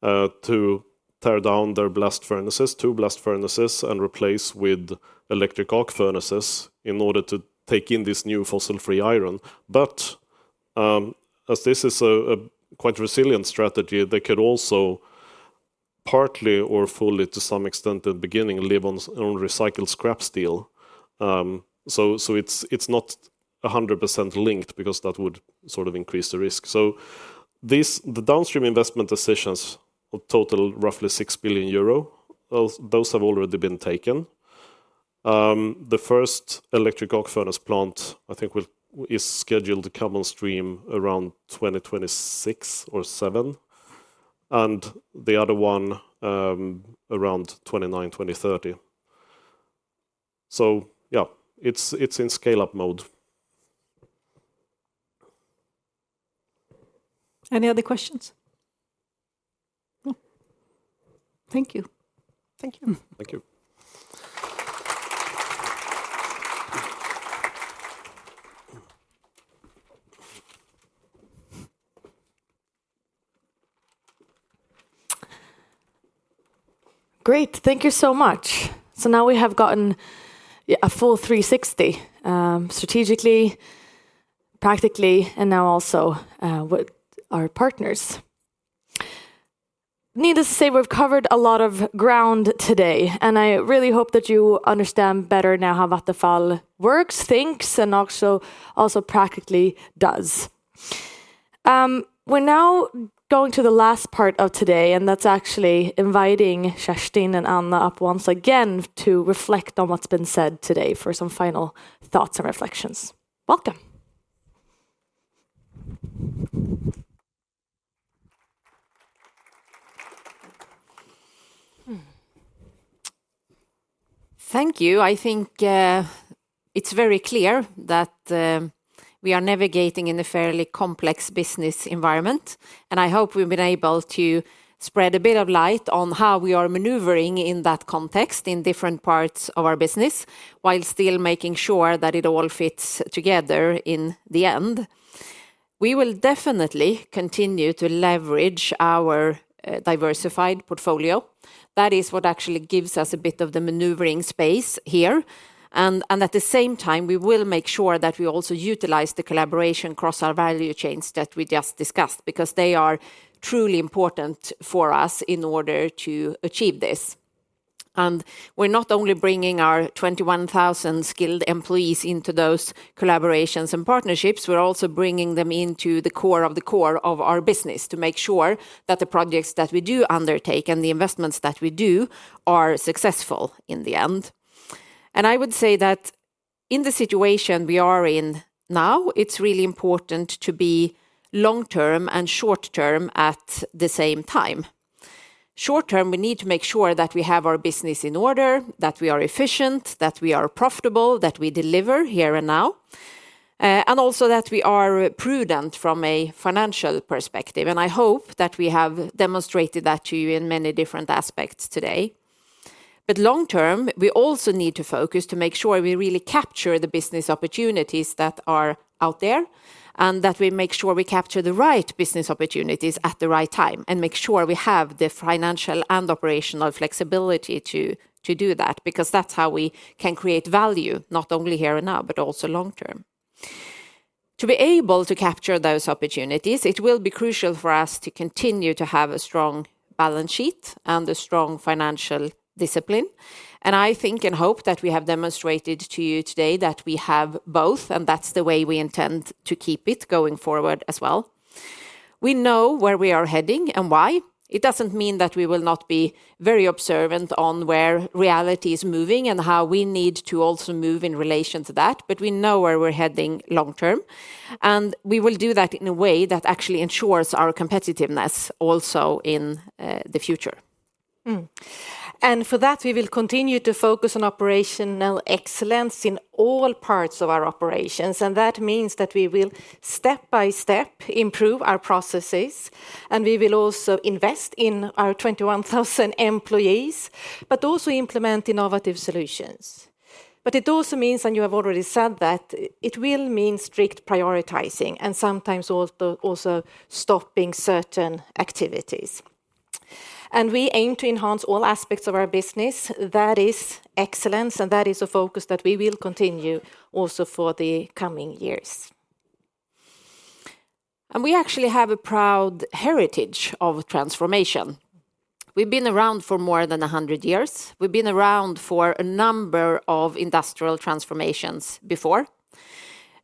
to tear down their blast furnaces, two blast furnaces, and replace with electric arc furnaces in order to take in this new fossil-free iron. As this is a quite resilient strategy, they could also partly or fully, to some extent in the beginning, live on recycled scrap steel. It is not 100% linked because that would sort of increase the risk. The downstream investment decisions of total roughly 6 billion euro, those have already been taken. The first electric arc furnace plant, I think, is scheduled to come on stream around 2026 or 2027, and the other one around 2029, 2030. Yeah, it's in scale-up mode. Any other questions? No. Thank you. Thank you. Thank you. Great. Thank you so much. Now we have gotten a full 360 strategically, practically, and now also with our partners. Needless to say, we've covered a lot of ground today, and I really hope that you understand better now how Vattenfall works, thinks, and also practically does. We're now going to the last part of today, and that's actually inviting Kerstin and Anna up once again to reflect on what's been said today for some final thoughts and reflections. Welcome. Thank you. I think it's very clear that we are navigating in a fairly complex business environment, and I hope we've been able to spread a bit of light on how we are maneuvering in that context in different parts of our business while still making sure that it all fits together in the end. We will definitely continue to leverage our diversified portfolio. That is what actually gives us a bit of the maneuvering space here. At the same time, we will make sure that we also utilize the collaboration across our value chains that we just discussed because they are truly important for us in order to achieve this. We are not only bringing our 21,000 skilled employees into those collaborations and partnerships, we are also bringing them into the core of the core of our business to make sure that the projects that we do undertake and the investments that we do are successful in the end. I would say that in the situation we are in now, it is really important to be long-term and short-term at the same time. Short-term, we need to make sure that we have our business in order, that we are efficient, that we are profitable, that we deliver here and now, and also that we are prudent from a financial perspective. I hope that we have demonstrated that to you in many different aspects today. Long-term, we also need to focus to make sure we really capture the business opportunities that are out there and that we make sure we capture the right business opportunities at the right time and make sure we have the financial and operational flexibility to do that because that's how we can create value not only here and now, but also long-term. To be able to capture those opportunities, it will be crucial for us to continue to have a strong balance sheet and a strong financial discipline. I think and hope that we have demonstrated to you today that we have both, and that's the way we intend to keep it going forward as well. We know where we are heading and why. It does not mean that we will not be very observant on where reality is moving and how we need to also move in relation to that, but we know where we are heading long-term. We will do that in a way that actually ensures our competitiveness also in the future. For that, we will continue to focus on operational excellence in all parts of our operations. That means that we will step by step improve our processes, and we will also invest in our 21,000 employees, but also implement innovative solutions. It also means, and you have already said that, it will mean strict prioritizing and sometimes also stopping certain activities. We aim to enhance all aspects of our business. That is excellence, and that is a focus that we will continue also for the coming years. We actually have a proud heritage of transformation. We've been around for more than 100 years. We've been around for a number of industrial transformations before.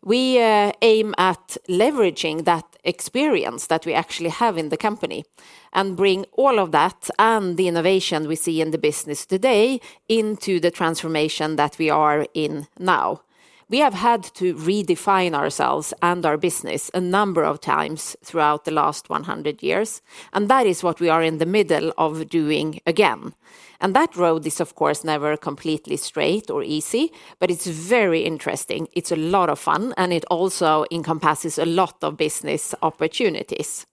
We aim at leveraging that experience that we actually have in the company and bring all of that and the innovation we see in the business today into the transformation that we are in now. We have had to redefine ourselves and our business a number of times throughout the last 100 years, and that is what we are in the middle of doing again. That road is, of course, never completely straight or easy, but it's very interesting. It's a lot of fun, and it also encompasses a lot of business opportunities.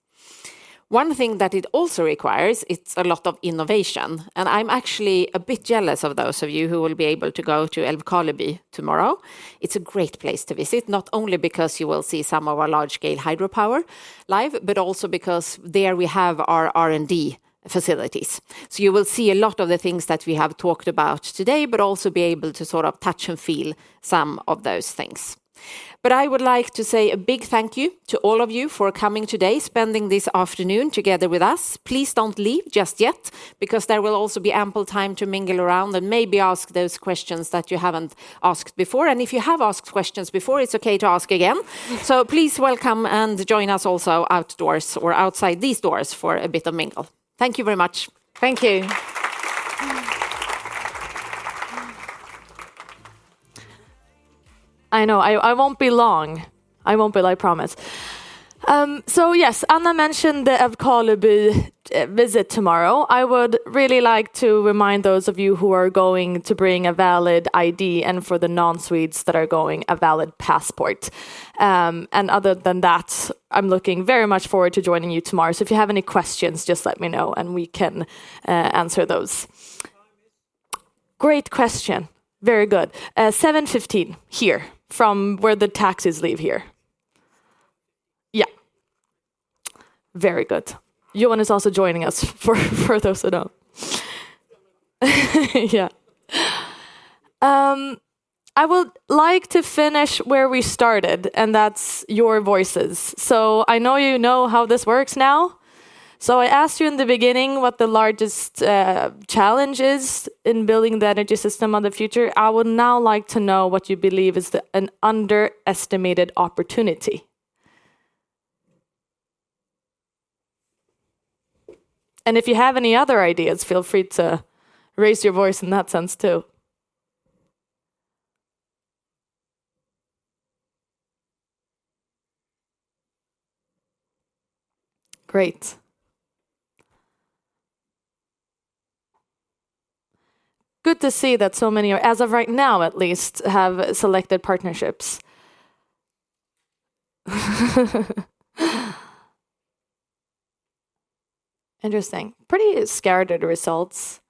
One thing that it also requires, it's a lot of innovation. I'm actually a bit jealous of those of you who will be able to go to LKAB tomorrow. It's a great place to visit, not only because you will see some of our large-scale hydropower live, but also because there we have our R&D facilities. You will see a lot of the things that we have talked about today, but also be able to sort of touch and feel some of those things. I would like to say a big thank you to all of you for coming today, spending this afternoon together with us. Please do not leave just yet because there will also be ample time to mingle around and maybe ask those questions that you have not asked before. If you have asked questions before, it is okay to ask again. Please welcome and join us also outdoors or outside these doors for a bit of mingle. Thank you very much. Thank you. I know I will not be long. I will not be, I promise. Yes, Anna mentioned the LKAB visit tomorrow. I would really like to remind those of you who are going to bring a valid ID, and for the non-Swedes that are going, a valid passport. Other than that, I'm looking very much forward to joining you tomorrow. If you have any questions, just let me know and we can answer those. Great question. Very good. 7:15 here from where the taxis live here. Yeah. Very good. Johan is also joining us for those who don't. I would like to finish where we started, and that's your voices. I know you know how this works now. I asked you in the beginning what the largest challenge is in building the energy system of the future. I would now like to know what you believe is an underestimated opportunity. If you have any other ideas, feel free to raise your voice in that sense too. Great. Good to see that so many are, as of right now at least, have selected partnerships. Interesting. Pretty scattered results.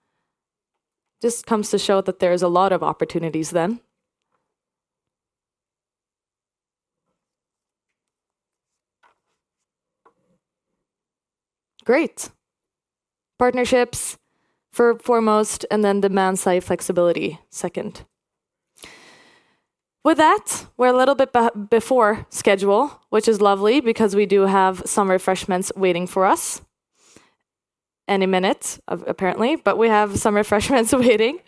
Just comes to show that there are a lot of opportunities then. Great. Partnerships foremost and then demand-side flexibility second. With that, we are a little bit before schedule, which is lovely because we do have some refreshments waiting for us. Any minute, apparently, but we have some refreshments waiting.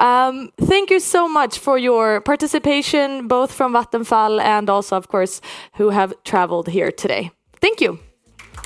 Thank you so much for your participation, both from Vattenfall and also, of course, those who have traveled here today. Thank you.